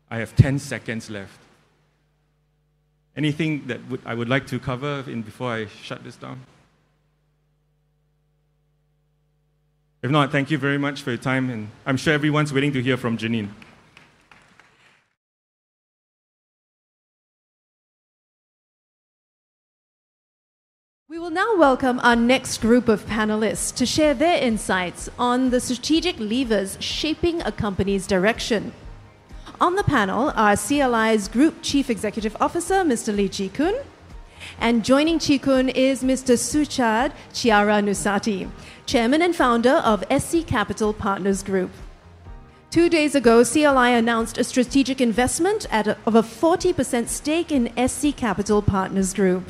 I have 10 seconds left. Anything that I would like to cover before I shut this down? If not, thank you very much for your time, and I'm sure everyone's waiting to hear from Janine. We will now welcome our next group of panelists to share their insights on the strategic levers shaping a company's direction. On the panel are CLI's Group Chief Executive Officer, Mr. Lee Chee Koon, and joining Chee Koon is Mr. Suchad Chiaranussati, Chairman and Founder of SC Capital Partners Group. Two days ago, CLI announced a strategic investment of a 40% stake in SC Capital Partners Group.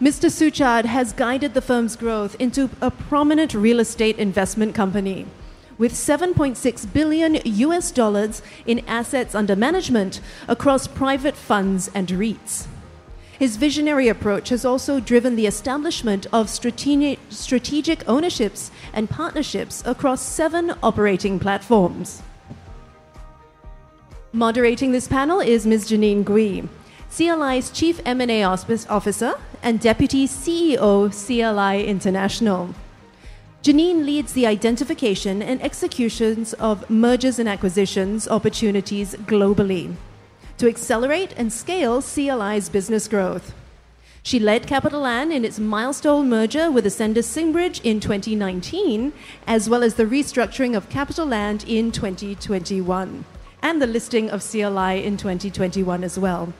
Mr. Suchad has guided the firm's growth into a prominent real estate investment company with SGD 7.6 billion in assets under management across private funds and REITs. His visionary approach has also driven the establishment of strategic ownerships and partnerships across seven operating platforms. Moderating this panel is Ms. Janine Gui, CLI's Chief M&A Officer and Deputy CEO of CLI International. Janine leads the identification and execution of mergers and acquisitions opportunities globally to accelerate and scale CLI's business growth. She led CapitaLand in its milestone merger with Ascendas-Singbridge in 2019, as well as the restructuring of CapitaLand in 2021 and the listing of CLI in 2021 as well.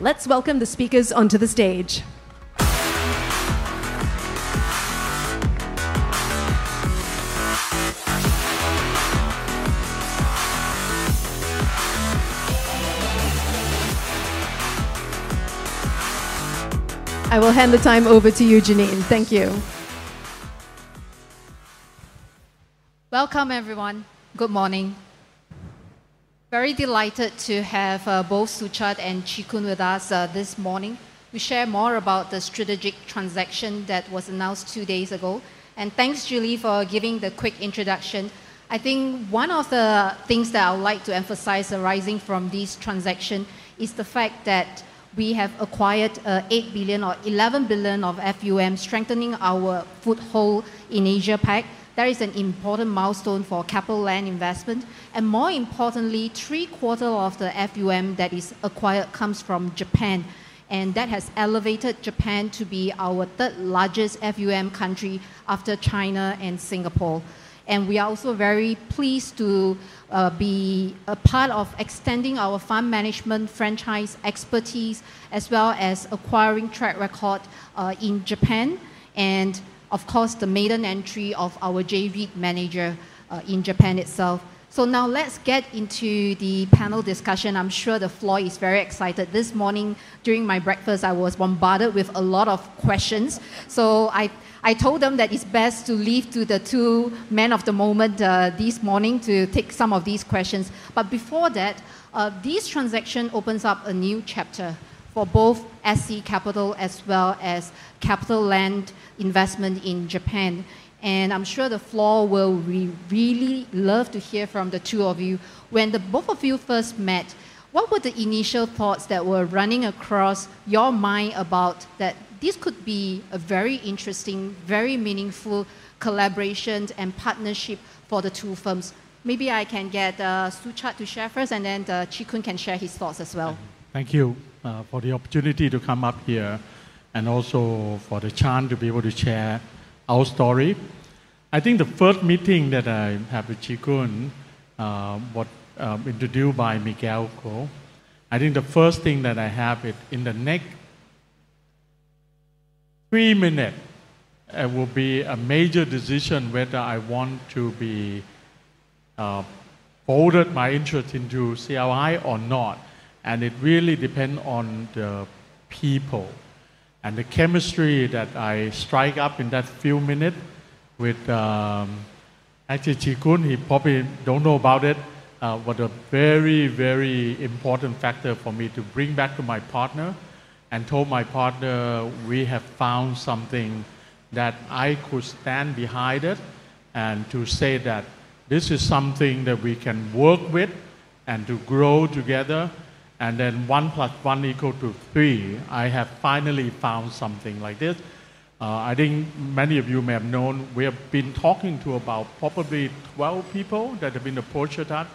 Let's welcome the speakers onto the stage. I will hand the time over to you, Janine. Thank you. Welcome, everyone. Good morning. Very delighted to have both Suchad and Chee Koon with us this morning. We share more about the strategic transaction that was announced two days ago, and thanks, Julie, for giving the quick introduction. I think one of the things that I would like to emphasize arising from this transaction is the fact that we have acquired 8 billion or 11 billion of FUM, strengthening our foothold in Asia-Pac. That is an important milestone for CapitaLand Investment, and more importantly, three quarters of the FUM that is acquired comes from Japan. And that has elevated Japan to be our third largest FUM country after China and Singapore, and we are also very pleased to be a part of extending our fund management franchise expertise, as well as acquiring track record in Japan and, of course, the maiden entry of our J-REIT manager in Japan itself. So now let's get into the panel discussion. I'm sure the floor is very excited. This morning, during my breakfast, I was bombarded with a lot of questions. So I told them that it's best to leave to the two men of the moment this morning to take some of these questions. But before that, this transaction opens up a new chapter for both SC Capital as well as CapitaLand Investment in Japan. And I'm sure the floor will really love to hear from the two of you. When the both of you first met, what were the initial thoughts that were running across your mind about that this could be a very interesting, very meaningful collaboration and partnership for the two firms? Maybe I can get Suchad to share first, and then Chee Koon can share his thoughts as well. Thank you for the opportunity to come up here and also for the chance to be able to share our story. I think the first meeting that I have with Chee Koon, who was introduced by Miguel Ko, I think the first thing that I have in the next three minutes, it will be a major decision whether I want to folded my interest into CLI or not, and it really depends on the people and the chemistry that I strike up in that few minutes with actually Chee Koon. He probably doesn't know about it, but a very, very important factor for me to bring back to my partner and told my partner we have found something that I could stand behind it and to say that this is something that we can work with and to grow together, and then one plus one equal to three. I have finally found something like this. I think many of you may have known we have been talking to about probably 12 people that have been approached at that,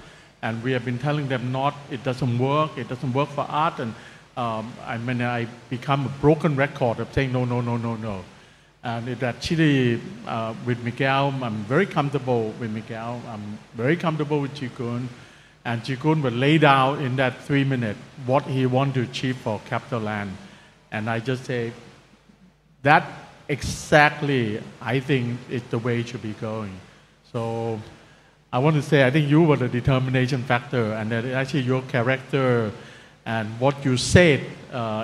and we have been telling them, "No, it doesn't work. It doesn't work for us." And I mean, I become a broken record of saying, "No, no, no, no, no." And it actually with Miguel, I'm very comfortable with Miguel, I'm very comfortable with Chee Koon, and Chee Koon will lay down in that three minutes what he wants to achieve for CapitaLand, and I just say that exactly, I think it's the way it should be going, so I want to say I think you were the determination factor, and actually your character and what you said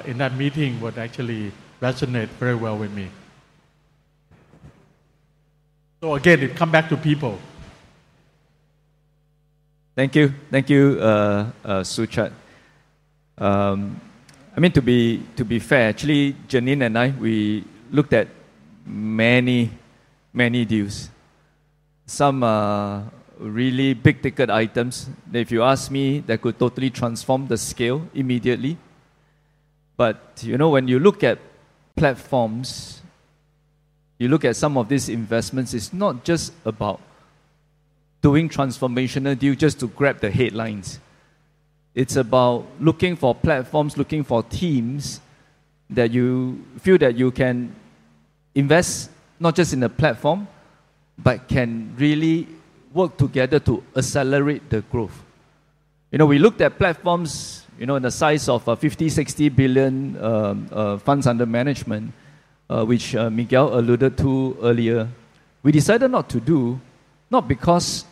in that meeting would actually resonate very well with me, so again, it comes back to people. Thank you. Thank you, Suchad. I mean, to be fair, actually, Janine and I, we looked at many, many deals, some really big ticket items. If you ask me, that could totally transform the scale immediately. But when you look at platforms, you look at some of these investments, it's not just about doing transformational deals just to grab the headlines. It's about looking for platforms, looking for teams that you feel that you can invest not just in a platform, but can really work together to accelerate the growth. We looked at platforms in the size of 50 billion-60 billion funds under management, which Miguel alluded to earlier. We decided not to do, not because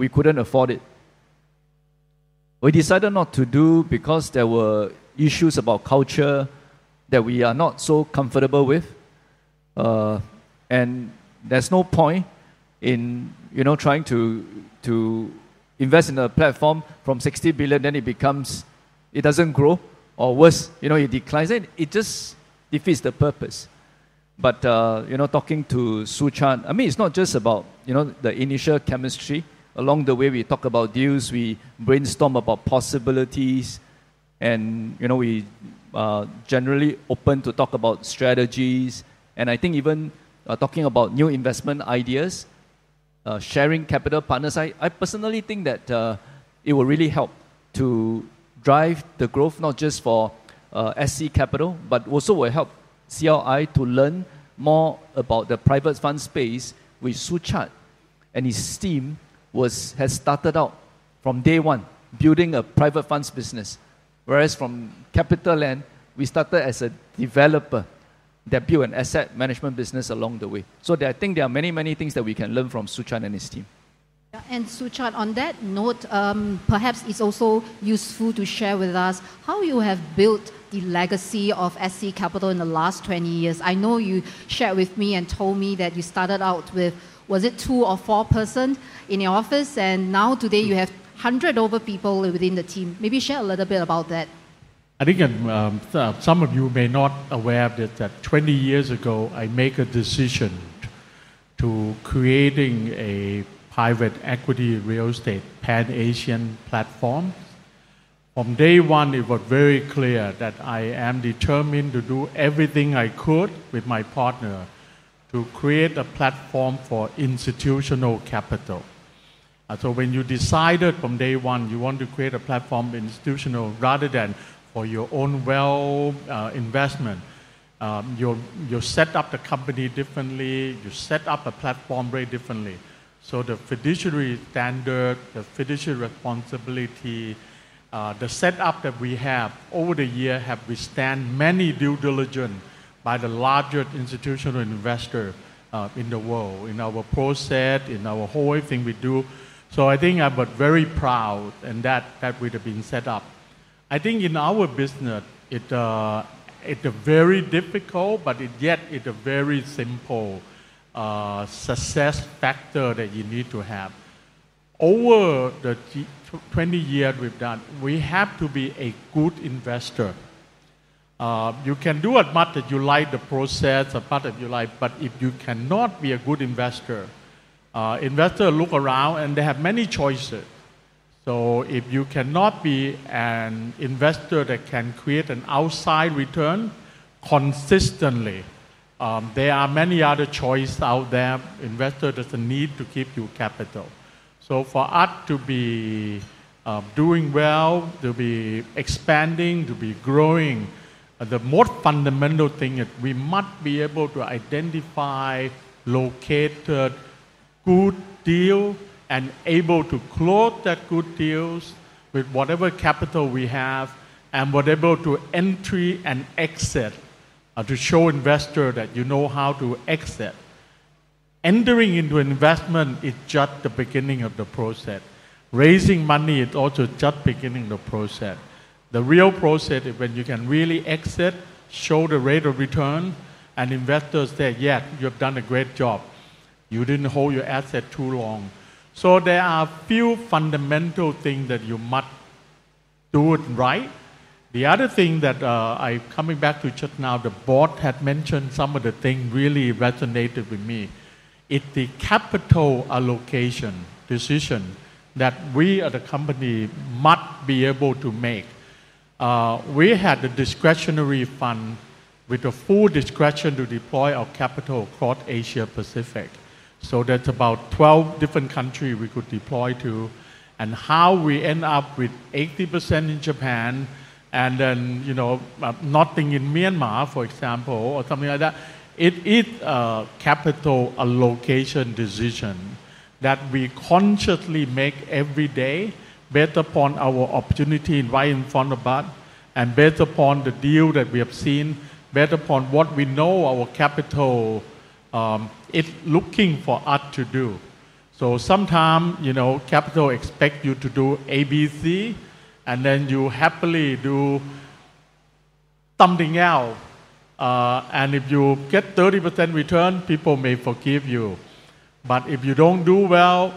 we couldn't afford it. We decided not to do because there were issues about culture that we are not so comfortable with. And there's no point in trying to invest in a platform from 60 billion, then it becomes it doesn't grow, or worse, it declines. It just defeats the purpose. But talking to Suchad, I mean, it's not just about the initial chemistry. Along the way, we talk about deals, we brainstorm about possibilities, and we generally open to talk about strategies. And I think even talking about new investment ideas, sharing capital partners. I personally think that it will really help to drive the growth, not just for SC Capital, but also will help CLI to learn more about the private fund space with Suchad. And his team has started out from day one, building a private funds business. Whereas from CapitaLand, we started as a developer that built an asset management business along the way. I think there are many, many things that we can learn from Suchad and his team. Suchad, on that note, perhaps it's also useful to share with us how you have built the legacy of SC Capital in the last 20 years. I know you shared with me and told me that you started out with, was it two or four persons in your office? And now today, you have 100 over people within the team. Maybe share a little bit about that. I think some of you may not be aware that 20 years ago, I made a decision to create a private equity real estate Pan-Asian platform. From day one, it was very clear that I am determined to do everything I could with my partner to create a platform for institutional capital. So when you decided from day one, you want to create a platform institutional rather than for your own wealth investment, you set up the company differently. You set up a platform very differently. So the fiduciary standard, the fiduciary responsibility, the setup that we have over the years, have withstanding many due diligence by the largest institutional investor in the world, in our process, in our whole thing we do. So I think I was very proud that that would have been set up. I think in our business, it's very difficult, but yet it's a very simple success factor that you need to have. Over the 20 years we've done, we have to be a good investor. You can do as much as you like the process, as much as you like, but if you cannot be a good investor, investors look around and they have many choices. So if you cannot be an investor that can create an outside return consistently, there are many other choices out there. Investors doesn't need to keep your capital. So for us to be doing well, to be expanding, to be growing, the most fundamental thing is we must be able to identify, locate good deals, and be able to close that good deals with whatever capital we have and be able to entry and exit to show investors that you know how to exit. Entering into investment is just the beginning of the process. Raising money is also just the beginning of the process. The real process is when you can really exit, show the rate of return, and investors say, "Yes, you have done a great job. You didn't hold your asset too long." So there are a few fundamental things that you must do it right. The other thing that I'm coming back to just now, the board had mentioned some of the things really resonated with me. It's the capital allocation decision that we as a company must be able to make. We had a discretionary fund with a full discretion to deploy our capital across Asia-Pacific. So that's about 12 different countries we could deploy to, and how we end up with 80% in Japan and then nothing in Myanmar, for example, or something like that, it is a capital allocation decision that we consciously make every day, based upon our opportunity right in front of us, and based upon the deal that we have seen, based upon what we know our capital is looking for us to do, so sometimes capital expects you to do A, B, C, and then you happily do something else. If you get 30% return, people may forgive you. But if you don't do well,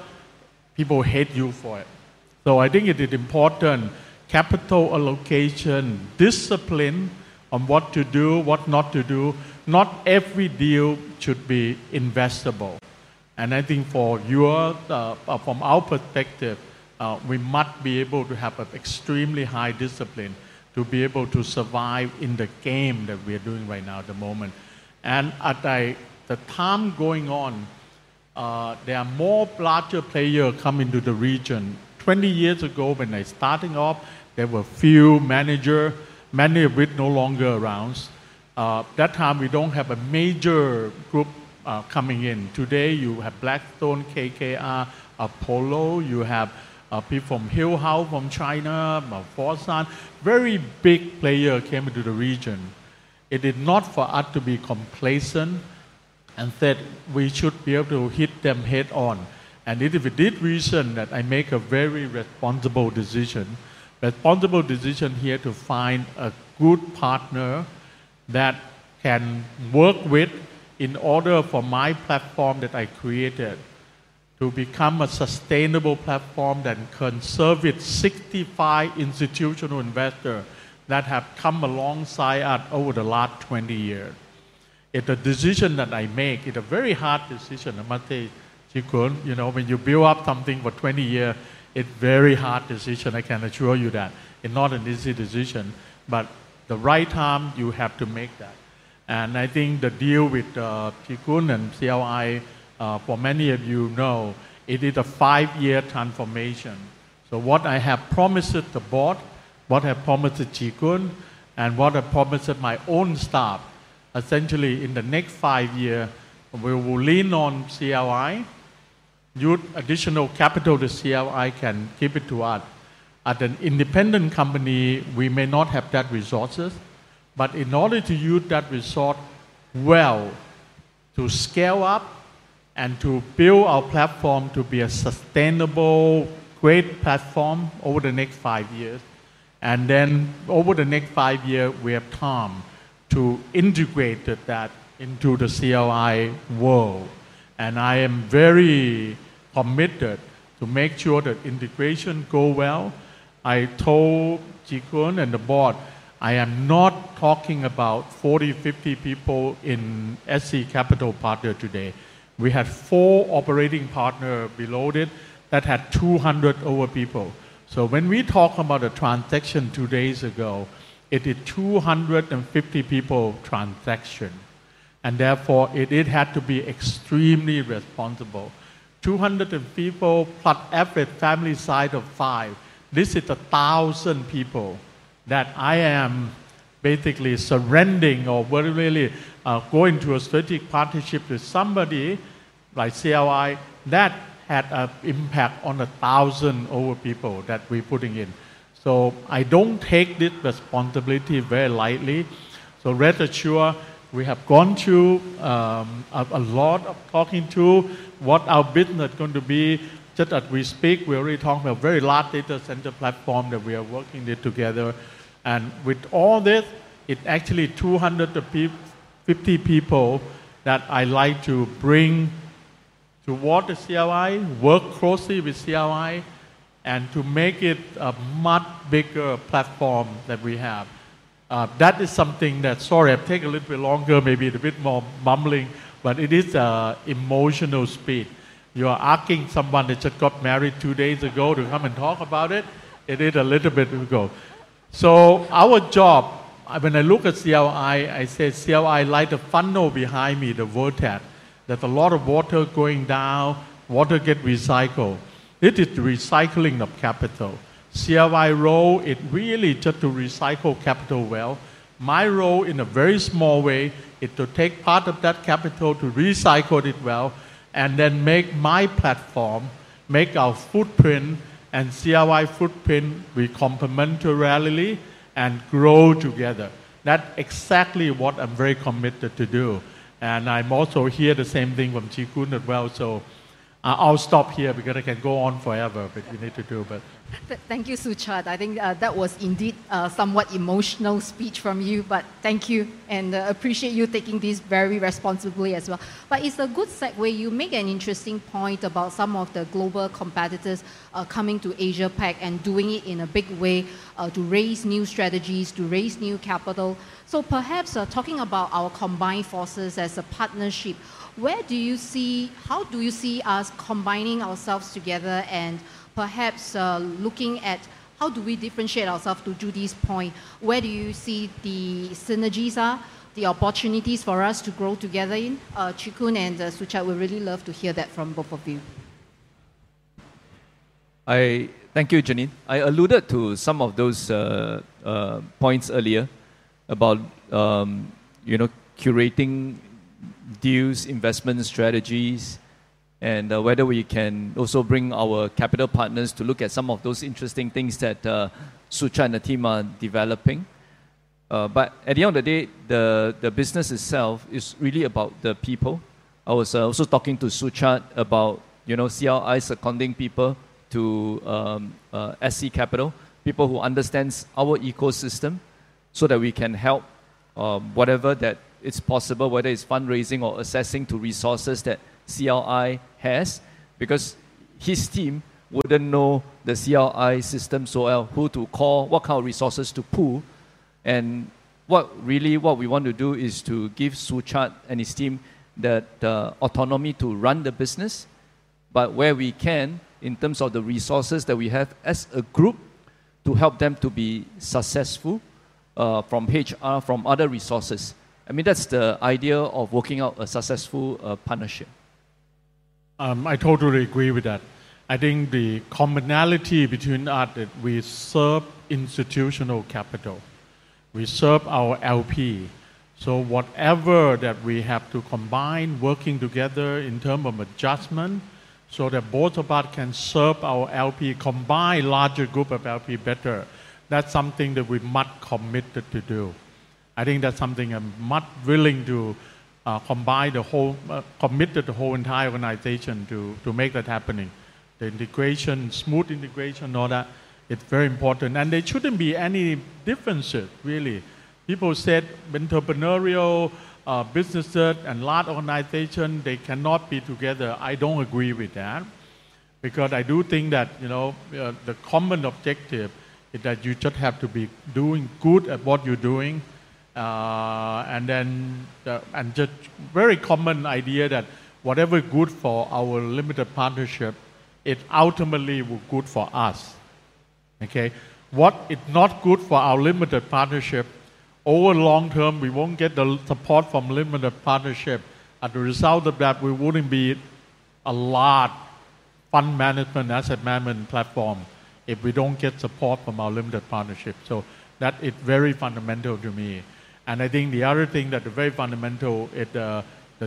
people hate you for it. So I think it is important capital allocation discipline on what to do, what not to do. Not every deal should be investable. And I think from our perspective, we must be able to have an extremely high discipline to be able to survive in the game that we are doing right now at the moment. And at the time going on, there are more larger players coming to the region. 20 years ago when I started off, there were a few managers, many of which are no longer around. At that time, we didn't have a major group coming in. Today, you have Blackstone, KKR, Apollo, you have people from HNA from China, Fosun, very big players came into the region. It is not for us to be complacent and said we should be able to hit them head-on. If it did reason that I make a very responsible decision, responsible decision here to find a good partner that can work with in order for my platform that I created to become a sustainable platform that can serve 65 institutional investors that have come alongside us over the last 20 years. It is a decision that I make. It is a very hard decision. I must say, Chee Koon, when you build up something for 20 years, it is a very hard decision. I can assure you that. It is not an easy decision, but the right time you have to make that. I think the deal with Chee Koon and CLI. As many of you know, it is a five-year transformation. So, what I have promised the board, what I have promised Chee Koon, and what I have promised my own staff, essentially in the next five years, we will lean on CLI. Additional capital to CLI can give it to us. As an independent company, we may not have that resources, but in order to use that resource well to scale up and to build our platform to be a sustainable, great platform over the next five years, and then over the next five years, we have time to integrate that into the CLI world, and I am very committed to make sure that integration goes well. I told Chee Koon and the board, I am not talking about 40, 50 people in SC Capital Partners today. We had four operating partners below that that had 200 over people. When we talk about a transaction two days ago, it is a 250 people transaction. Therefore, it had to be extremely responsible. 250 people plus every family side of five. This is 1,000 people that I am basically surrendering or really going to a strategic partnership with somebody like CLI that had an impact on over 1,000 people that we're putting in. I don't take this responsibility very lightly. Rest assured, we have gone to a lot of talking to what our business is going to be. Just as we speak, we already talked about a very large data center platform that we are working together. With all this, it's actually 250 people that I like to bring towards the CLI, work closely with CLI, and to make it a much bigger platform that we have. That is something that, sorry, I've taken a little bit longer, maybe a bit more mumbling, but it is emotional speed. You are asking someone that just got married two days ago to come and talk about it. It is a little bit to go. So our job, when I look at CLI, I say CLI like the funnel behind me, the vortex, there's a lot of water going down, water gets recycled. It is the recycling of capital. CLI's role, it really is just to recycle capital well. My role in a very small way is to take part of that capital to recycle it well and then make my platform, make our footprint and CLI footprint be complementary and grow together. That's exactly what I'm very committed to do. And I'm also hearing the same thing from Chee Koon as well. So I'll stop here because I can go on forever, but you need to do. Thank you, Suchad. I think that was indeed somewhat emotional speech from you, but thank you and appreciate you taking this very responsibly as well. But it's a good segue. You make an interesting point about some of the global competitors coming to Asia-Pac and doing it in a big way to raise new strategies, to raise new capital. So perhaps talking about our combined forces as a partnership, where do you see, how do you see us combining ourselves together and perhaps looking at how do we differentiate ourselves to Judy's point? Where do you see the synergies are, the opportunities for us to grow together in? Chee Koon and Suchad, we'd really love to hear that from both of you. Thank you, Janine. I alluded to some of those points earlier about curating deals, investment strategies, and whether we can also bring our capital partners to look at some of those interesting things that Suchad and the team are developing. But at the end of the day, the business itself is really about the people. I was also talking to Suchad about CLI's accounting people to SC Capital, people who understand our ecosystem so that we can help whatever that is possible, whether it's fundraising or access to resources that CLI has, because his team wouldn't know the CLI system so well, who to call, what kind of resources to pool. Really, what we want to do is to give Suchad and his team the autonomy to run the business, but where we can, in terms of the resources that we have as a group, to help them to be successful from HR, from other resources. I mean, that's the idea of working out a successful partnership I totally agree with that. I think the commonality between us is that we serve institutional capital. We serve our LP. So whatever that we have to combine working together in terms of adjustment so that both of us can serve our LP, combine larger group of LP better. That's something that we must be committed to do. I think that's something I'm much willing to combine the whole, committed the whole entire organization to make that happening. The integration, smooth integration, all that, it's very important. And there shouldn't be any differences, really. People said entrepreneurial businesses and large organizations, they cannot be together. I don't agree with that because I do think that the common objective is that you just have to be doing good at what you're doing. And then just a very common idea that whatever is good for our limited partnership, it ultimately will be good for us. Okay? What is not good for our limited partnership, over the long term, we won't get the support from limited partnership. As a result of that, we wouldn't be a large fund management, asset management platform if we don't get support from our limited partnership. So that is very fundamental to me. I think the other thing that is very fundamental is the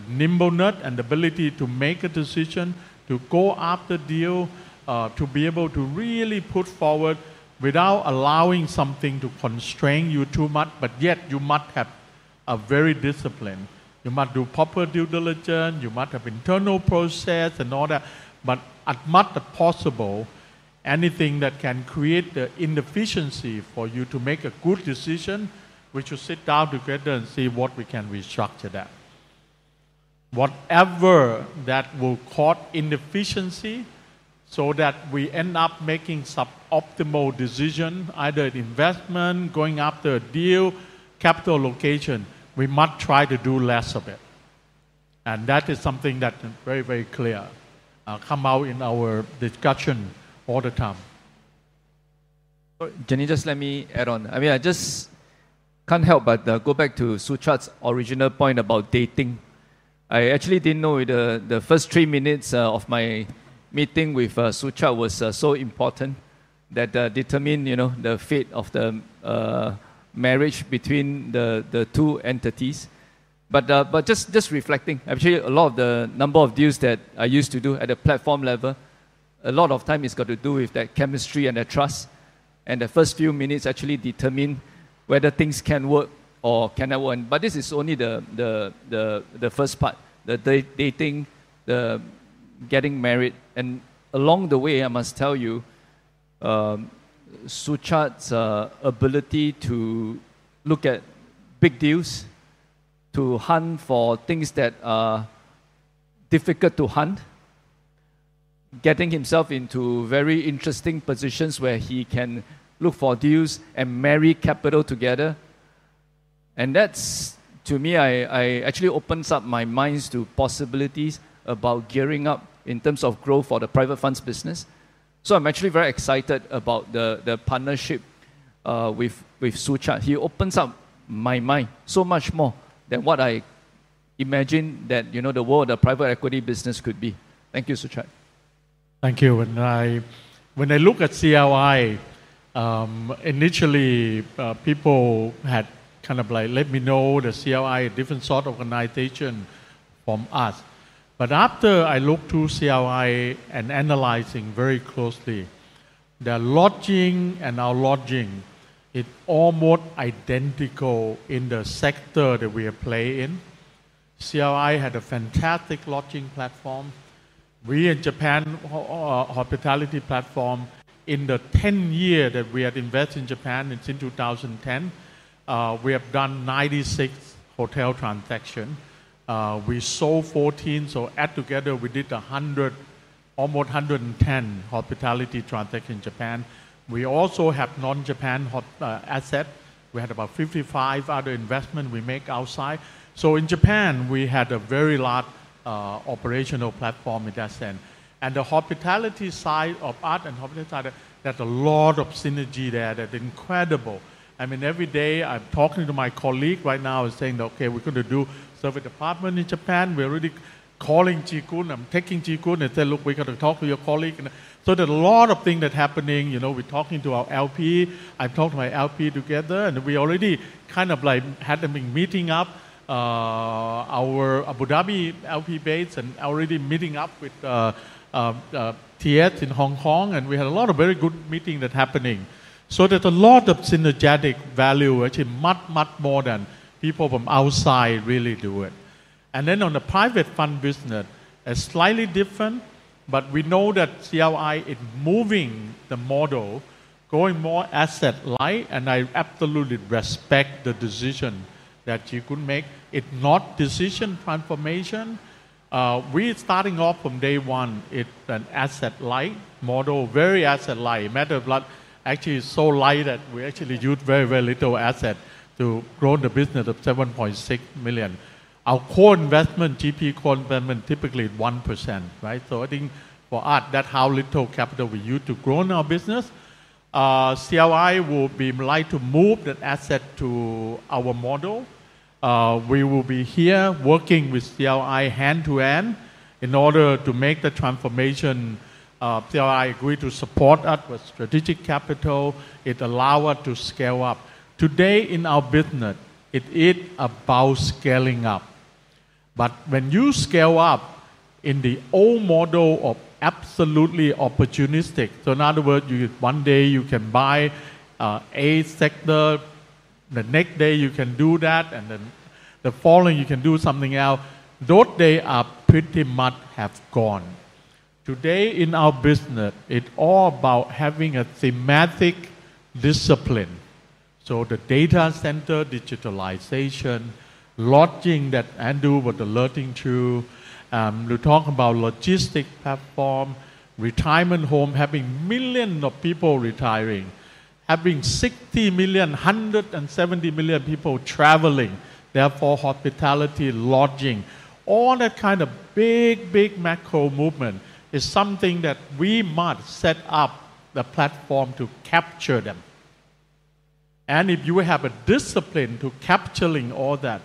nimbleness and the ability to make a decision, to go after a deal, to be able to really put forward without allowing something to constrain you too much, but yet you must have a very discipline. You must do proper due diligence, you must have internal process and all that, but as much as possible, anything that can create the inefficiency for you to make a good decision, we should sit down together and see what we can restructure that. Whatever that will cause inefficiency so that we end up making suboptimal decisions, either investment, going after a deal, capital allocation, we must try to do less of it. And that is something that is very, very clear. Come out in our discussion all the time. Janine, just let me add on. I mean, I just can't help but go back to Suchad's original point about dating. I actually didn't know the first three minutes of my meeting with Suchad was so important that determined the fate of the marriage between the two entities, but just reflecting, actually, a lot of the number of deals that I used to do at the platform level, a lot of time has got to do with that chemistry and that trust. And the first few minutes actually determine whether things can work or cannot work, but this is only the first part, the dating, the getting married. And along the way, I must tell you, Suchad's ability to look at big deals, to hunt for things that are difficult to hunt, getting himself into very interesting positions where he can look for deals and marry capital together. And that's, to me, actually opens up my minds to possibilities about gearing up in terms of growth for the private funds business. So I'm actually very excited about the partnership with Suchad. He opens up my mind so much more than what I imagined that the world of private equity business could be. Thank you, Suchad. Thank you. When I look at CLI, initially, people had kind of let me know the CLI is a different sort of organization from us. But after I looked through CLI and analyzed very closely, the lodging and our lodging, it's almost identical in the sector that we play in. CLI had a fantastic lodging platform. We in Japan, hospitality platform, in the 10 years that we had invested in Japan, it's in 2010, we have done 96 hotel transactions. We sold 14, so add together, we did almost 110 hospitality transactions in Japan. We also have non-Japan assets. We had about 55 other investments we made outside. So in Japan, we had a very large operational platform in that sense, and the hospitality side of us and hospitality side, there's a lot of synergy there that's incredible. I mean, every day I'm talking to my colleague right now, I'm saying, "Okay, we're going to do serviced apartments in Japan." We're already calling Chee Koon, I'm talking to Chee Koon and say, "Look, we've got to talk to your colleague." So there's a lot of things that are happening. We're talking to our LP. I've talked to my LP together, and we already kind of had them meeting up, our Abu Dhabi LP base and already meeting up with TS in Hong Kong, and we had a lot of very good meetings that are happening. So there's a lot of synergistic value, actually much, much more than people from outside really do it. Then on the private fund business, it's slightly different, but we know that CLI is moving the model, going more asset-light, and I absolutely respect the decision that Chee Koon made. It's not decision transformation. We're starting off from day one. It's an asset-light model, very asset-light. Matter of fact, actually so light that we actually use very, very little asset to grow the business of 7.6 billion. Our co-investment, GP co-investment, typically is 1%. So I think for us, that's how little capital we use to grow our business. CLI will be likely to move that asset to our model. We will be here working with CLI hand to hand in order to make the transformation. CLI agreed to support us with strategic capital. It allowed us to scale up. Today in our business, it is about scaling up. But when you scale up in the old model of absolutely opportunistic, so in other words, one day you can buy a sector, the next day you can do that, and then the following you can do something else, those days are pretty much gone. Today in our business, it's all about having a thematic discipline. So the data center digitalization, lodging that Andrew was alluding to, we talk about logistics platform, retirement home, having millions of people retiring, having 60 million, 170 million people traveling, therefore hospitality, lodging, all that kind of big, big macro movement is something that we must set up the platform to capture them. And if you have a discipline to capturing all that,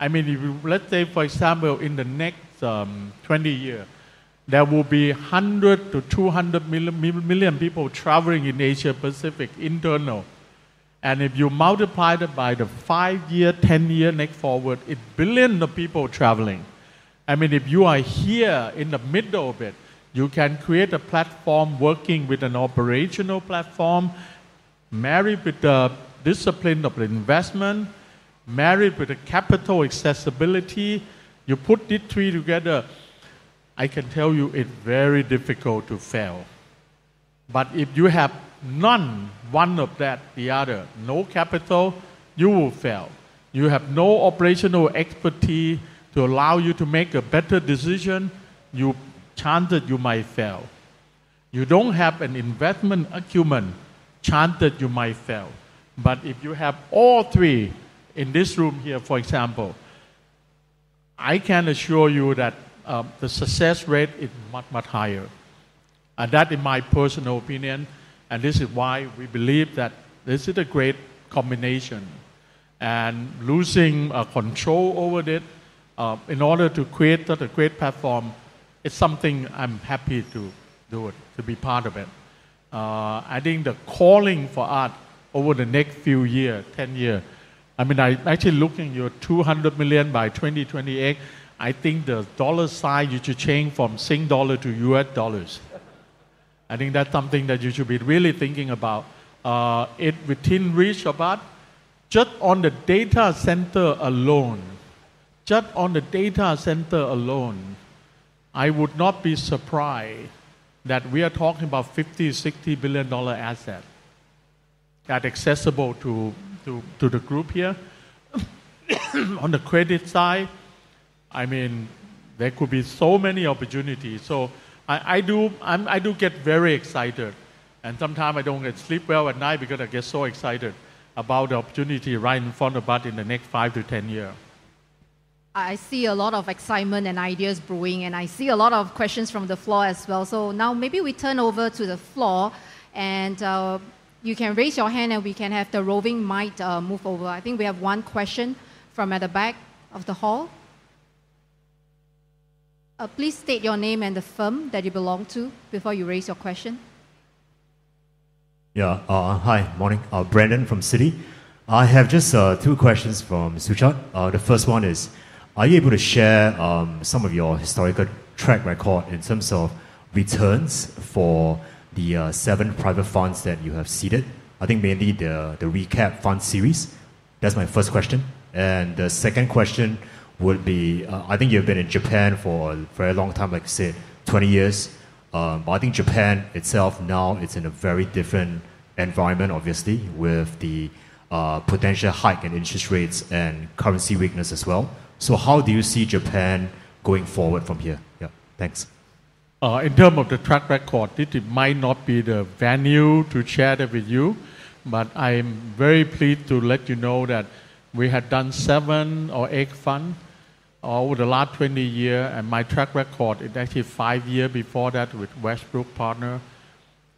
I mean, let's say, for example, in the next 20 years, there will be 100-200 million people traveling in Asia-Pacific internal. And if you multiply that by the 5-year, 10-year next forward, it's billions of people traveling. I mean, if you are here in the middle of it, you can create a platform working with an operational platform, married with the discipline of investment, married with the capital accessibility. You put these three together, I can tell you it's very difficult to fail. But if you have none, one of that, the other, no capital, you will fail. You have no operational expertise to allow you to make a better decision. Your chances you might fail. You don't have an investment acumen. Chances you might fail. If you have all three in this room here, for example, I can assure you that the success rate is much, much higher. That is my personal opinion, and this is why we believe that this is a great combination. Losing control over it in order to create such a great platform, it is something I am happy to do, to be part of it. I think the calling for us over the next few years, 10 years. I mean, I am actually looking at your 200 billion by 2028. I think the dollar size you should change from SGD to USD. I think that's something that you should be really thinking about. Within REIT of us, just on the data center alone, just on the data center alone, I would not be surprised that we are talking about 50-60 billion dollar assets that are accessible to the group here. On the credit side, I mean, there could be so many opportunities. So I do get very excited, and sometimes I don't sleep well at night because I get so excited about the opportunity right in front of us in the next 5 to 10 years. I see a lot of excitement and ideas brewing, and I see a lot of questions from the floor as well. So now maybe we turn over to the floor, and you can raise your hand, and we can have the roving mic move over. I think we have one question from the back of the hall. Please state your name and the firm that you belong to before you raise your question. Yeah. Hi, morning. Brandon from Citi. I have just two questions for Suchad. The first one is, are you able to share some of your historical track record in terms of returns for the seven private funds that you have seeded? I think mainly the RECAP fund series. That's my first question. And the second question would be, I think you've been in Japan for a very long time, like I said, 20 years. But I think Japan itself now is in a very different environment, obviously, with the potential hike in interest rates and currency weakness as well. So how do you see Japan going forward from here? Yeah, thanks. In terms of the track record, this might not be the venue to share that with you, but I'm very pleased to let you know that we have done seven or eight funds over the last 20 years, and my track record is actually five years before that with Westbrook Partners.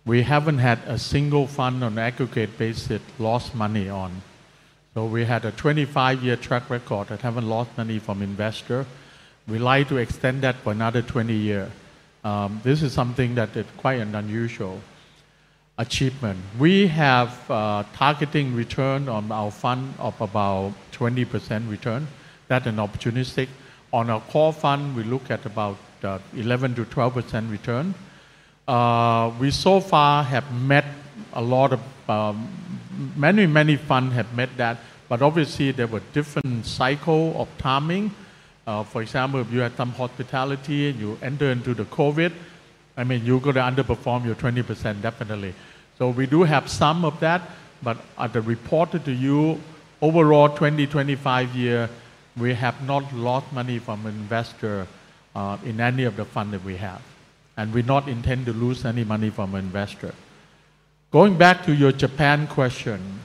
We haven't had a single fund on an aggregate basis lost money on. So we had a 25-year track record that hasn't lost money from investors. We like to extend that for another 20 years. This is something that is quite an unusual achievement. We're targeting return on our fund of about 20% return. That's an opportunistic. On our core fund, we look at about 11%-12% return. We so far have met a lot of many funds have met that, but obviously, there were different cycles of timing. For example, if you had some hospitality and you enter into the COVID, I mean, you're going to underperform your 20%, definitely. So we do have some of that, but I reported to you, overall 2025 year, we have not lost money from investors in any of the funds that we have. And we don't intend to lose any money from investors. Going back to your Japan question,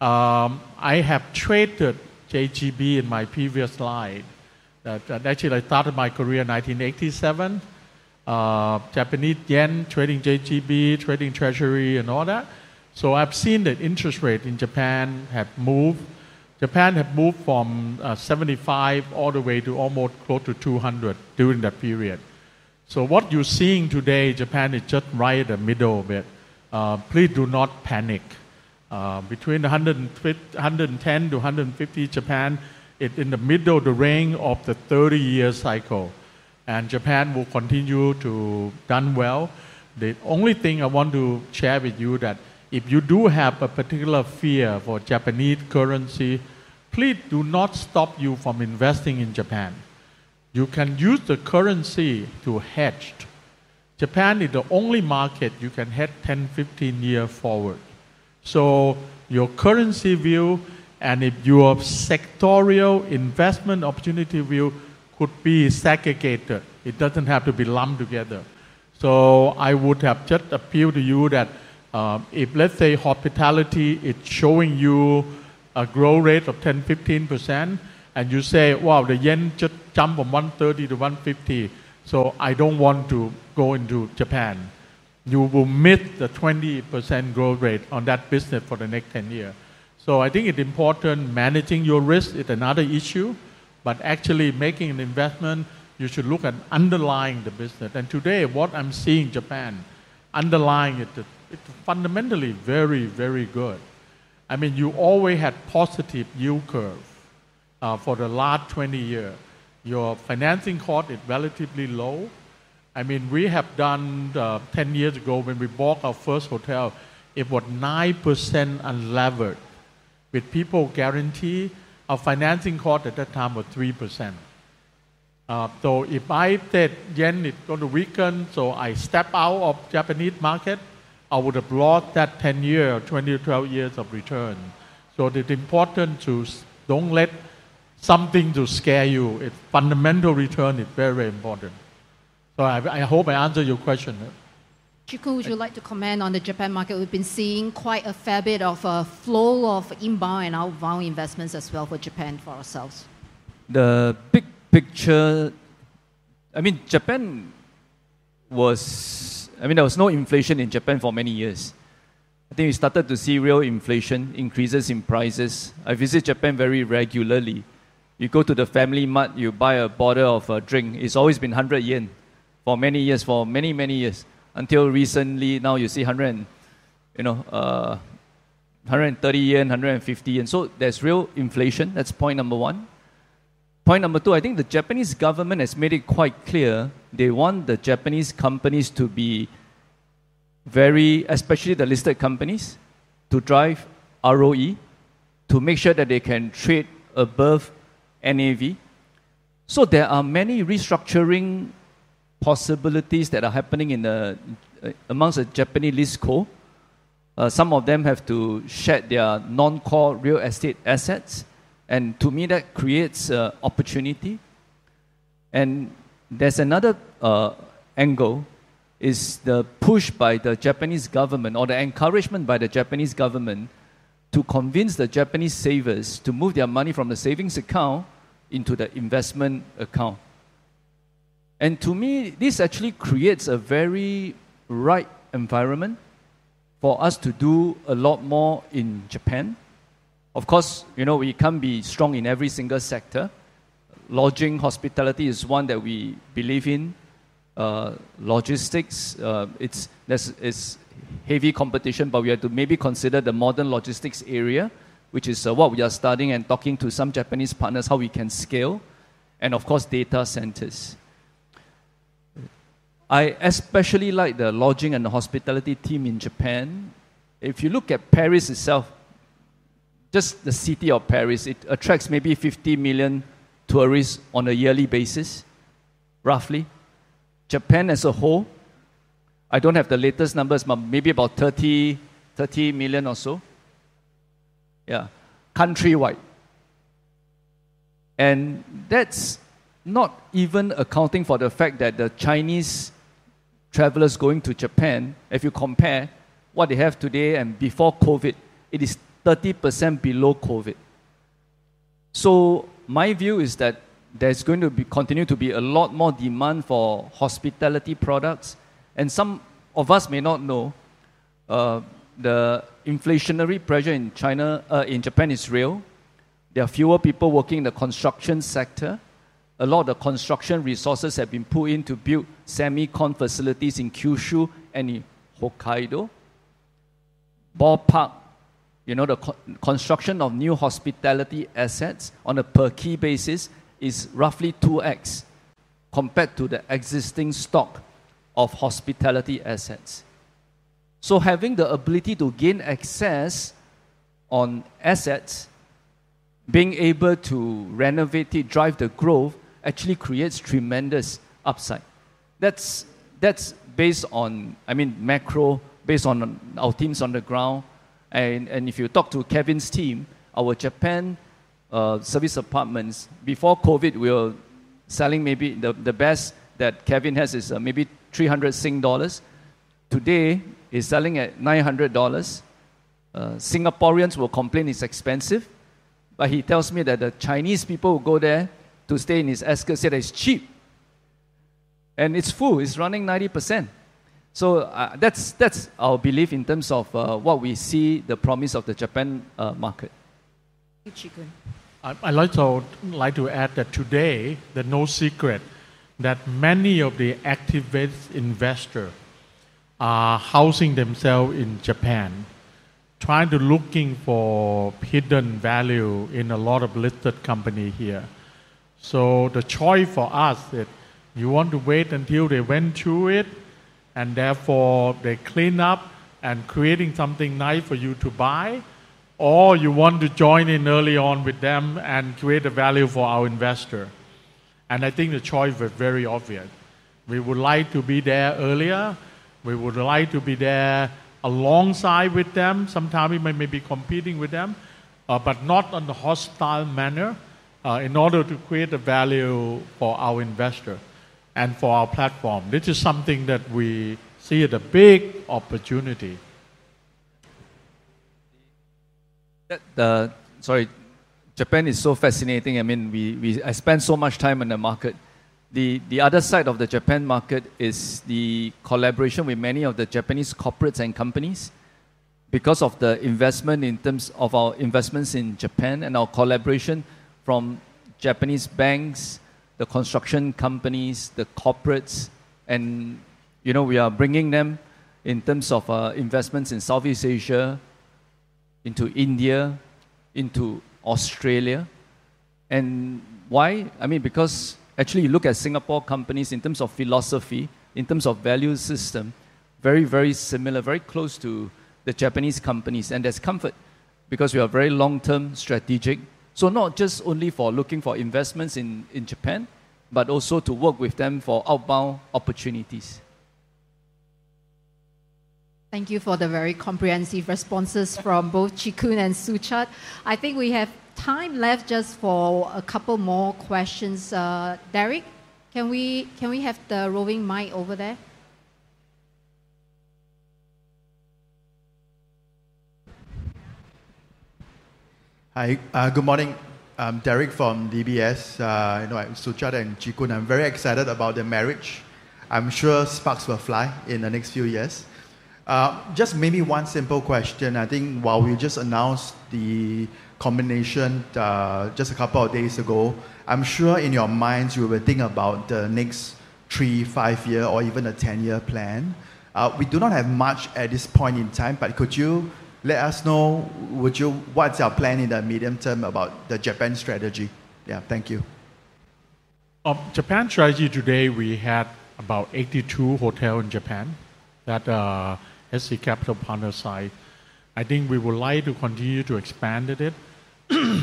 I have traded JGB in my previous slide. Actually, I started my career in 1987, Japanese yen, trading JGB, trading treasury, and all that. So I've seen that interest rates in Japan have moved. Japan has moved from 75 all the way to almost close to 200 during that period. So what you're seeing today, Japan is just right in the middle of it. Please do not panic. Between 110-150, Japan, it's in the middle of the range of the 30-year cycle. Japan will continue to do well. The only thing I want to share with you is that if you do have a particular fear for Japanese currency, please do not stop you from investing in Japan. You can use the currency to hedge. Japan is the only market you can hedge 10, 15 years forward. So your currency view and your sectorial investment opportunity view could be segregated. It doesn't have to be lumped together. So I would have just appealed to you that if, let's say, hospitality is showing you a growth rate of 10%-15%, and you say, "Wow, the yen just jumped from 130-150, so I don't want to go into Japan," you will miss the 20% growth rate on that business for the next 10 years. So I think it's important managing your risk. It's another issue. But actually making an investment, you should look at underlying the business. And today, what I'm seeing in Japan, underlying it, it's fundamentally very, very good. I mean, you always had positive yield curve for the last 20 years. Your financing cost is relatively low. I mean, we have done 10 years ago when we bought our first hotel, it was 9% unlevered with people guaranteeing our financing cost at that time was 3%. So if I said yen is going to weaken, so I step out of the Japanese market, I would have lost that 10 years or 12 years of return. So it's important to don't let something scare you. It's fundamental return is very, very important. So I hope I answered your question. Chee Koon, would you like to comment on the Japan market? We've been seeing quite a fair bit of a flow of inbound and outbound investments as well for Japan for ourselves. The big picture, I mean, Japan was, I mean, there was no inflation in Japan for many years. I think we started to see real inflation, increases in prices. I visit Japan very regularly. You go to the FamilyMart, you buy a bottle of a drink. It's always been 100 yen for many years, for many, many years, until recently. Now you see 130 yen, 150 yen. So there's real inflation. That's point number one. Point number two, I think the Japanese government has made it quite clear they want the Japanese companies to be very, especially the listed companies, to drive ROE, to make sure that they can trade above NAV. So there are many restructuring possibilities that are happening amongst the Japanese listed companies. Some of them have to shed their non-core real estate assets, and to me, that creates an opportunity, and there's another angle is the push by the Japanese government or the encouragement by the Japanese government to convince the Japanese savers to move their money from the savings account into the investment account. And to me, this actually creates a very ripe environment for us to do a lot more in Japan. Of course, we can't be strong in every single sector. Lodging, hospitality is one that we believe in. Logistics, there's heavy competition, but we have to maybe consider the modern logistics area, which is what we are studying and talking to some Japanese partners how we can scale, and of course, data centers. I especially like the lodging and the hospitality team in Japan. If you look at Paris itself, just the city of Paris, it attracts maybe 50 million tourists on a yearly basis, roughly. Japan as a whole, I don't have the latest numbers, but maybe about 30 million or so. Yeah, countrywide. And that's not even accounting for the fact that the Chinese travelers going to Japan, if you compare what they have today and before COVID, it is 30% below COVID. So my view is that there's going to continue to be a lot more demand for hospitality products. And some of us may not know the inflationary pressure in Japan is real. There are fewer people working in the construction sector. A lot of the construction resources have been put in to build semi-con facilities in Kyushu and in Hokkaido. Ballpark, the construction of new hospitality assets on a per-key basis is roughly 2x compared to the existing stock of hospitality assets. So having the ability to gain access on assets, being able to renovate it, drive the growth, actually creates tremendous upside. That's based on, I mean, macro, based on our teams on the ground. And if you talk to Kevin's team, our Japan serviced apartments, before COVID, we were selling maybe the best that Kevin has is maybe 300 Sing dollars today. He's selling at 900 dollars. Singaporeans will complain it's expensive, but he tells me that the Chinese people will go there to stay in his Ascott said it's cheap. And it's full. It's running 90%. So that's our belief in terms of what we see the promise of the Japan market. Chee Koon. I'd like to add that today, there's no secret that many of the active investors are housing themselves in Japan, trying to look for hidden value in a lot of listed companies here, so the choice for us is you want to wait until they went through it, and therefore they clean up and create something nice for you to buy, or you want to join in early on with them and create a value for our investors, and I think the choice was very obvious. We would like to be there earlier. We would like to be there alongside with them. Sometimes we may be competing with them, but not in a hostile manner in order to create a value for our investors and for our platform. This is something that we see as a big opportunity. Sorry, Japan is so fascinating. I mean, I spend so much time in the market. The other side of the Japan market is the collaboration with many of the Japanese corporates and companies because of the investment in terms of our investments in Japan and our collaboration from Japanese banks, the construction companies, the corporates. And we are bringing them in terms of investments in Southeast Asia, into India, into Australia. And why? I mean, because actually you look at Singapore companies in terms of philosophy, in terms of value system, very, very similar, very close to the Japanese companies. And there's comfort because we are very long-term strategic. So not just only for looking for investments in Japan, but also to work with them for outbound opportunities. Thank you for the very comprehensive responses from both Chee Koon and Suchad. I think we have time left just for a couple more questions. Derek, can we have the roving mic over there? Hi, good morning. I'm Derek from DBS. Suchad and Chee Koon, I'm very excited about the marriage. I'm sure sparks will fly in the next few years. Just maybe one simple question. I think while we just announced the combination just a couple of days ago, I'm sure in your minds you will think about the next three, five years, or even a 10-year plan. We do not have much at this point in time, but could you let us know what's our plan in the medium term about the Japan strategy? Yeah, thank you. Japan strategy today, we had about 82 hotels in Japan that SC Capital Partners owns. I think we would like to continue to expand it.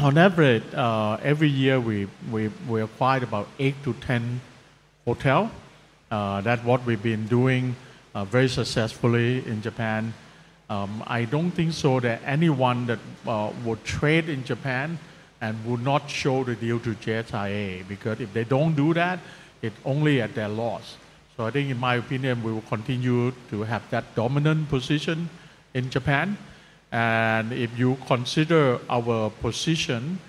On average, every year we acquired about eight to 10 hotels. That's what we've been doing very successfully in Japan. I don't think that anyone that would trade in Japan would not show the deal to JHR because if they don't do that, it's only at their loss, so I think in my opinion, we will continue to have that dominant position in Japan. And if you consider our position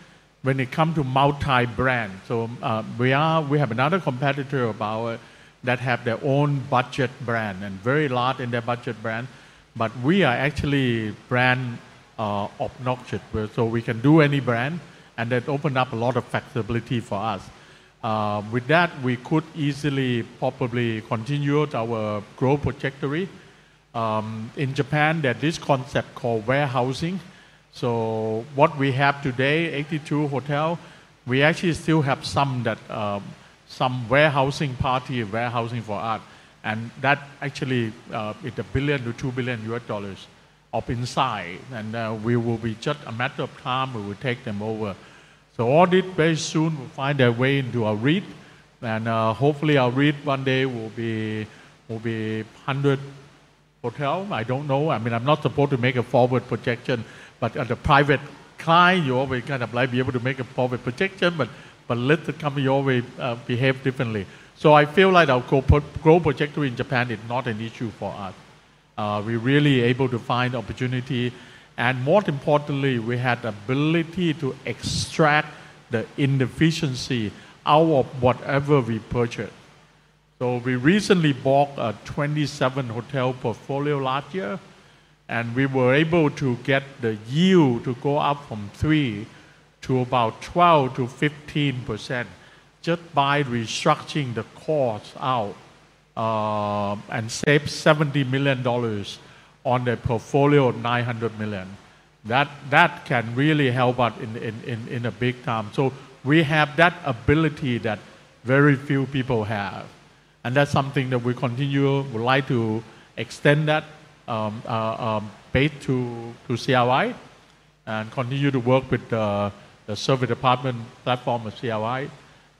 when it comes to multi-brand, so we have another competitor of ours that have their own budget brand and very large in their budget brand, but we are actually brand agnostic. So we can do any brand, and that opened up a lot of flexibility for us. With that, we could easily, probably continue our growth trajectory. In Japan, there's this concept called warehousing. So what we have today, 82 hotels, we actually still have some partial warehousing for us. And that actually is SGD 1 billion-SGD 2 billion upside. We will be just a matter of time. We will take them over. So all this very soon will find their way into our reach. Hopefully, our reach one day will be 100 hotels. I don't know. I mean, I'm not supposed to make a forward projection, but as a private client, you always kind of like to be able to make a forward projection, but listed companies always behave differently. I feel like our growth trajectory in Japan is not an issue for us. We're really able to find opportunity. Most importantly, we had the ability to extract the inefficiency out of whatever we purchased. So we recently bought a 27-hotel portfolio last year, and we were able to get the yield to go up from three to about 12%-15% just by restructuring the costs out and saved 70 million dollars on a portfolio of 900 million. That can really help us in a big time. So we have that ability that very few people have. And that's something that we continue. We'd like to extend that base to CLI and continue to work with the serviced apartment platform of CLI,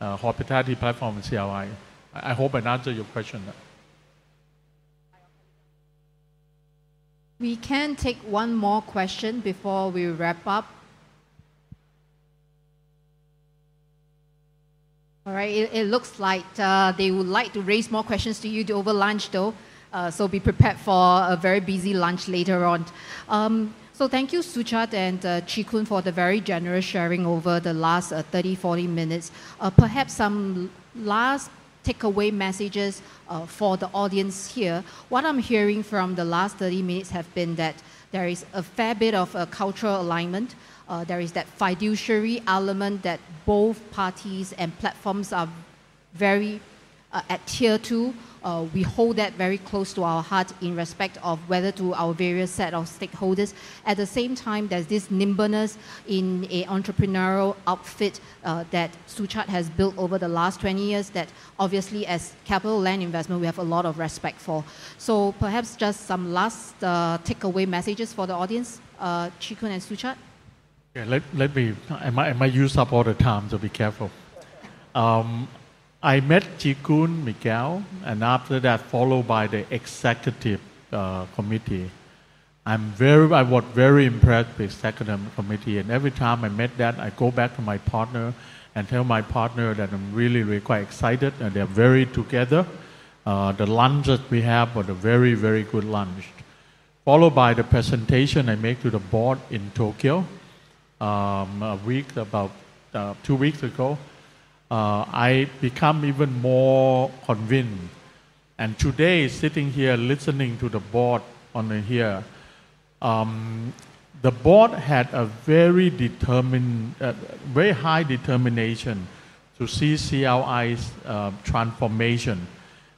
hospitality platform of CLI. I hope I answered your question. We can take one more question before we wrap up. All right. It looks like they would like to raise more questions to you over lunch, though. So be prepared for a very busy lunch later on. So thank you, Suchad and Chee Koon, for the very generous sharing over the last 30, 40 minutes. Perhaps some last takeaway messages for the audience here. What I'm hearing from the last 30 minutes has been that there is a fair bit of a cultural alignment. There is that fiduciary element that both parties and platforms are very adhered to. We hold that very close to our heart in respect of whether to our various set of stakeholders. At the same time, there's this nimbleness in an entrepreneurial outfit that Suchad has built over the last 20 years that obviously, as CapitaLand Investment, we have a lot of respect for. So perhaps just some last takeaway messages for the audience, Chee Koon and Suchad. Yeah, let me, I might use up all the terms. I'll be careful. I met Chee Koon, Miguel, and after that, followed by the executive committee. I was very impressed with the executive committee. Every time I met that, I go back to my partner and tell my partner that I'm really, really quite excited, and they're very together. The lunches we have were very, very good lunches. Followed by the presentation I made to the board in Tokyo a week, about two weeks ago, I became even more convinced. Today, sitting here listening to the board here, the board had a very high determination to see CLI's transformation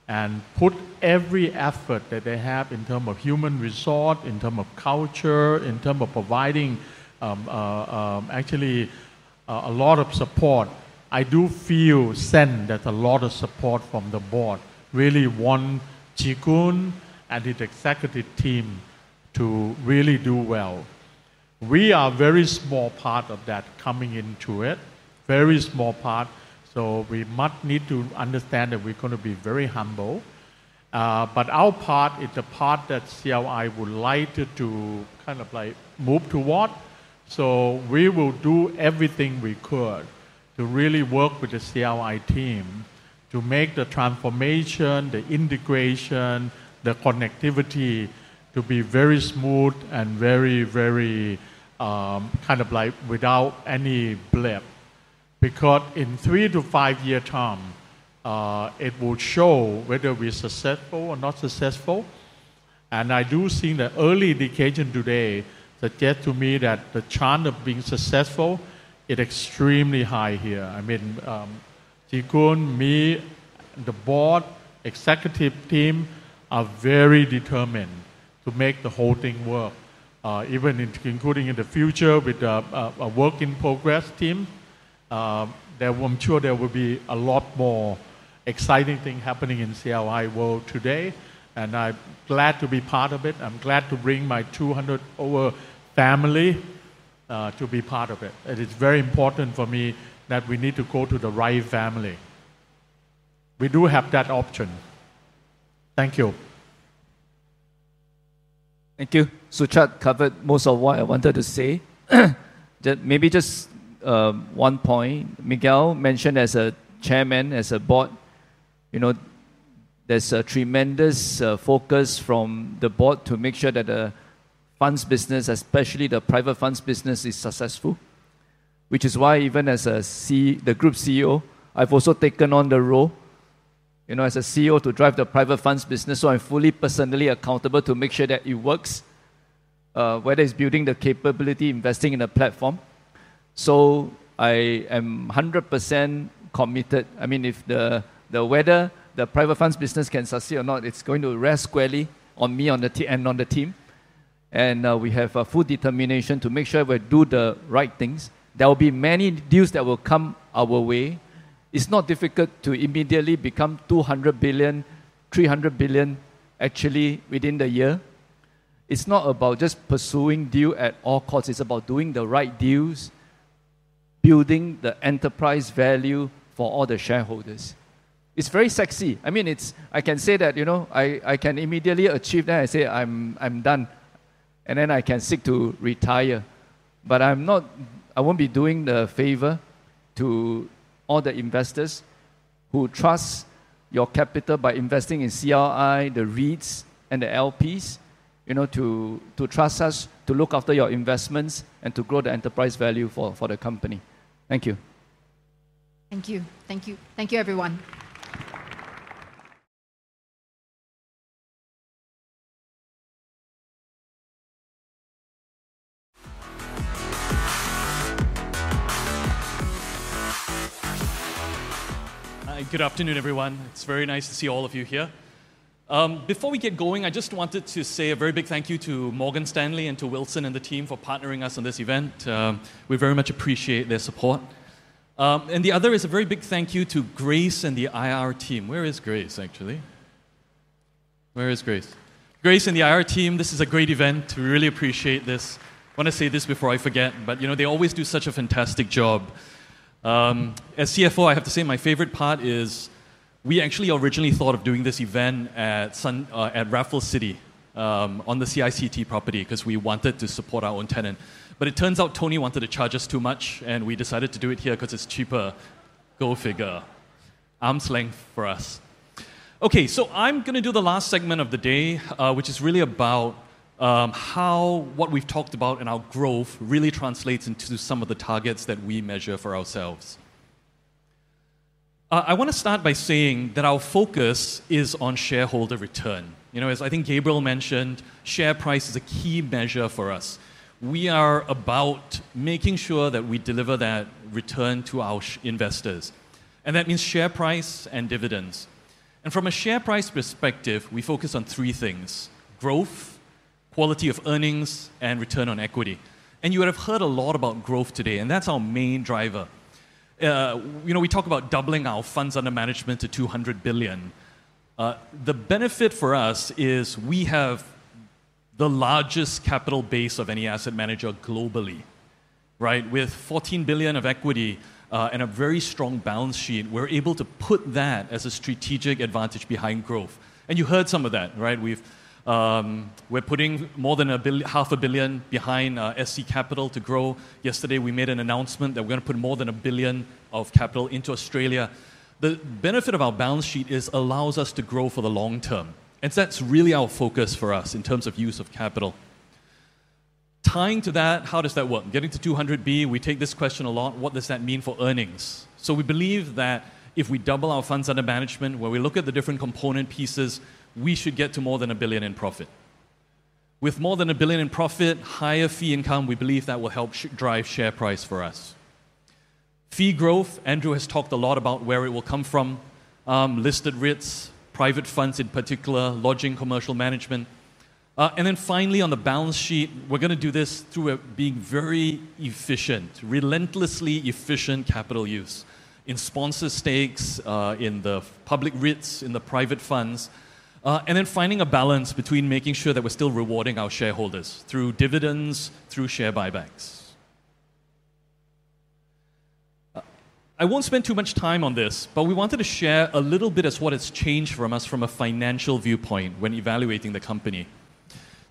and put every effort that they have in terms of human resources, in terms of culture, in terms of providing actually a lot of support. I do feel that a lot of support from the board really wants Chee Koon and his executive team to really do well. We are a very small part of that coming into it, very small part. So we might need to understand that we're going to be very humble. But our part is the part that CLI would like to kind of like move toward. So we will do everything we could to really work with the CLI team to make the transformation, the integration, the connectivity to be very smooth and very, very kind of like without any blip. Because in three- to five-year term, it will show whether we're successful or not successful. And I do see the early indication today suggests to me that the chance of being successful is extremely high here. I mean, Chee Koon, me, the board, executive team are very determined to make the whole thing work, even including in the future with a work in progress team. I'm sure there will be a lot more exciting things happening in the CLI world today. I'm glad to be part of it. I'm glad to bring my 200-over family to be part of it. It is very important for me that we need to go to the right family. We do have that option. Thank you. Thank you. Suchad covered most of what I wanted to say. Maybe just one point. Miguel mentioned as Chairman, as a Board, there's a tremendous focus from the Board to make sure that the funds business, especially the private funds business, is successful, which is why even as the Group CEO, I've also taken on the role as a CEO to drive the private funds business. So I'm fully personally accountable to make sure that it works, whether it's building the capability, investing in the platform. So I am 100% committed. I mean, whether the private funds business can succeed or not, it's going to rest squarely on me and on the team. We have full determination to make sure we do the right things. There will be many deals that will come our way. It's not difficult to immediately become 200 billion, 300 billion actually within the year. It's not about just pursuing deals at all costs. It's about doing the right deals, building the enterprise value for all the shareholders. It's very sexy. I mean, I can say that I can immediately achieve that. I say I'm done. Then I can seek to retire. I won't be doing the favor to all the investors who trust your capital by investing in CLI, the REITs, and the LPs to trust us to look after your investments and to grow the enterprise value for the company. Thank you. Thank you. Thank you. Thank you, everyone. Good afternoon, everyone. It's very nice to see all of you here. Before we get going, I just wanted to say a very big thank you to Morgan Stanley and to Wilson and the team for partnering us on this event. We very much appreciate their support. And the other is a very big thank you to Grace and the IR team. Where is Grace, actually? Where is Grace? Grace and the IR team, this is a great event. We really appreciate this. I want to say this before I forget, but they always do such a fantastic job. As CFO, I have to say my favorite part is we actually originally thought of doing this event at Raffles City on the CICT property because we wanted to support our own tenant. But it turns out Tony wanted to charge us too much, and we decided to do it here because it's cheaper. Go figure. Arm's length for us. Okay, so I'm going to do the last segment of the day, which is really about how what we've talked about and our growth really translates into some of the targets that we measure for ourselves. I want to start by saying that our focus is on shareholder return. As I think Gabriel mentioned, share price is a key measure for us. We are about making sure that we deliver that return to our investors. And that means share price and dividends. And from a share price perspective, we focus on three things: growth, quality of earnings, and return on equity. And you would have heard a lot about growth today, and that's our main driver. We talk about doubling our funds under management to 200 billion. The benefit for us is we have the largest capital base of any asset manager globally, right? With 14 billion of equity and a very strong balance sheet, we're able to put that as a strategic advantage behind growth. And you heard some of that, right? We're putting more than 500 million behind SC Capital to grow. Yesterday, we made an announcement that we're going to put more than 1 billion of capital into Australia. The benefit of our balance sheet is it allows us to grow for the long term. And that's really our focus for us in terms of use of capital. Tying to that, how does that work? Getting to 200 billion, we take this question a lot. What does that mean for earnings? So we believe that if we double our funds under management, when we look at the different component pieces, we should get to more than a billion in profit. With more than a billion in profit, higher fee income, we believe that will help drive share price for us. Fee growth, Andrew has talked a lot about where it will come from: listed REITs, private funds in particular, lodging commercial management. And then finally, on the balance sheet, we're going to do this through being very efficient, relentlessly efficient capital use in sponsor stakes, in the public REITs, in the private funds, and then finding a balance between making sure that we're still rewarding our shareholders through dividends, through share buybacks. I won't spend too much time on this, but we wanted to share a little bit as to what has changed from us from a financial viewpoint when evaluating the company.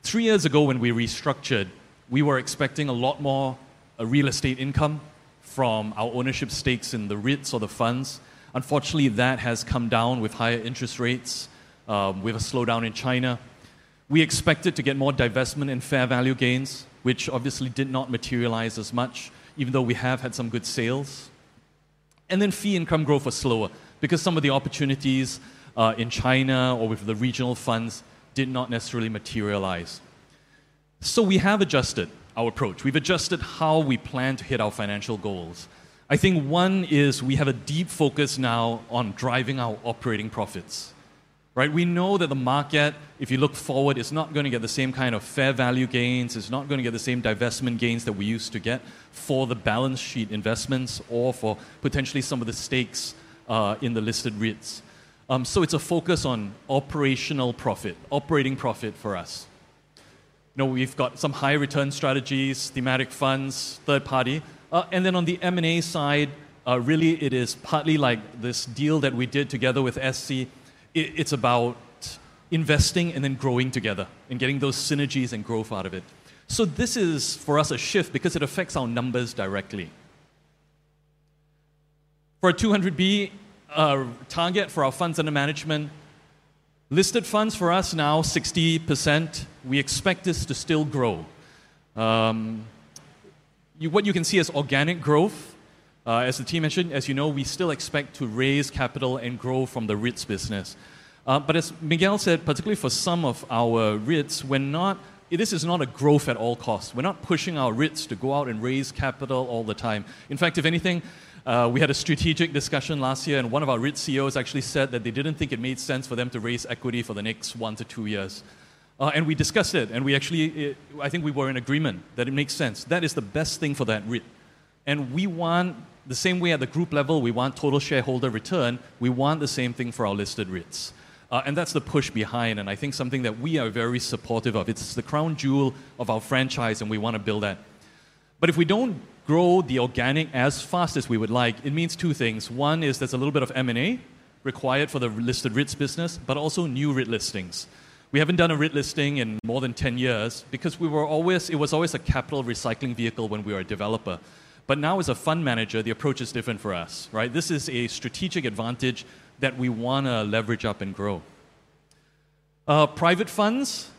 Three years ago, when we restructured, we were expecting a lot more real estate income from our ownership stakes in the REITs or the funds. Unfortunately, that has come down with higher interest rates, with a slowdown in China. We expected to get more divestment and fair value gains, which obviously did not materialize as much, even though we have had some good sales, and then fee income growth was slower because some of the opportunities in China or with the regional funds did not necessarily materialize, so we have adjusted our approach. We've adjusted how we plan to hit our financial goals. I think one is we have a deep focus now on driving our operating profits. We know that the market, if you look forward, is not going to get the same kind of fair value gains. It's not going to get the same divestment gains that we used to get for the balance sheet investments or for potentially some of the stakes in the listed REITs, so it's a focus on operational profit, operating profit for us. We've got some high-return strategies, thematic funds, third party, and then on the M&A side, really, it is partly like this deal that we did together with SC. It's about investing and then growing together and getting those synergies and growth out of it, so this is, for us, a shift because it affects our numbers directly. For a 200 billion target for our funds under management, listed funds for us now 60%. We expect this to still grow. What you can see is organic growth. As the team mentioned, as you know, we still expect to raise capital and grow from the REITs business, but as Miguel said, particularly for some of our REITs, this is not a growth at all costs. We're not pushing our REITs to go out and raise capital all the time. In fact, if anything, we had a strategic discussion last year, and one of our REIT CEOs actually said that they didn't think it made sense for them to raise equity for the next one to two years, and we discussed it, and we actually, I think we were in agreement that it makes sense. That is the best thing for that REIT, and we want, the same way at the group level, we want total shareholder return. We want the same thing for our listed REITs. And that's the push behind, and I think something that we are very supportive of. It's the crown jewel of our franchise, and we want to build that. But if we don't grow the organic as fast as we would like, it means two things. One is there's a little bit of M&A required for the listed REITs business, but also new REIT listings. We haven't done a REIT listing in more than 10 years because it was always a capital recycling vehicle when we were a developer. But now, as a fund manager, the approach is different for us. This is a strategic advantage that we want to leverage up and grow. Private funds,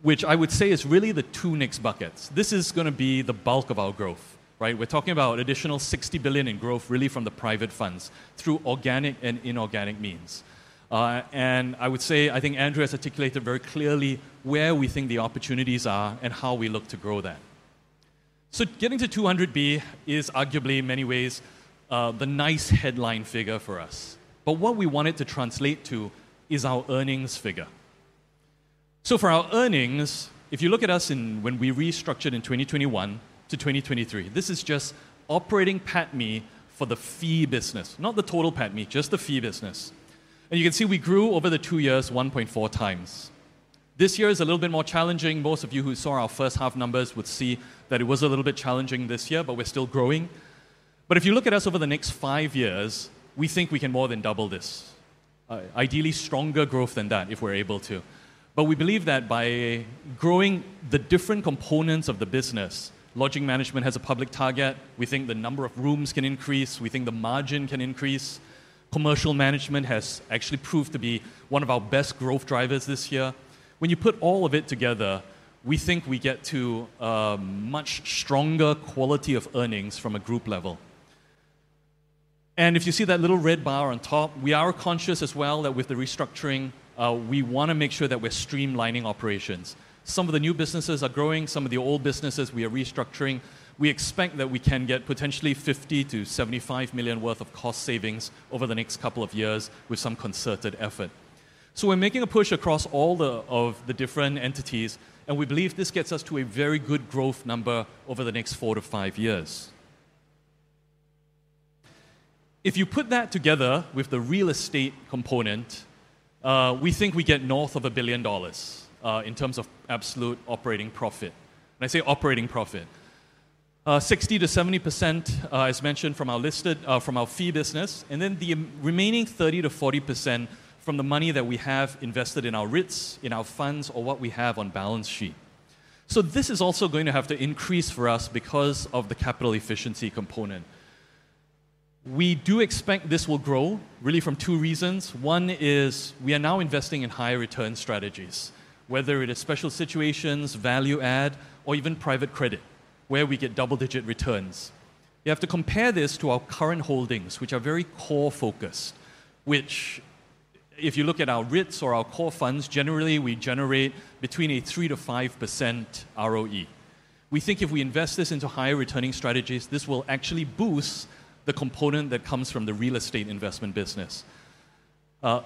which I would say is really the two next buckets. This is going to be the bulk of our growth. We're talking about an additional 60 billion in growth, really from the private funds through organic and inorganic means. I would say I think Andrew has articulated very clearly where we think the opportunities are and how we look to grow that. Getting to 200 billion is arguably, in many ways, the nice headline figure for us. What we want it to translate to is our earnings figure. For our earnings, if you look at us when we restructured in 2021 to 2023, this is just operating PATMI for the fee business, not the total PATMI, just the fee business. You can see we grew over the two years 1.4 times. This year is a little bit more challenging. Most of you who saw our first half numbers would see that it was a little bit challenging this year, but we're still growing. But if you look at us over the next five years, we think we can more than double this, ideally stronger growth than that if we're able to. But we believe that by growing the different components of the business, lodging management has a public target. We think the number of rooms can increase. We think the margin can increase. Commercial management has actually proved to be one of our best growth drivers this year. When you put all of it together, we think we get to a much stronger quality of earnings from a group level. And if you see that little red bar on top, we are conscious as well that with the restructuring, we want to make sure that we're streamlining operations. Some of the new businesses are growing. Some of the old businesses we are restructuring. We expect that we can get potentially 50-75 million worth of cost savings over the next couple of years with some concerted effort. So we're making a push across all of the different entities, and we believe this gets us to a very good growth number over the next four to five years. If you put that together with the real estate component, we think we get north of 1 billion dollars in terms of absolute operating profit. And I say operating profit, 60%-70%, as mentioned, from our fee business, and then the remaining 30%-40% from the money that we have invested in our REITs, in our funds, or what we have on balance sheet. So this is also going to have to increase for us because of the capital efficiency component. We do expect this will grow really from two reasons. One is we are now investing in high return strategies, whether it is special situations, value add, or even private credit where we get double-digit returns. You have to compare this to our current holdings, which are very core focused, which if you look at our REITs or our core funds, generally we generate between a 3%-5% ROE. We think if we invest this into higher returning strategies, this will actually boost the component that comes from the real estate investment business.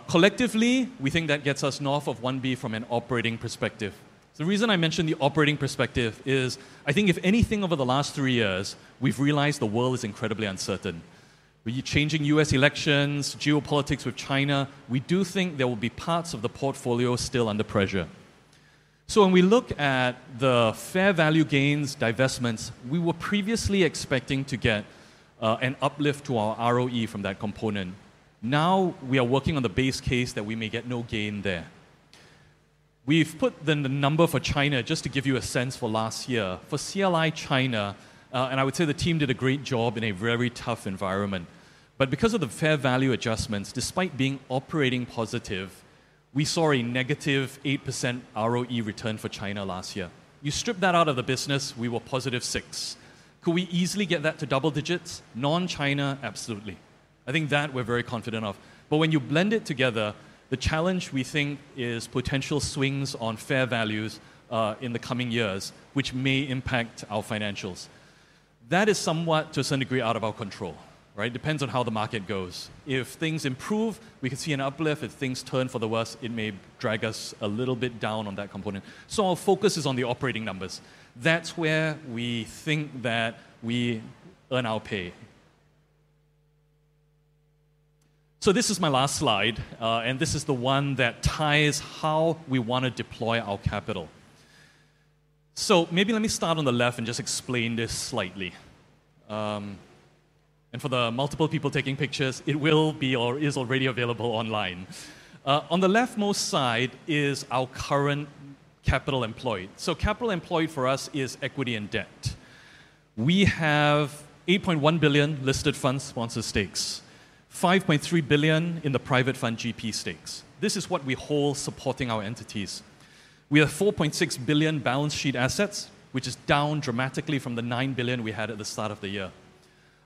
Collectively, we think that gets us north of 1 billion from an operating perspective. The reason I mentioned the operating perspective is I think if anything over the last three years, we've realized the world is incredibly uncertain. With changing U.S. elections, geopolitics with China, we do think there will be parts of the portfolio still under pressure. So when we look at the fair value gains divestments, we were previously expecting to get an uplift to our ROE from that component. Now we are working on the base case that we may get no gain there. We've put the number for China just to give you a sense for last year. For CLI China, and I would say the team did a great job in a very tough environment. But because of the fair value adjustments, despite being operating positive, we saw a negative 8% ROE return for China last year. You strip that out of the business, we were positive 6%. Could we easily get that to double digits? Non-China, absolutely. I think that we're very confident of. But when you blend it together, the challenge we think is potential swings on fair values in the coming years, which may impact our financials. That is somewhat, to a certain degree, out of our control. It depends on how the market goes. If things improve, we can see an uplift. If things turn for the worst, it may drag us a little bit down on that component. So our focus is on the operating numbers. That's where we think that we earn our pay. So this is my last slide, and this is the one that ties how we want to deploy our capital. So maybe let me start on the left and just explain this slightly. And for the multiple people taking pictures, it will be or is already available online. On the leftmost side is our current capital employed. So capital employed for us is equity and debt. We have 8.1 billion listed funds sponsor stakes, 5.3 billion in the private fund GP stakes. This is what we hold supporting our entities. We have 4.6 billion balance sheet assets, which is down dramatically from the 9 billion we had at the start of the year.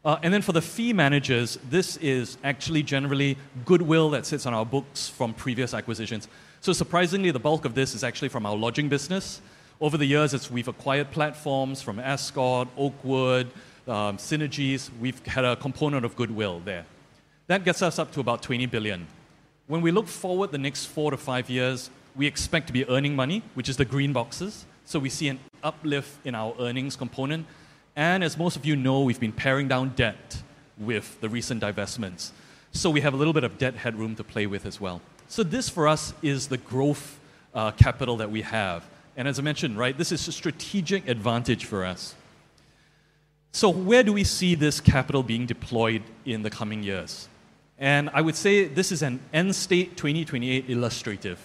And then for the fee managers, this is actually generally goodwill that sits on our books from previous acquisitions. So surprisingly, the bulk of this is actually from our lodging business. Over the years, we've acquired platforms from Ascott, Oakwood, Synergies. We've had a component of goodwill there. That gets us up to about 20 billion. When we look forward the next four to five years, we expect to be earning money, which is the green boxes. So we see an uplift in our earnings component. And as most of you know, we've been paring down debt with the recent divestments. So we have a little bit of debt headroom to play with as well. So this for us is the growth capital that we have. As I mentioned, this is a strategic advantage for us. So where do we see this capital being deployed in the coming years? And I would say this is an end state 2028 illustrative.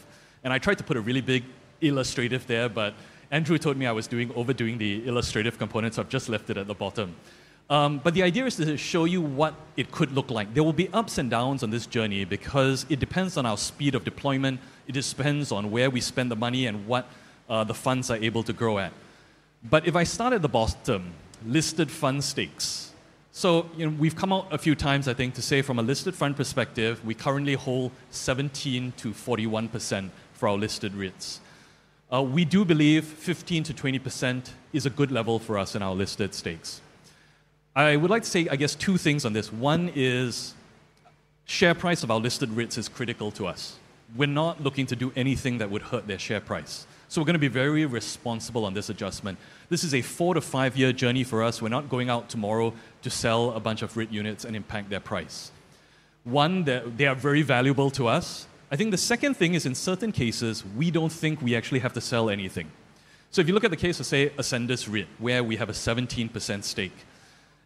And I tried to put a really big illustrative there, but Andrew told me I was overdoing the illustrative components. I've just left it at the bottom. But the idea is to show you what it could look like. There will be ups and downs on this journey because it depends on our speed of deployment. It depends on where we spend the money and what the funds are able to grow at. But if I start at the bottom, listed fund stakes. So we've come out a few times, I think, to say from a listed fund perspective, we currently hold 17%-41% for our listed REITs. We do believe 15%-20% is a good level for us in our listed stakes. I would like to say, I guess, two things on this. One is share price of our listed REITs is critical to us. We're not looking to do anything that would hurt their share price. So we're going to be very responsible on this adjustment. This is a four- to five-year journey for us. We're not going out tomorrow to sell a bunch of REIT units and impact their price. One, they are very valuable to us. I think the second thing is in certain cases, we don't think we actually have to sell anything. So if you look at the case of, say, Ascendas REIT, where we have a 17% stake,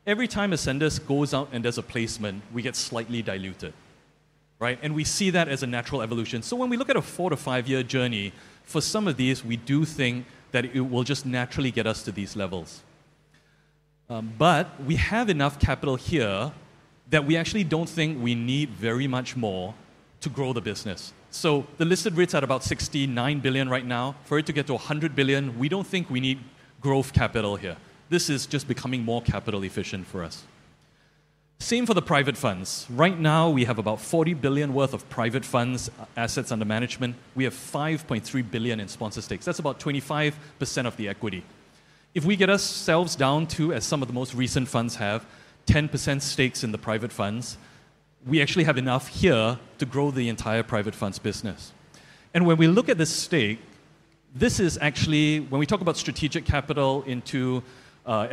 every time Ascendas goes out and does a placement, we get slightly diluted, and we see that as a natural evolution. So when we look at a four- to five-year journey for some of these, we do think that it will just naturally get us to these levels. But we have enough capital here that we actually don't think we need very much more to grow the business. So the listed REITs are at about 69 billion right now. For it to get to 100 billion, we don't think we need growth capital here. This is just becoming more capital efficient for us. Same for the private funds. Right now, we have about 40 billion worth of private funds assets under management. We have 5.3 billion in sponsor stakes. That's about 25% of the equity. If we get ourselves down to, as some of the most recent funds have, 10% stakes in the private funds, we actually have enough here to grow the entire private funds business. When we look at this stake, this is actually, when we talk about strategic capital into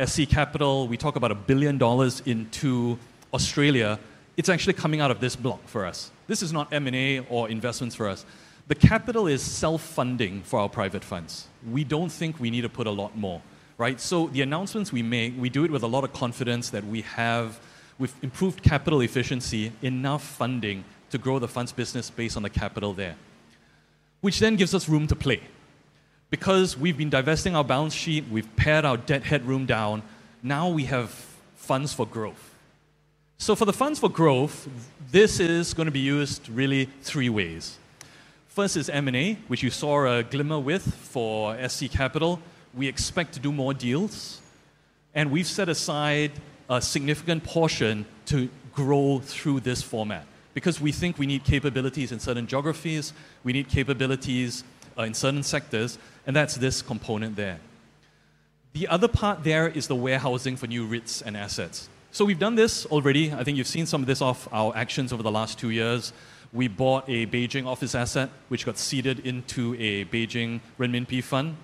SC Capital, we talk about 1 billion dollars into Australia. It's actually coming out of this block for us. This is not M&A or investments for us. The capital is self-funding for our private funds. We don't think we need to put a lot more. The announcements we make, we do it with a lot of confidence that we have with improved capital efficiency, enough funding to grow the funds business based on the capital there, which then gives us room to play. Because we've been divesting our balance sheet, we've pared our debt headroom down. Now we have funds for growth. For the funds for growth, this is going to be used really three ways. First is M&A, which you saw a glimmer with for SC Capital. We expect to do more deals, and we've set aside a significant portion to grow through this format because we think we need capabilities in certain geographies, we need capabilities in certain sectors, and that's this component there. The other part there is the warehousing for new REITs and assets. So we've done this already. I think you've seen some of this from our actions over the last two years. We bought a Beijing office asset, which got seeded into a Beijing Renminbi fund.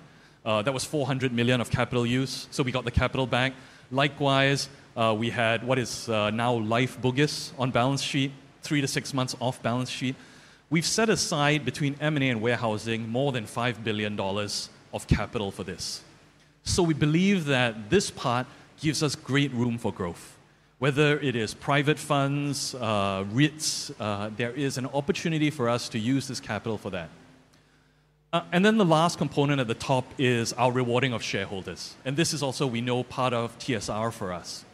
That was 400 million of capital use. So we got the capital back. Likewise, we had what is now lyf Bugis on balance sheet, three to six months off balance sheet. We've set aside between M&A and warehousing more than 5 billion dollars of capital for this. So we believe that this part gives us great room for growth. Whether it is private funds, REITs, there is an opportunity for us to use this capital for that. And then the last component at the top is our rewarding of shareholders. And this is also, we know, part of TSR for us.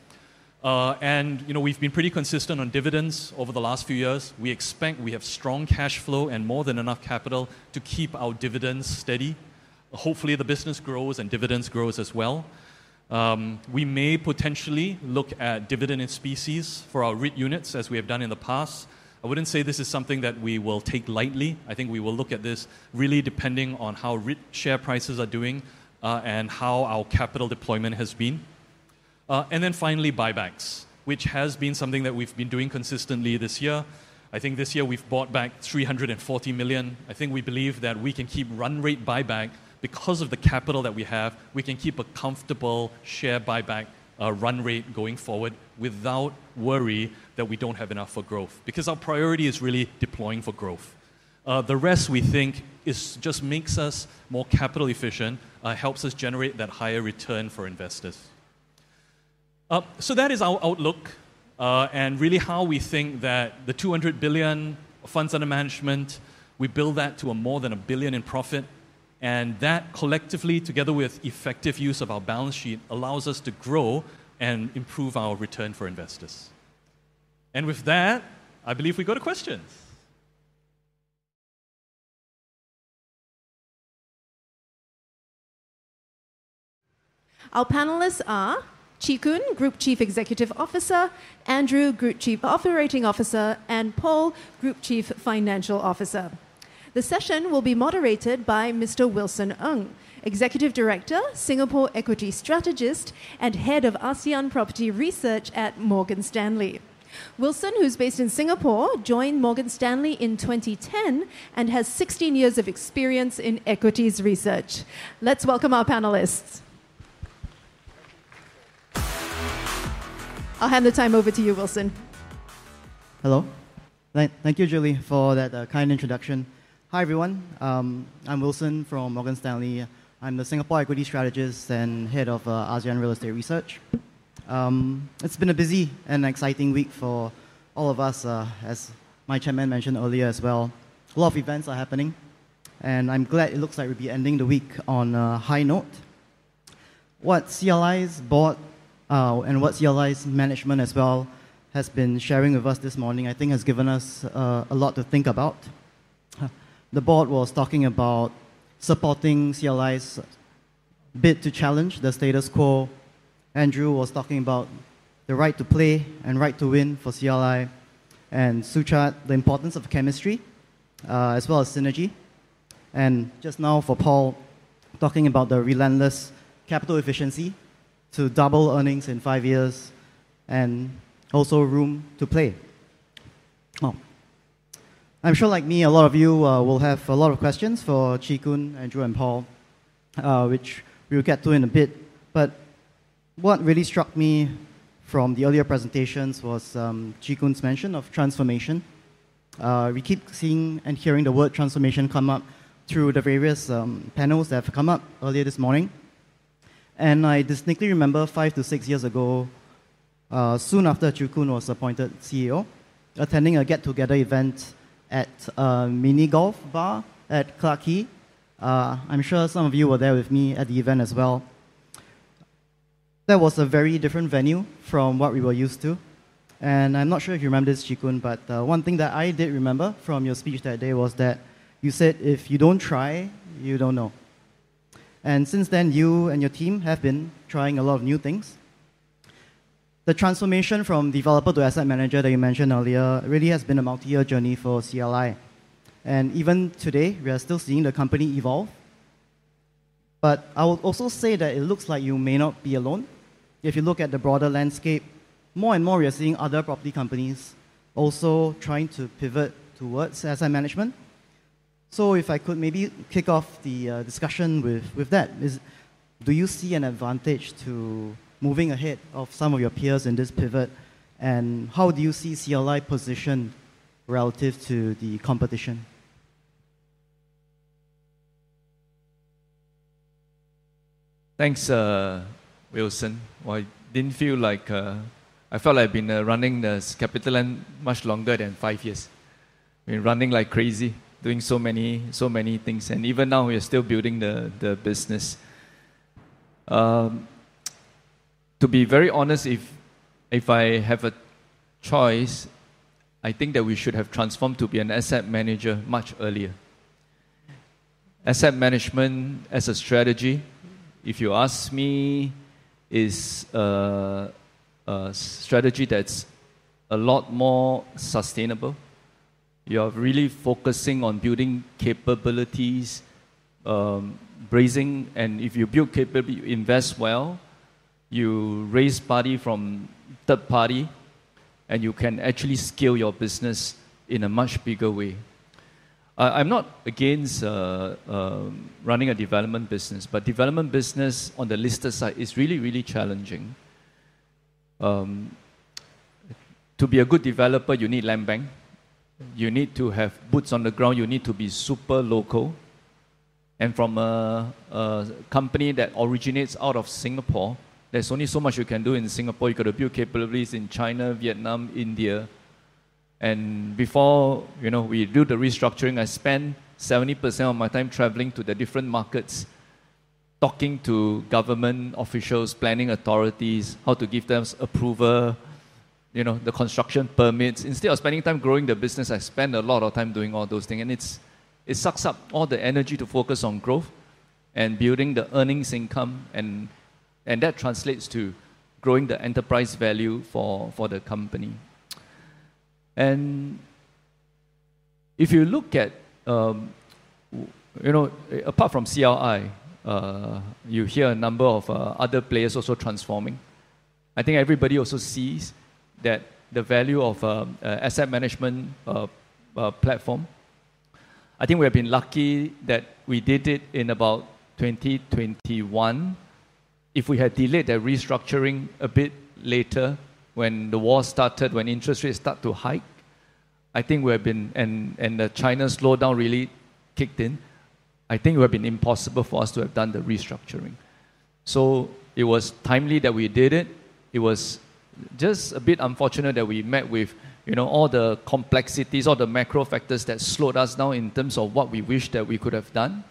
And we've been pretty consistent on dividends over the last few years. We expect we have strong cash flow and more than enough capital to keep our dividends steady. Hopefully, the business grows and dividends grow as well. We may potentially look at dividends in specie for our REIT units, as we have done in the past. I wouldn't say this is something that we will take lightly. I think we will look at this really depending on how REIT share prices are doing and how our capital deployment has been. And then finally, buybacks, which has been something that we've been doing consistently this year. I think this year we've bought back 340 million. I think we believe that we can keep run rate buyback because of the capital that we have. We can keep a comfortable share buyback run rate going forward without worry that we don't have enough for growth because our priority is really deploying for growth. The rest, we think, just makes us more capital efficient, helps us generate that higher return for investors. So that is our outlook and really how we think that the 200 billion funds under management, we build that to more than a billion in profit. And that collectively, together with effective use of our balance sheet, allows us to grow and improve our return for investors. And with that, I believe we got a question. Our panelists are Chee Koon, Group Chief Executive Officer, Andrew, Group Chief Operating Officer, and Paul, Group Chief Financial Officer. The session will be moderated by Mr. Wilson Ng, Executive Director, Singapore Equity Strategist, and Head of ASEAN Property Research at Morgan Stanley. Wilson, who's based in Singapore, joined Morgan Stanley in 2010 and has 16 years of experience in equities research. Let's welcome our panelists. I'll hand the time over to you, Wilson. Hello. Thank you, Julie, for that kind introduction. Hi, everyone. I'm Wilson from Morgan Stanley. I'm the Singapore Equity Strategist and Head of ASEAN Real Estate Research. It's been a busy and exciting week for all of us, as my chairman mentioned earlier as well. A lot of events are happening, and I'm glad it looks like we'll be ending the week on a high note. What CLI's board and what CLI's management as well has been sharing with us this morning, I think, has given us a lot to think about. The board was talking about supporting CLI's bid to challenge the status quo. Andrew was talking about the right to play and right to win for CLI and Suchad, the importance of chemistry as well as synergy. And just now, for Paul, talking about the relentless capital efficiency to double earnings in five years and also room to play. I'm sure, like me, a lot of you will have a lot of questions for Chee Koon, Andrew, and Paul, which we'll get to in a bit. But what really struck me from the earlier presentations was Chee Koon's mention of transformation. We keep seeing and hearing the word transformation come up through the various panels that have come up earlier this morning. And I distinctly remember five to six years ago, soon after Chee Koon was appointed CEO, attending a get-together event at a mini golf bar at Clarke Quay. I'm sure some of you were there with me at the event as well. That was a very different venue from what we were used to, and I'm not sure if you remember this, Chee Koon, but one thing that I did remember from your speech that day was that you said, "If you don't try, you don't know," and since then, you and your team have been trying a lot of new things. The transformation from developer to asset manager that you mentioned earlier really has been a multi-year journey for CLI, and even today, we are still seeing the company evolve, but I would also say that it looks like you may not be alone. If you look at the broader landscape, more and more we are seeing other property companies also trying to pivot towards asset management. So if I could maybe kick off the discussion with that, do you see an advantage to moving ahead of some of your peers in this pivot? And how do you see CLI position relative to the competition? Thanks, Wilson. I didn't feel like I've been running this CapitaLand much longer than five years. We're running like crazy, doing so many things. And even now, we are still building the business. To be very honest, if I have a choice, I think that we should have transformed to be an asset manager much earlier. Asset management as a strategy, if you ask me, is a strategy that's a lot more sustainable. You are really focusing on building capabilities, raising, and if you build capability, you invest well, you raise money from third party, and you can actually scale your business in a much bigger way. I'm not against running a development business, but development business on the listed side is really, really challenging. To be a good developer, you need land bank. You need to have boots on the ground. You need to be super local. And from a company that originates out of Singapore, there's only so much you can do in Singapore. You got to build capabilities in China, Vietnam, India. And before we do the restructuring, I spent 70% of my time traveling to the different markets, talking to government officials, planning authorities, how to give them approval, the construction permits. Instead of spending time growing the business, I spend a lot of time doing all those things. And it sucks up all the energy to focus on growth and building the earnings income. And that translates to growing the enterprise value for the company. And if you look at, apart from CLI, you hear a number of other players also transforming. I think everybody also sees that the value of an asset management platform. I think we have been lucky that we did it in about 2021. If we had delayed that restructuring a bit later when the war started, when interest rates started to hike, I think we have been, and China's slowdown really kicked in, I think it would have been impossible for us to have done the restructuring. So it was timely that we did it. It was just a bit unfortunate that we met with all the complexities, all the macro factors that slowed us down in terms of what we wish that we could have done.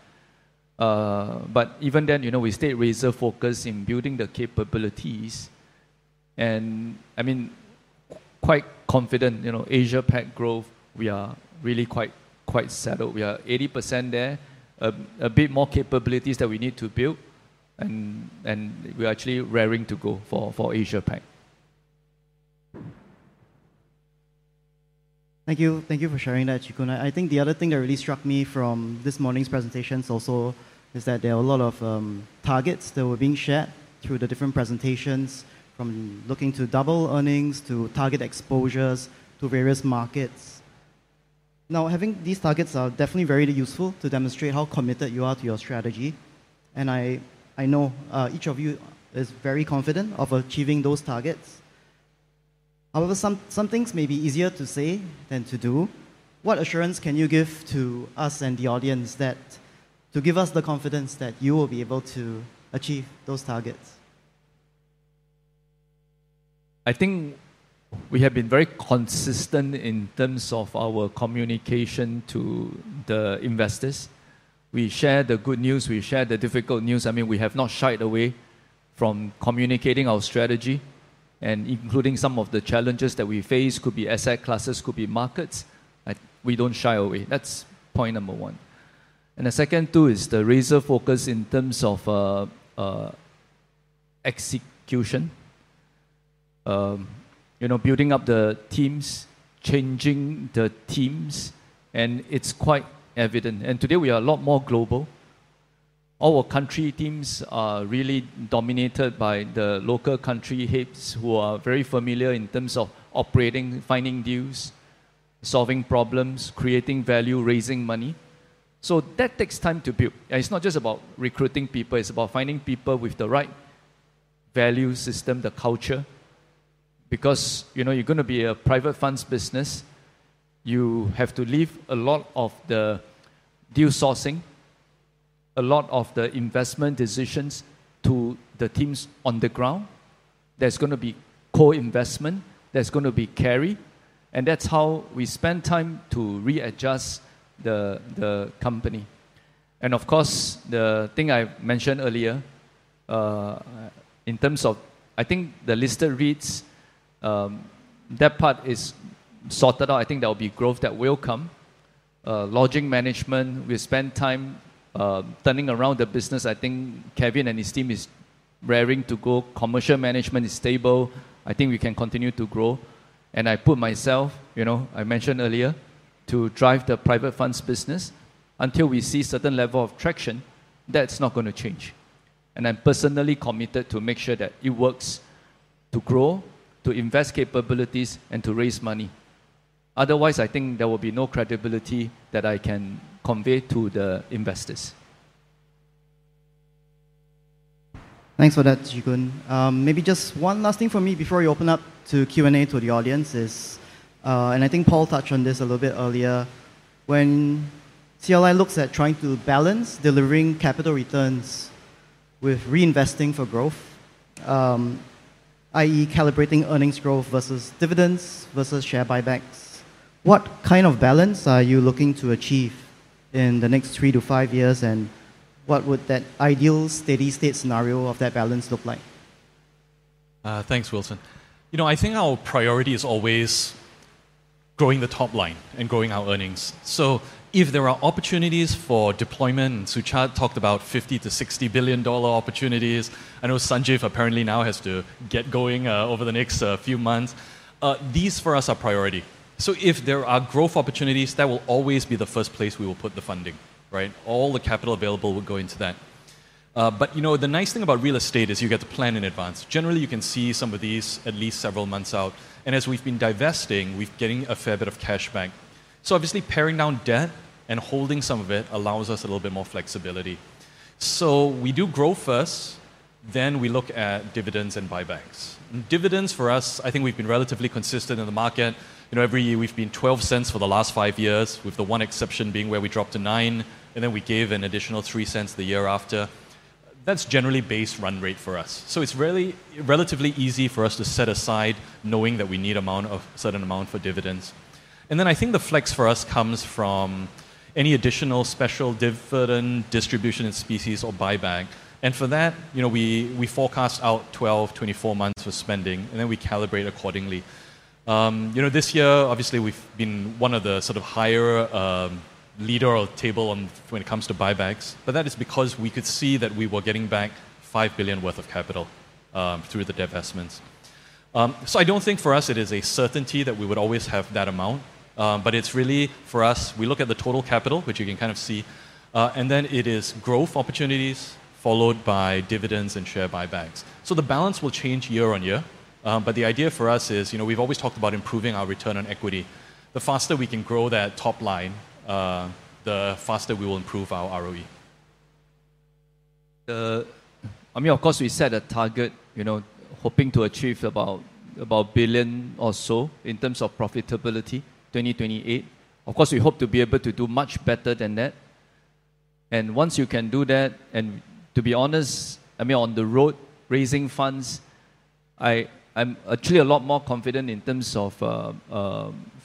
But even then, we stayed razor-focused in building the capabilities. And I mean, quite confident, Asia-Pac growth, we are really quite settled. We are 80% there, a bit more capabilities that we need to build, and we're actually raring to go for Asia-Pac. Thank you for sharing that, Chee Koon. I think the other thing that really struck me from this morning's presentations also is that there are a lot of targets that were being shared through the different presentations, from looking to double earnings to target exposures to various markets. Now, having these targets are definitely very useful to demonstrate how committed you are to your strategy. And I know each of you is very confident of achieving those targets. However, some things may be easier to say than to do. What assurance can you give to us and the audience to give us the confidence that you will be able to achieve those targets? I think we have been very consistent in terms of our communication to the investors. We share the good news. We share the difficult news. I mean, we have not shied away from communicating our strategy, and including some of the challenges that we face, could be asset classes, could be markets, we don't shy away. That's point number one, and the second, too, is the razor-focus in terms of execution, building up the teams, changing the teams, and it's quite evident, and today, we are a lot more global. All our country teams are really dominated by the local country heads who are very familiar in terms of operating, finding deals, solving problems, creating value, raising money. So that takes time to build. It's not just about recruiting people. It's about finding people with the right value system, the culture. Because you're going to be a private funds business, you have to leave a lot of the deal sourcing, a lot of the investment decisions to the teams on the ground. There's going to be co-investment. There's going to be carry. And that's how we spend time to readjust the company. And of course, the thing I mentioned earlier, in terms of, I think the listed REITs, that part is sorted out. I think there will be growth that will come. Lodging management, we spend time turning around the business. I think Kevin and his team is raring to go. Commercial management is stable. I think we can continue to grow. And I put myself, I mentioned earlier, to drive the private funds business. Until we see a certain level of traction, that's not going to change. I'm personally committed to make sure that it works to grow, to invest capabilities, and to raise money. Otherwise, I think there will be no credibility that I can convey to the investors. Thanks for that, Chee Koon. Maybe just one last thing for me before you open up to Q&A to the audience is, and I think Paul touched on this a little bit earlier, when CLI looks at trying to balance delivering capital returns with reinvesting for growth, i.e., calibrating earnings growth versus dividends versus share buybacks, what kind of balance are you looking to achieve in the next three to five years? And what would that ideal steady-state scenario of that balance look like? Thanks, Wilson. I think our priority is always growing the top line and growing our earnings. So if there are opportunities for deployment, Suchad talked about 50-60 billion dollar opportunities. I know Sanjeev apparently now has to get going over the next few months. These, for us, are priority. So if there are growth opportunities, that will always be the first place we will put the funding. All the capital available will go into that. But the nice thing about real estate is you get to plan in advance. Generally, you can see some of these at least several months out. And as we've been divesting, we're getting a fair bit of cash back. So obviously, paring down debt and holding some of it allows us a little bit more flexibility. So we do growth first, then we look at dividends and buybacks. Dividends for us, I think we've been relatively consistent in the market. Every year, we've been 0.12 for the last five years, with the one exception being where we dropped to 0.09, and then we gave an additional 0.03 the year after. That's generally base run rate for us. So it's really relatively easy for us to set aside knowing that we need a certain amount for dividends. And then I think the flex for us comes from any additional special dividend distribution in specie or buyback. And for that, we forecast out 12, 24 months for spending, and then we calibrate accordingly. This year, obviously, we've been one of the sort of higher up the leaderboard when it comes to buybacks. But that is because we could see that we were getting back 5 billion worth of capital through the divestments. So I don't think for us it is a certainty that we would always have that amount. But it's really for us. We look at the total capital, which you can kind of see, and then it is growth opportunities followed by dividends and share buybacks. So the balance will change year on year. But the idea for us is we've always talked about improving our return on equity. The faster we can grow that top line, the faster we will improve our ROE. I mean, of course, we set a target, hoping to achieve about a billion or so in terms of profitability 2028. Of course, we hope to be able to do much better than that. And once you can do that, and to be honest, I mean, on the road, raising funds, I'm actually a lot more confident in terms of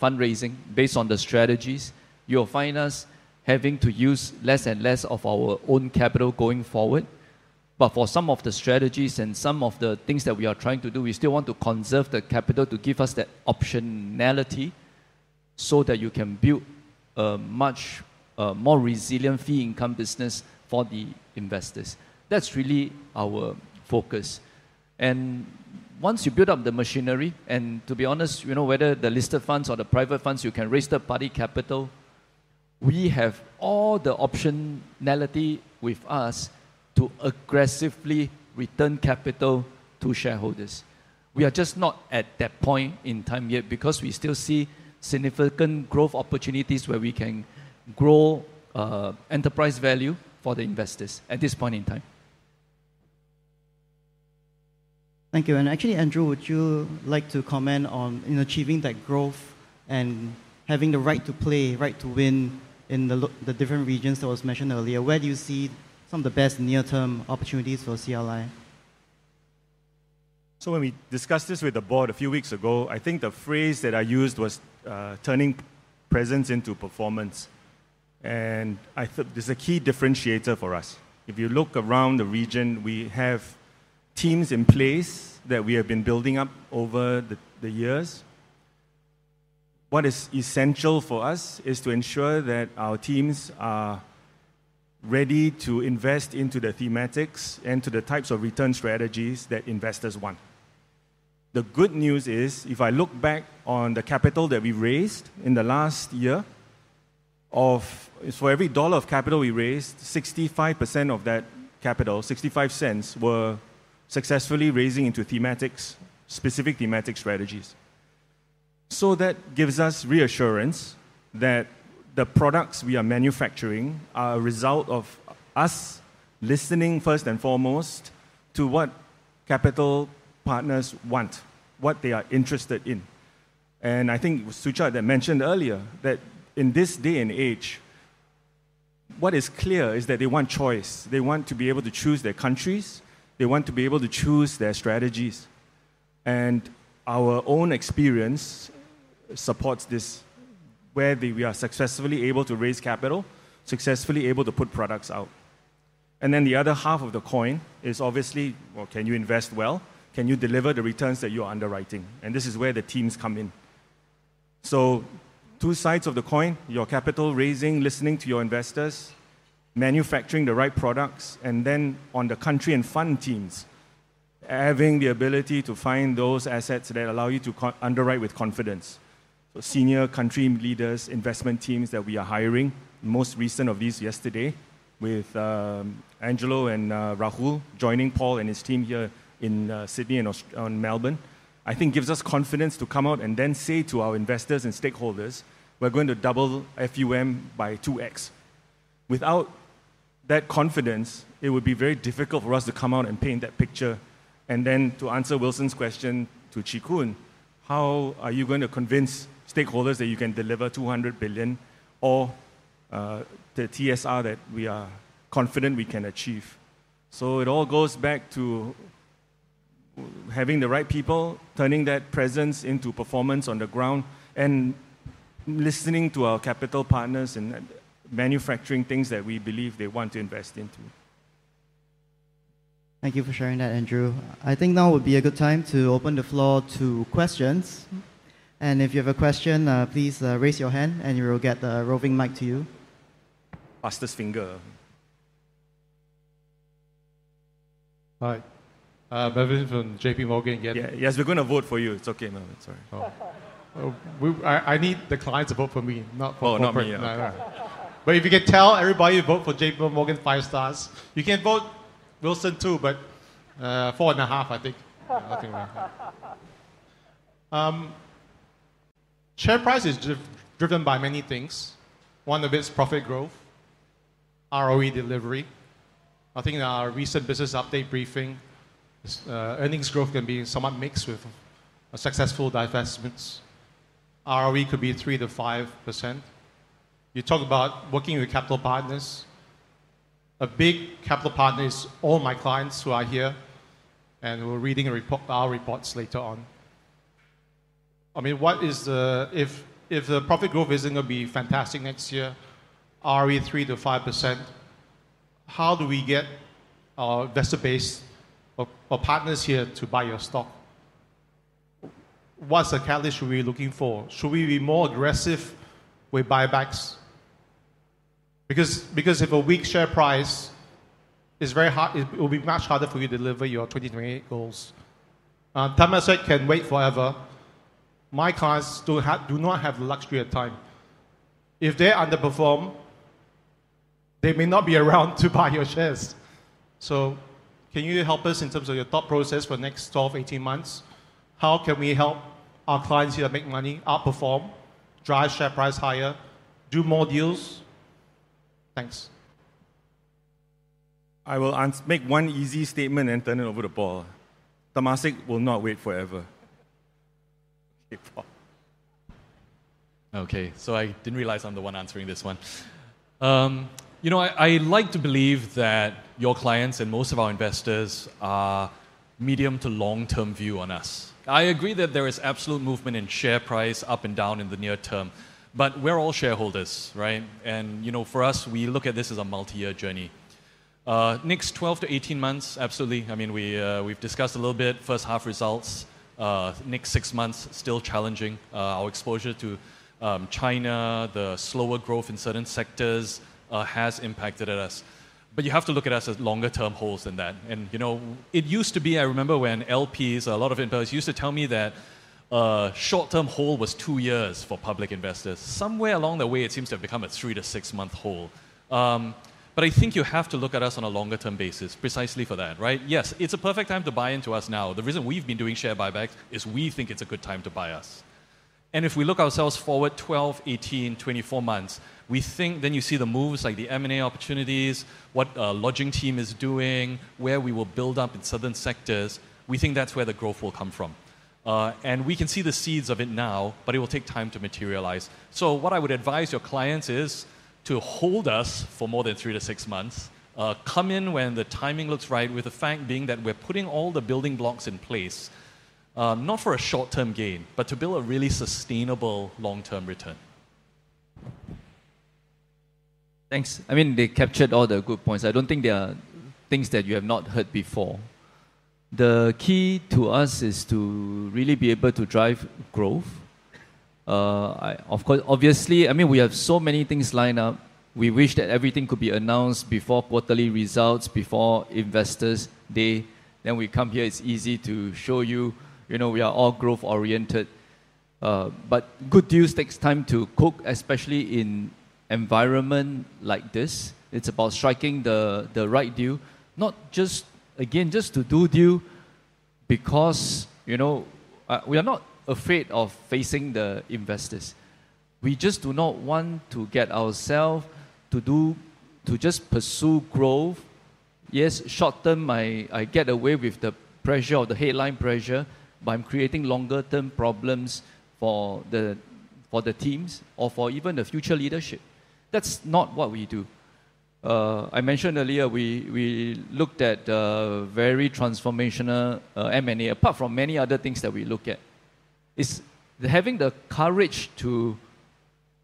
fundraising based on the strategies. You'll find us having to use less and less of our own capital going forward. But for some of the strategies and some of the things that we are trying to do, we still want to conserve the capital to give us that optionality so that you can build a much more resilient fee-income business for the investors. That's really our focus. And once you build up the machinery, and to be honest, whether the listed funds or the private funds, you can raise third-party capital, we have all the optionality with us to aggressively return capital to shareholders. We are just not at that point in time yet because we still see significant growth opportunities where we can grow enterprise value for the investors at this point in time. Thank you. And actually, Andrew, would you like to comment on achieving that growth and having the right to play, right to win in the different regions that was mentioned earlier? Where do you see some of the best near-term opportunities for CLI? So when we discussed this with the board a few weeks ago, I think the phrase that I used was turning presence into performance. And I think this is a key differentiator for us. If you look around the region, we have teams in place that we have been building up over the years. What is essential for us is to ensure that our teams are ready to invest into the thematics and to the types of return strategies that investors want. The good news is, if I look back on the capital that we raised in the last year, for every dollar of capital we raised, 65% of that capital, 0.65, were successfully raising into thematics, specific thematic strategies. So that gives us reassurance that the products we are manufacturing are a result of us listening first and foremost to what capital partners want, what they are interested in. And I think Suchad mentioned earlier that in this day and age, what is clear is that they want choice. They want to be able to choose their countries. They want to be able to choose their strategies. And our own experience supports this, where we are successfully able to raise capital, successfully able to put products out. And then the other half of the coin is obviously, well, can you invest well? Can you deliver the returns that you are underwriting? And this is where the teams come in. Two sides of the coin, your capital raising, listening to your investors, manufacturing the right products, and then on the country and fund teams, having the ability to find those assets that allow you to underwrite with confidence. Senior country leaders, investment teams that we are hiring, most recent of these yesterday, with Angelo Scasserra and Rahul Bharara joining Paul and his team here in Sydney and Melbourne, I think gives us confidence to come out and then say to our investors and stakeholders, we're going to double FUM by 2x. Without that confidence, it would be very difficult for us to come out and paint that picture. To answer Wilson's question through Chee Koon, how are you going to convince stakeholders that you can deliver 200 billion or the TSR that we are confident we can achieve? So it all goes back to having the right people, turning that presence into performance on the ground, and listening to our capital partners and manufacturing things that we believe they want to invest into. Thank you for sharing that, Andrew. I think now would be a good time to open the floor to questions, and if you have a question, please raise your hand and you will get a roving mic to you. Fastest finger. Hi. Mervin from JPMorgan. Yes, we're going to vote for you. It's okay, man. Sorry. I need the clients to vote for me, not for me, but if you can tell everybody to vote for JPMorgan five stars, you can vote Wilson, too, but four-and-a- half, I think. Share price is driven by many things. One of it is profit growth, ROE delivery. I think in our recent business update briefing, earnings growth can be somewhat mixed with successful divestments. ROE could be 3%-5%. You talk about working with capital partners. A big capital partner is all my clients who are here and who are reading our reports later on. I mean, what is the, if the profit growth isn't going to be fantastic next year, ROE 3%-5%, how do we get our investor base or partners here to buy your stock? What's the catalyst we're looking for? Should we be more aggressive with buybacks? Because if a weak share price is very hard, it will be much harder for you to deliver your 2028 goals. Temasek can wait forever. My clients do not have the luxury of time. If they underperform, they may not be around to buy your shares. So can you help us in terms of your thought process for the next 12-18 months? How can we help our clients here make money, outperform, drive share price higher, do more deals? Thanks. I will make one easy statement and turn it over to Paul. Temasek will not wait forever. Okay, so I didn't realize I'm the one answering this one. I like to believe that your clients and most of our investors are medium to long-term view on us. I agree that there is absolute movement in share price up and down in the near term, but we're all shareholders, right? And for us, we look at this as a multi-year journey. Next 12-18 months, absolutely. I mean, we've discussed a little bit first half results. Next six months, still challenging. Our exposure to China, the slower growth in certain sectors has impacted us. But you have to look at us as longer-term holds than that. And it used to be, I remember when LPs, a lot of investors used to tell me that a short-term hold was two years for public investors. Somewhere along the way, it seems to have become a three- to six-month hold. But I think you have to look at us on a longer-term basis precisely for that, right? Yes, it's a perfect time to buy into us now. The reason we've been doing share buybacks is we think it's a good time to buy us. And if we look ourselves forward 12, 18, 24 months, we think then you see the moves like the M&A opportunities, what a lodging team is doing, where we will build up in certain sectors. We think that's where the growth will come from. We can see the seeds of it now, but it will take time to materialize. So what I would advise your clients is to hold us for more than three to six months, come in when the timing looks right, with the fact being that we're putting all the building blocks in place, not for a short-term gain, but to build a really sustainable long-term return. Thanks. I mean, they captured all the good points. I don't think there are things that you have not heard before. The key to us is to really be able to drive growth. Of course, obviously, I mean, we have so many things lined up. We wish that everything could be announced before quarterly results, before investors. Then we come here, it's easy to show you we are all growth-oriented. But good deals take time to cook, especially in an environment like this. It's about striking the right deal, not just, again, just to do deal because we are not afraid of facing the investors. We just do not want to get ourselves to just pursue growth. Yes, short-term, I get away with the pressure of the headline pressure, but I'm creating longer-term problems for the teams or for even the future leadership. That's not what we do. I mentioned earlier, we looked at a very transformational M&A, apart from many other things that we look at. It's having the courage to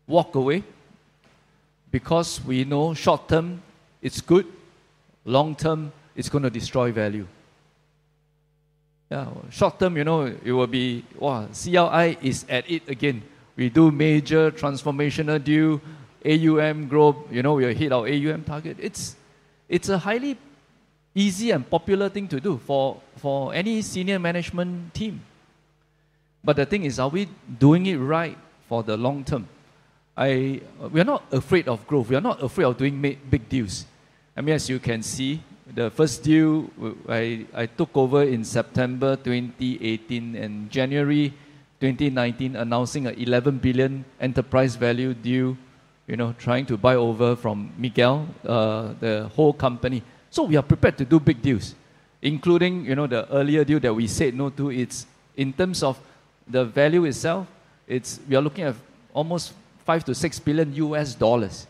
walk away because we know short-term, it's good. Long-term, it's going to destroy value. Short-term, it will be, well, CLI is at it again. We do major transformational deal, AUM growth. We hit our AUM target. It's a highly easy and popular thing to do for any senior management team. But the thing is, are we doing it right for the long term? We are not afraid of growth. We are not afraid of doing big deals. I mean, as you can see, the first deal I took over in September 2018 and January 2019, announcing an 11 billion enterprise value deal, trying to buy over from Miguel, the whole company. So we are prepared to do big deals, including the earlier deal that we said no to. It's in terms of the value itself, we are looking at almost SGD 5-SGD 6 billion USD.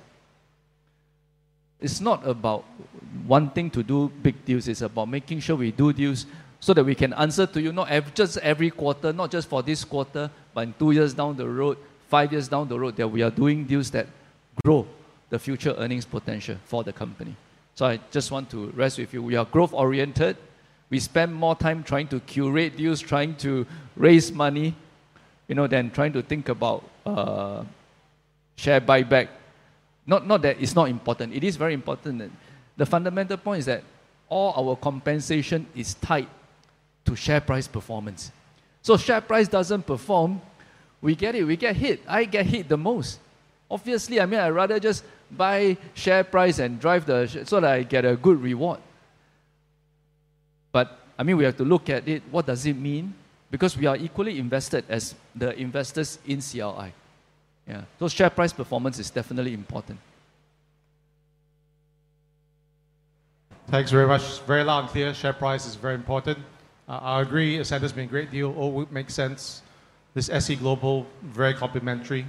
It's not about one thing to do big deals. It's about making sure we do deals so that we can answer to you not just every quarter, not just for this quarter, but in two years down the road, five years down the road, that we are doing deals that grow the future earnings potential for the company. So I just want to reassure you. We are growth-oriented. We spend more time trying to curate deals, trying to raise money than trying to think about share buyback. Not that it's not important. It is very important. The fundamental point is that all our compensation is tied to share price performance. So if share price doesn't perform, we get it. We get hit. I get hit the most. Obviously, I mean, I'd rather just boost share price and drive the share so that I get a good reward. But I mean, we have to look at it. What does it mean? Because we are equally invested as the investors in CLI. So share price performance is definitely important. Thanks very much. Very loud and clear. Share price is very important. I agree. It's had this been a great deal. All would make sense. This SC Capital, very complimentary.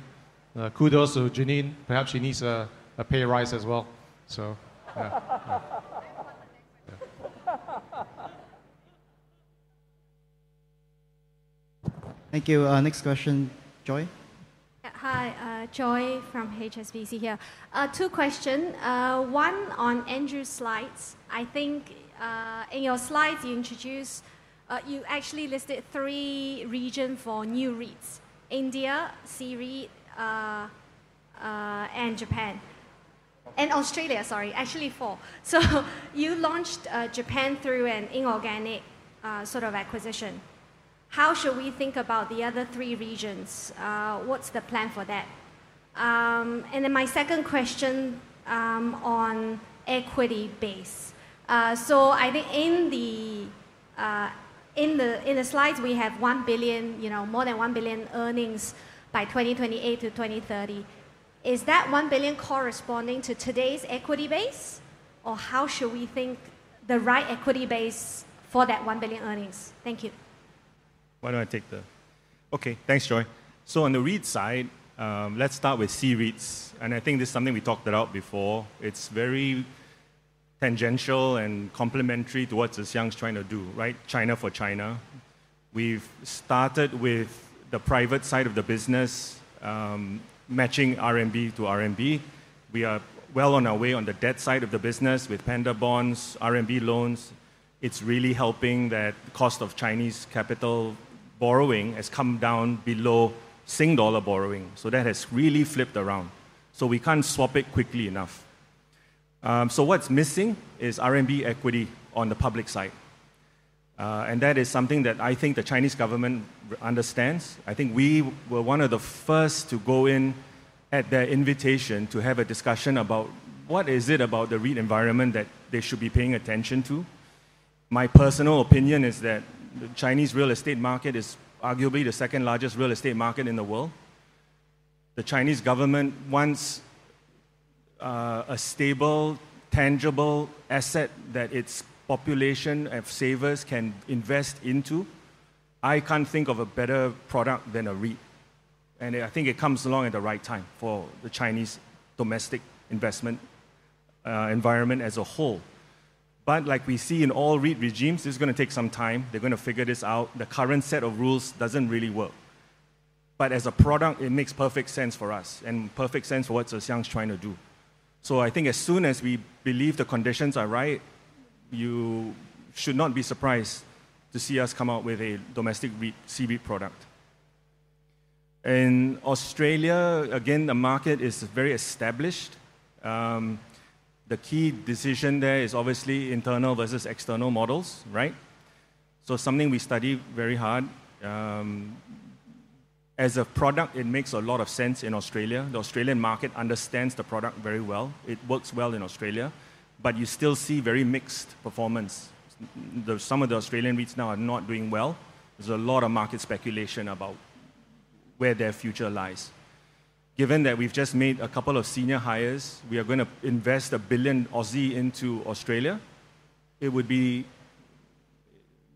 Kudos to Janine. Perhaps she needs a pay raise as well. Thank you. Next question, Choi. Hi, Choi from HSBC here. Two questions. One on Andrew's slides. I think in your slides, you introduced, you actually listed three regions for new REITs: India, China, and Japan. And Australia, sorry, actually four. So you launched Japan through an inorganic sort of acquisition. How should we think about the other three regions? What's the plan for that? And then my second question on equity base. So I think in the slides, we have more than 1 billion earnings by 2028 to 2030. Is that 1 billion corresponding to today's equity base? Or how should we think the right equity base for that 1 billion earnings? T hank you. Why don't I take the... Okay, thanks, Choi. On the REIT side, let's start with C-REITs. I think this is something we talked about before. It's very tangential and complementary to what Tze Shyang is trying to do, right? China for China. We've started with the private side of the business, matching RMB to RMB. We are well on our way on the debt side of the business with Panda Bonds, RMB loans. It's really helping that the cost of Chinese capital borrowing has come down below Sing dollar borrowing. That has really flipped around. We can't swap it quickly enough. So, what's missing is RMB equity on the public side. And that is something that I think the Chinese government understands. I think we were one of the first to go in at their invitation to have a discussion about what is it about the REIT environment that they should be paying attention to. My personal opinion is that the Chinese real estate market is arguably the second largest real estate market in the world. The Chinese government wants a stable, tangible asset that its population of savers can invest into. I can't think of a better product than a REIT. And I think it comes along at the right time for the Chinese domestic investment environment as a whole. But like we see in all REIT regimes, this is going to take some time. They're going to figure this out. The current set of rules doesn't really work. But as a product, it makes perfect sense for us and perfect sense for what Tze Shyang is trying to do. So I think as soon as we believe the conditions are right, you should not be surprised to see us come out with a domestic REIT, C-REIT product. In Australia, again, the market is very established. The key decision there is obviously internal versus external models, right? So something we study very hard. As a product, it makes a lot of sense in Australia. The Australian market understands the product very well. It works well in Australia. But you still see very mixed performance. Some of the Australian REITs now are not doing well. There's a lot of market speculation about where their future lies. Given that we've just made a couple of senior hires, we are going to invest 1 billion into Australia. It would be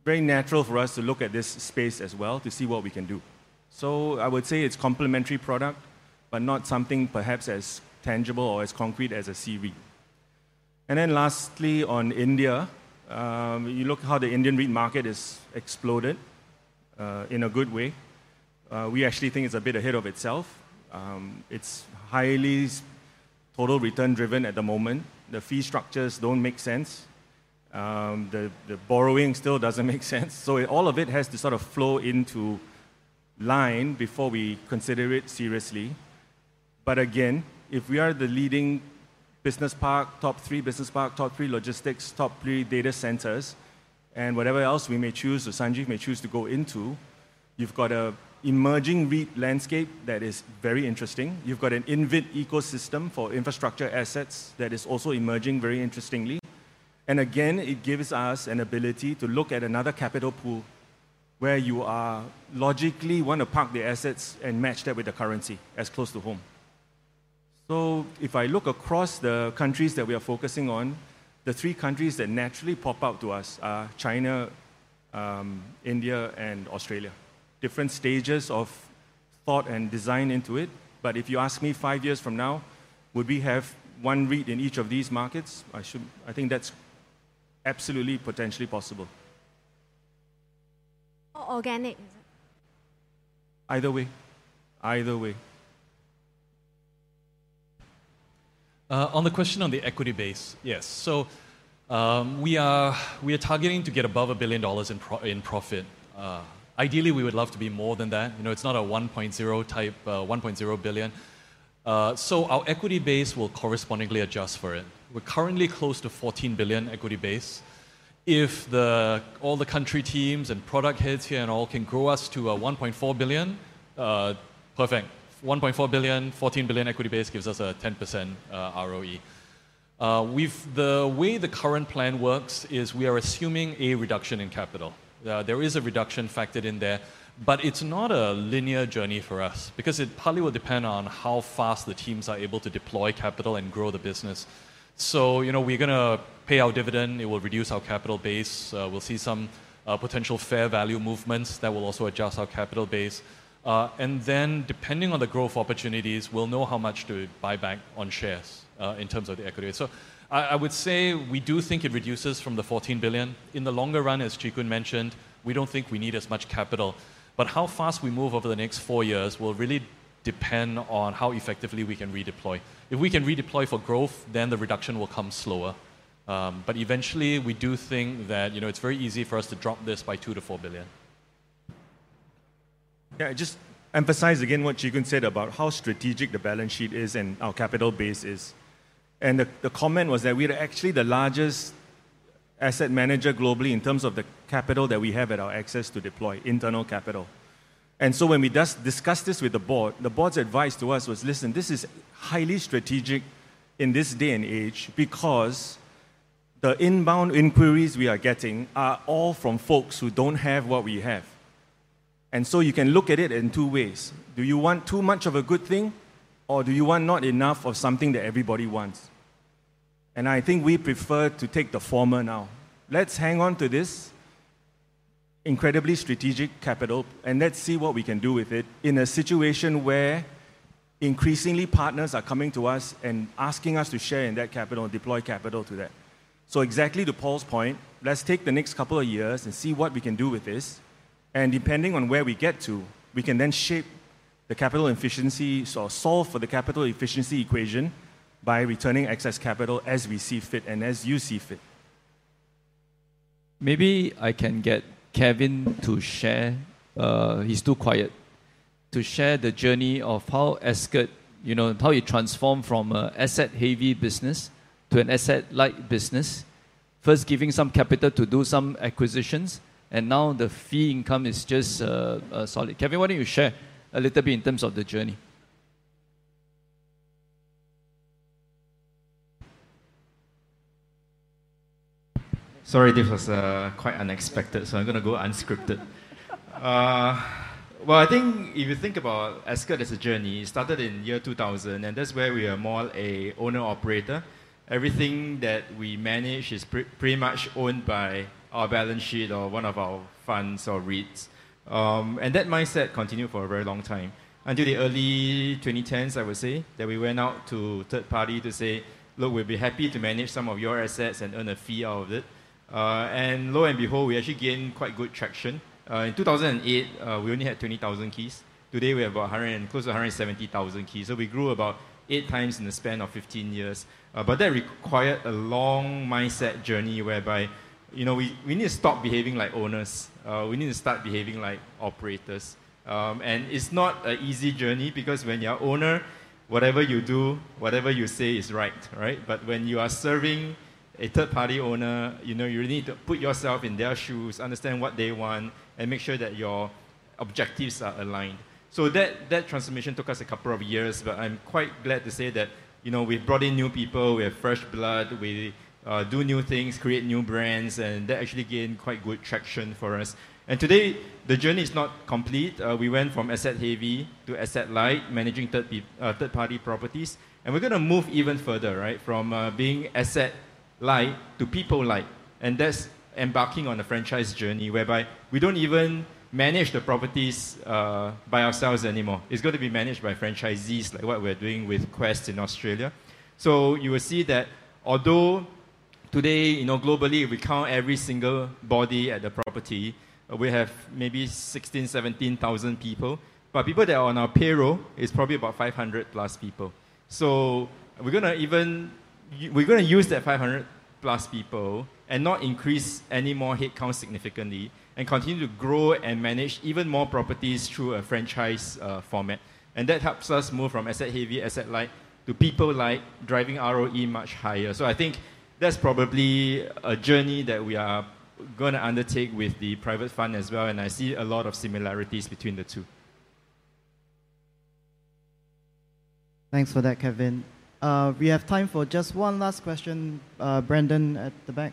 very natural for us to look at this space as well to see what we can do. So I would say it's a complementary product, but not something perhaps as tangible or as concrete as a C-REIT. And then lastly, on India, you look at how the Indian REIT market has exploded in a good way. We actually think it's a bit ahead of itself. It's highly total return-driven at the moment. The fee structures don't make sense. The borrowing still doesn't make sense. So all of it has to sort of flow into line before we consider it seriously. But again, if we are the leading business park, top three business park, top three logistics, top three data centers, and whatever else we may choose, or Sanjeev may choose to go into, you've got an emerging REIT landscape that is very interesting. You've got an InvIT ecosystem for infrastructure assets that is also emerging very interestingly. Again, it gives us an ability to look at another capital pool where you logically want to park the assets and match that with the currency as close to home. So if I look across the countries that we are focusing on, the three countries that naturally pop up to us are China, India, and Australia. Different stages of thought and design into it. If you ask me five years from now, would we have one REIT in each of these markets? I think that's absolutely potentially possible. Or organic? Either way. Either way. On the question on the equity base, yes. So we are targeting to get above 1 billion dollars in profit. Ideally, we would love to be more than that. It's not a 1.0 type, 1.0 billion. Our equity base will correspondingly adjust for it. We're currently close to 14 billion equity base. If all the country teams and product heads here and all can grow us to 1.4 billion, perfect. 1.4 billion, 14 billion equity base gives us a 10% ROE. The way the current plan works is we are assuming a reduction in capital. There is a reduction factor in there, but it's not a linear journey for us because it probably will depend on how fast the teams are able to deploy capital and grow the business. We're going to pay our dividend. It will reduce our capital base. We'll see some potential fair value movements that will also adjust our capital base. And then depending on the growth opportunities, we'll know how much to buy back on shares in terms of the equity. So I would say we do think it reduces from the 14 billion. In the longer run, as Chee Koon mentioned, we don't think we need as much capital. But how fast we move over the next four years will really depend on how effectively we can redeploy. If we can redeploy for growth, then the reduction will come slower. But eventually, we do think that it's very easy for us to drop this by 2 billion to 4 billion. Yeah, I just emphasize again what Chee Koon said about how strategic the balance sheet is and our capital base is. And the comment was that we are actually the largest asset manager globally in terms of the capital that we have at our disposal to deploy internal capital. And so when we discussed this with the board, the board's advice to us was, "Listen, this is highly strategic in this day and age because the inbound inquiries we are getting are all from folks who don't have what we have." And so you can look at it in two ways. Do you want too much of a good thing or do you want not enough of something that everybody wants? And I think we prefer to take the former now. Let's hang on to this incredibly strategic capital and let's see what we can do with it in a situation where increasingly partners are coming to us and asking us to share in that capital, deploy capital to that. So exactly to Paul's point, let's take the next couple of years and see what we can do with this. Depending on where we get to, we can then shape the capital efficiency or solve for the capital efficiency equation by returning excess capital as we see fit and as you see fit. Maybe I can get Kevin to share. He's too quiet. To share the journey of how Ascott, how it transformed from an asset-heavy business to an asset-light business, first giving some capital to do some acquisitions, and now the fee income is just solid. Kevin, why don't you share a little bit in terms of the journey? Sorry, this was quite unexpected, so I'm going to go unscripted. I think if you think about Ascott as a journey, it started in the year 2000, and that's where we are more an owner-operator. Everything that we manage is pretty much owned by our balance sheet or one of our funds or REITs. That mindset continued for a very long time. Until the early 2010s, I would say, that we went out to third parties to say, look, we'd be happy to manage some of your assets and earn a fee out of it. And lo and behold, we actually gained quite good traction. In 2008, we only had 20,000 keys. Today, we have close to 170,000 keys. We grew about eight times in the span of 15 years. That required a long mindset journey whereby we need to stop behaving like owners. We need to start behaving like operators. It's not an easy journey because when you're an owner, whatever you do, whatever you say is right, right? When you are serving a third-party owner, you really need to put yourself in their shoes, understand what they want, and make sure that your objectives are aligned. So that transformation took us a couple of years, but I'm quite glad to say that we've brought in new people, we have fresh blood, we do new things, create new brands, and that actually gained quite good traction for us. And today, the journey is not complete. We went from asset-heavy to asset-light, managing third-party properties. And we're going to move even further, right, from being asset-light to people-light. And that's embarking on a franchise journey whereby we don't even manage the properties by ourselves anymore. It's going to be managed by franchisees like what we're doing with Quest in Australia. So you will see that although today, globally, if we count every single body at the property, we have maybe 16,000, 17,000 people, but people that are on our payroll is probably about 500 plus people. We're going to even use that 500 plus people and not increase any more headcount significantly and continue to grow and manage even more properties through a franchise format. That helps us move from asset-heavy, asset-light to people-light, driving ROE much higher. I think that's probably a journey that we are going to undertake with the private fund as well. I see a lot of similarities between the two. Thanks for that, Kevin. We have time for just one last question, Brandon at the back.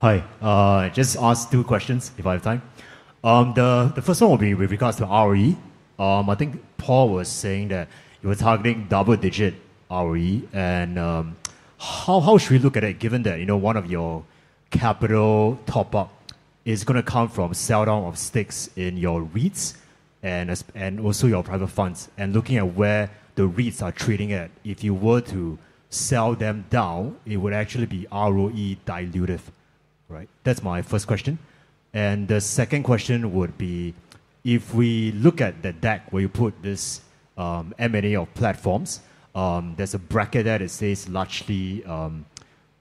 Hi, just ask two questions if I have time. The first one will be with regards to ROE. I think Paul was saying that you were targeting double-digit ROE. How should we look at it given that one of your capital top-up is going to come from selldown of stakes in your REITs and also your private funds? Looking at where the REITs are trading at, if you were to sell them down, it would actually be ROE dilutive, right? That's my first question. The second question would be if we look at the deck where you put this M&A of platforms, there's a bracket there that says largely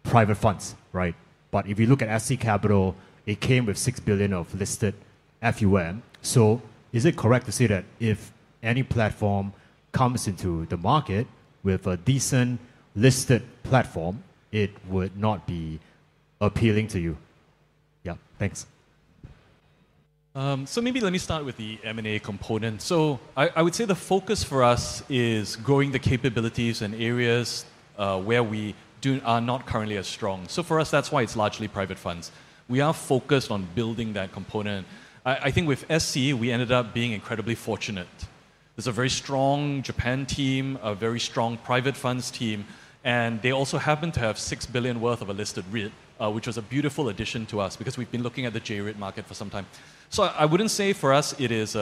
private funds, right? But if you look at SC Capital, it came with six billion of listed FUM. So is it correct to say that if any platform comes into the market with a decent listed platform, it would not be appealing to you? Yeah, thanks. Maybe let me start with the M&A component. I would say the focus for us is growing the capabilities and areas where we are not currently as strong. For us, that's why it's largely private funds. We are focused on building that component. I think with SC, we ended up being incredibly fortunate. There's a very strong Japan team, a very strong private funds team, and they also happen to have 6 billion worth of a listed REIT, which was a beautiful addition to us because we've been looking at the J-REIT market for some time. So I wouldn't say for us it is,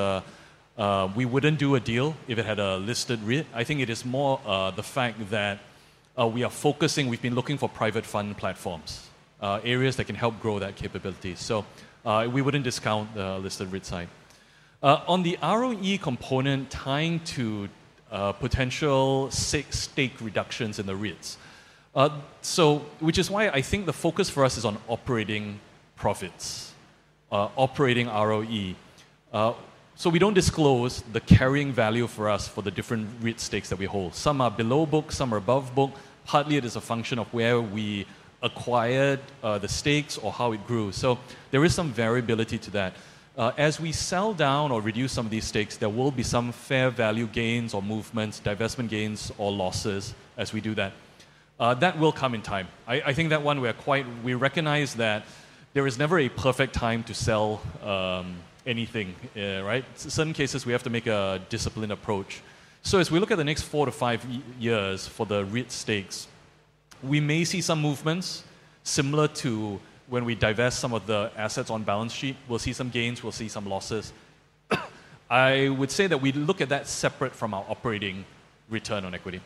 we wouldn't do a deal if it had a listed REIT. I think it is more the fact that we are focusing, we've been looking for private fund platforms, areas that can help grow that capability. So we wouldn't discount the listed REIT side. On the ROE component tying to potential 60% stake reductions in the REITs, which is why I think the focus for us is on operating profits, operating ROE. So we don't disclose the carrying value for us for the different REIT stakes that we hold. Some are below book, some are above book. Partly, it is a function of where we acquired the stakes or how it grew. So there is some variability to that. As we sell down or reduce some of these stakes, there will be some fair value gains or movements, divestment gains or losses as we do that. That will come in time. I think that one we recognize that there is never a perfect time to sell anything, right? In some cases, we have to make a disciplined approach. So as we look at the next four to five years for the REIT stakes, we may see some movements similar to when we divest some of the assets on balance sheet. We'll see some gains, we'll see some losses. I would say that we look at that separate from our operating return on equity.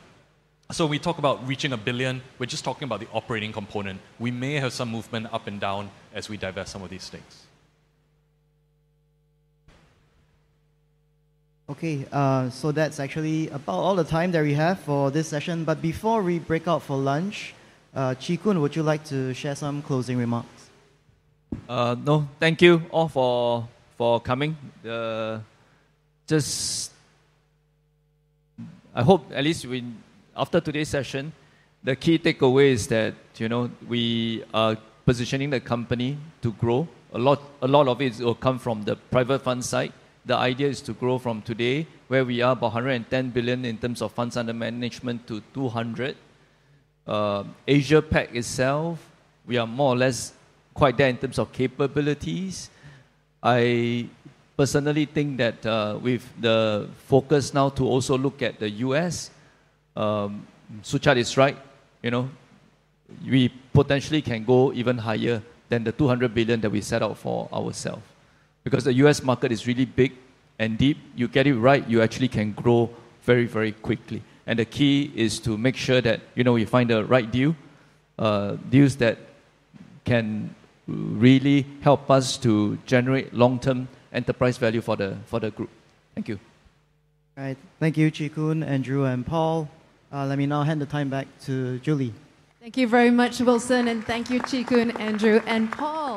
So we talk about reaching 1 billion, we're just talking about the operating component. We may have some movement up and down as we divest some of these stakes. Okay, so that's actually about all the time that we have for this session. But before we break out for lunch, Chee Koon, would you like to share some closing remarks? No, thank you all for coming. Just I hope at least after today's session, the key takeaway is that we are positioning the company to grow. A lot of it will come from the private fund side. The idea is to grow from today, where we are about 110 billion in terms of funds under management, to 200 billion. Asia-Pac itself, we are more or less quite there in terms of capabilities. I personally think that with the focus now to also look at the U.S., Suchad is right. We potentially can go even higher than the 200 billion that we set out for ourselves because the U.S. market is really big and deep. You get it right, you actually can grow very, very quickly. And the key is to make sure that we find the right deals, deals that can really help us to generate long-term enterprise value for the group. Thank you. All right, thank you, Chee Koon, Andrew, and Paul. Let me now hand the time back to Julie. Thank you very much, Wilson, and thank you, Chee Koon, Andrew, and Paul.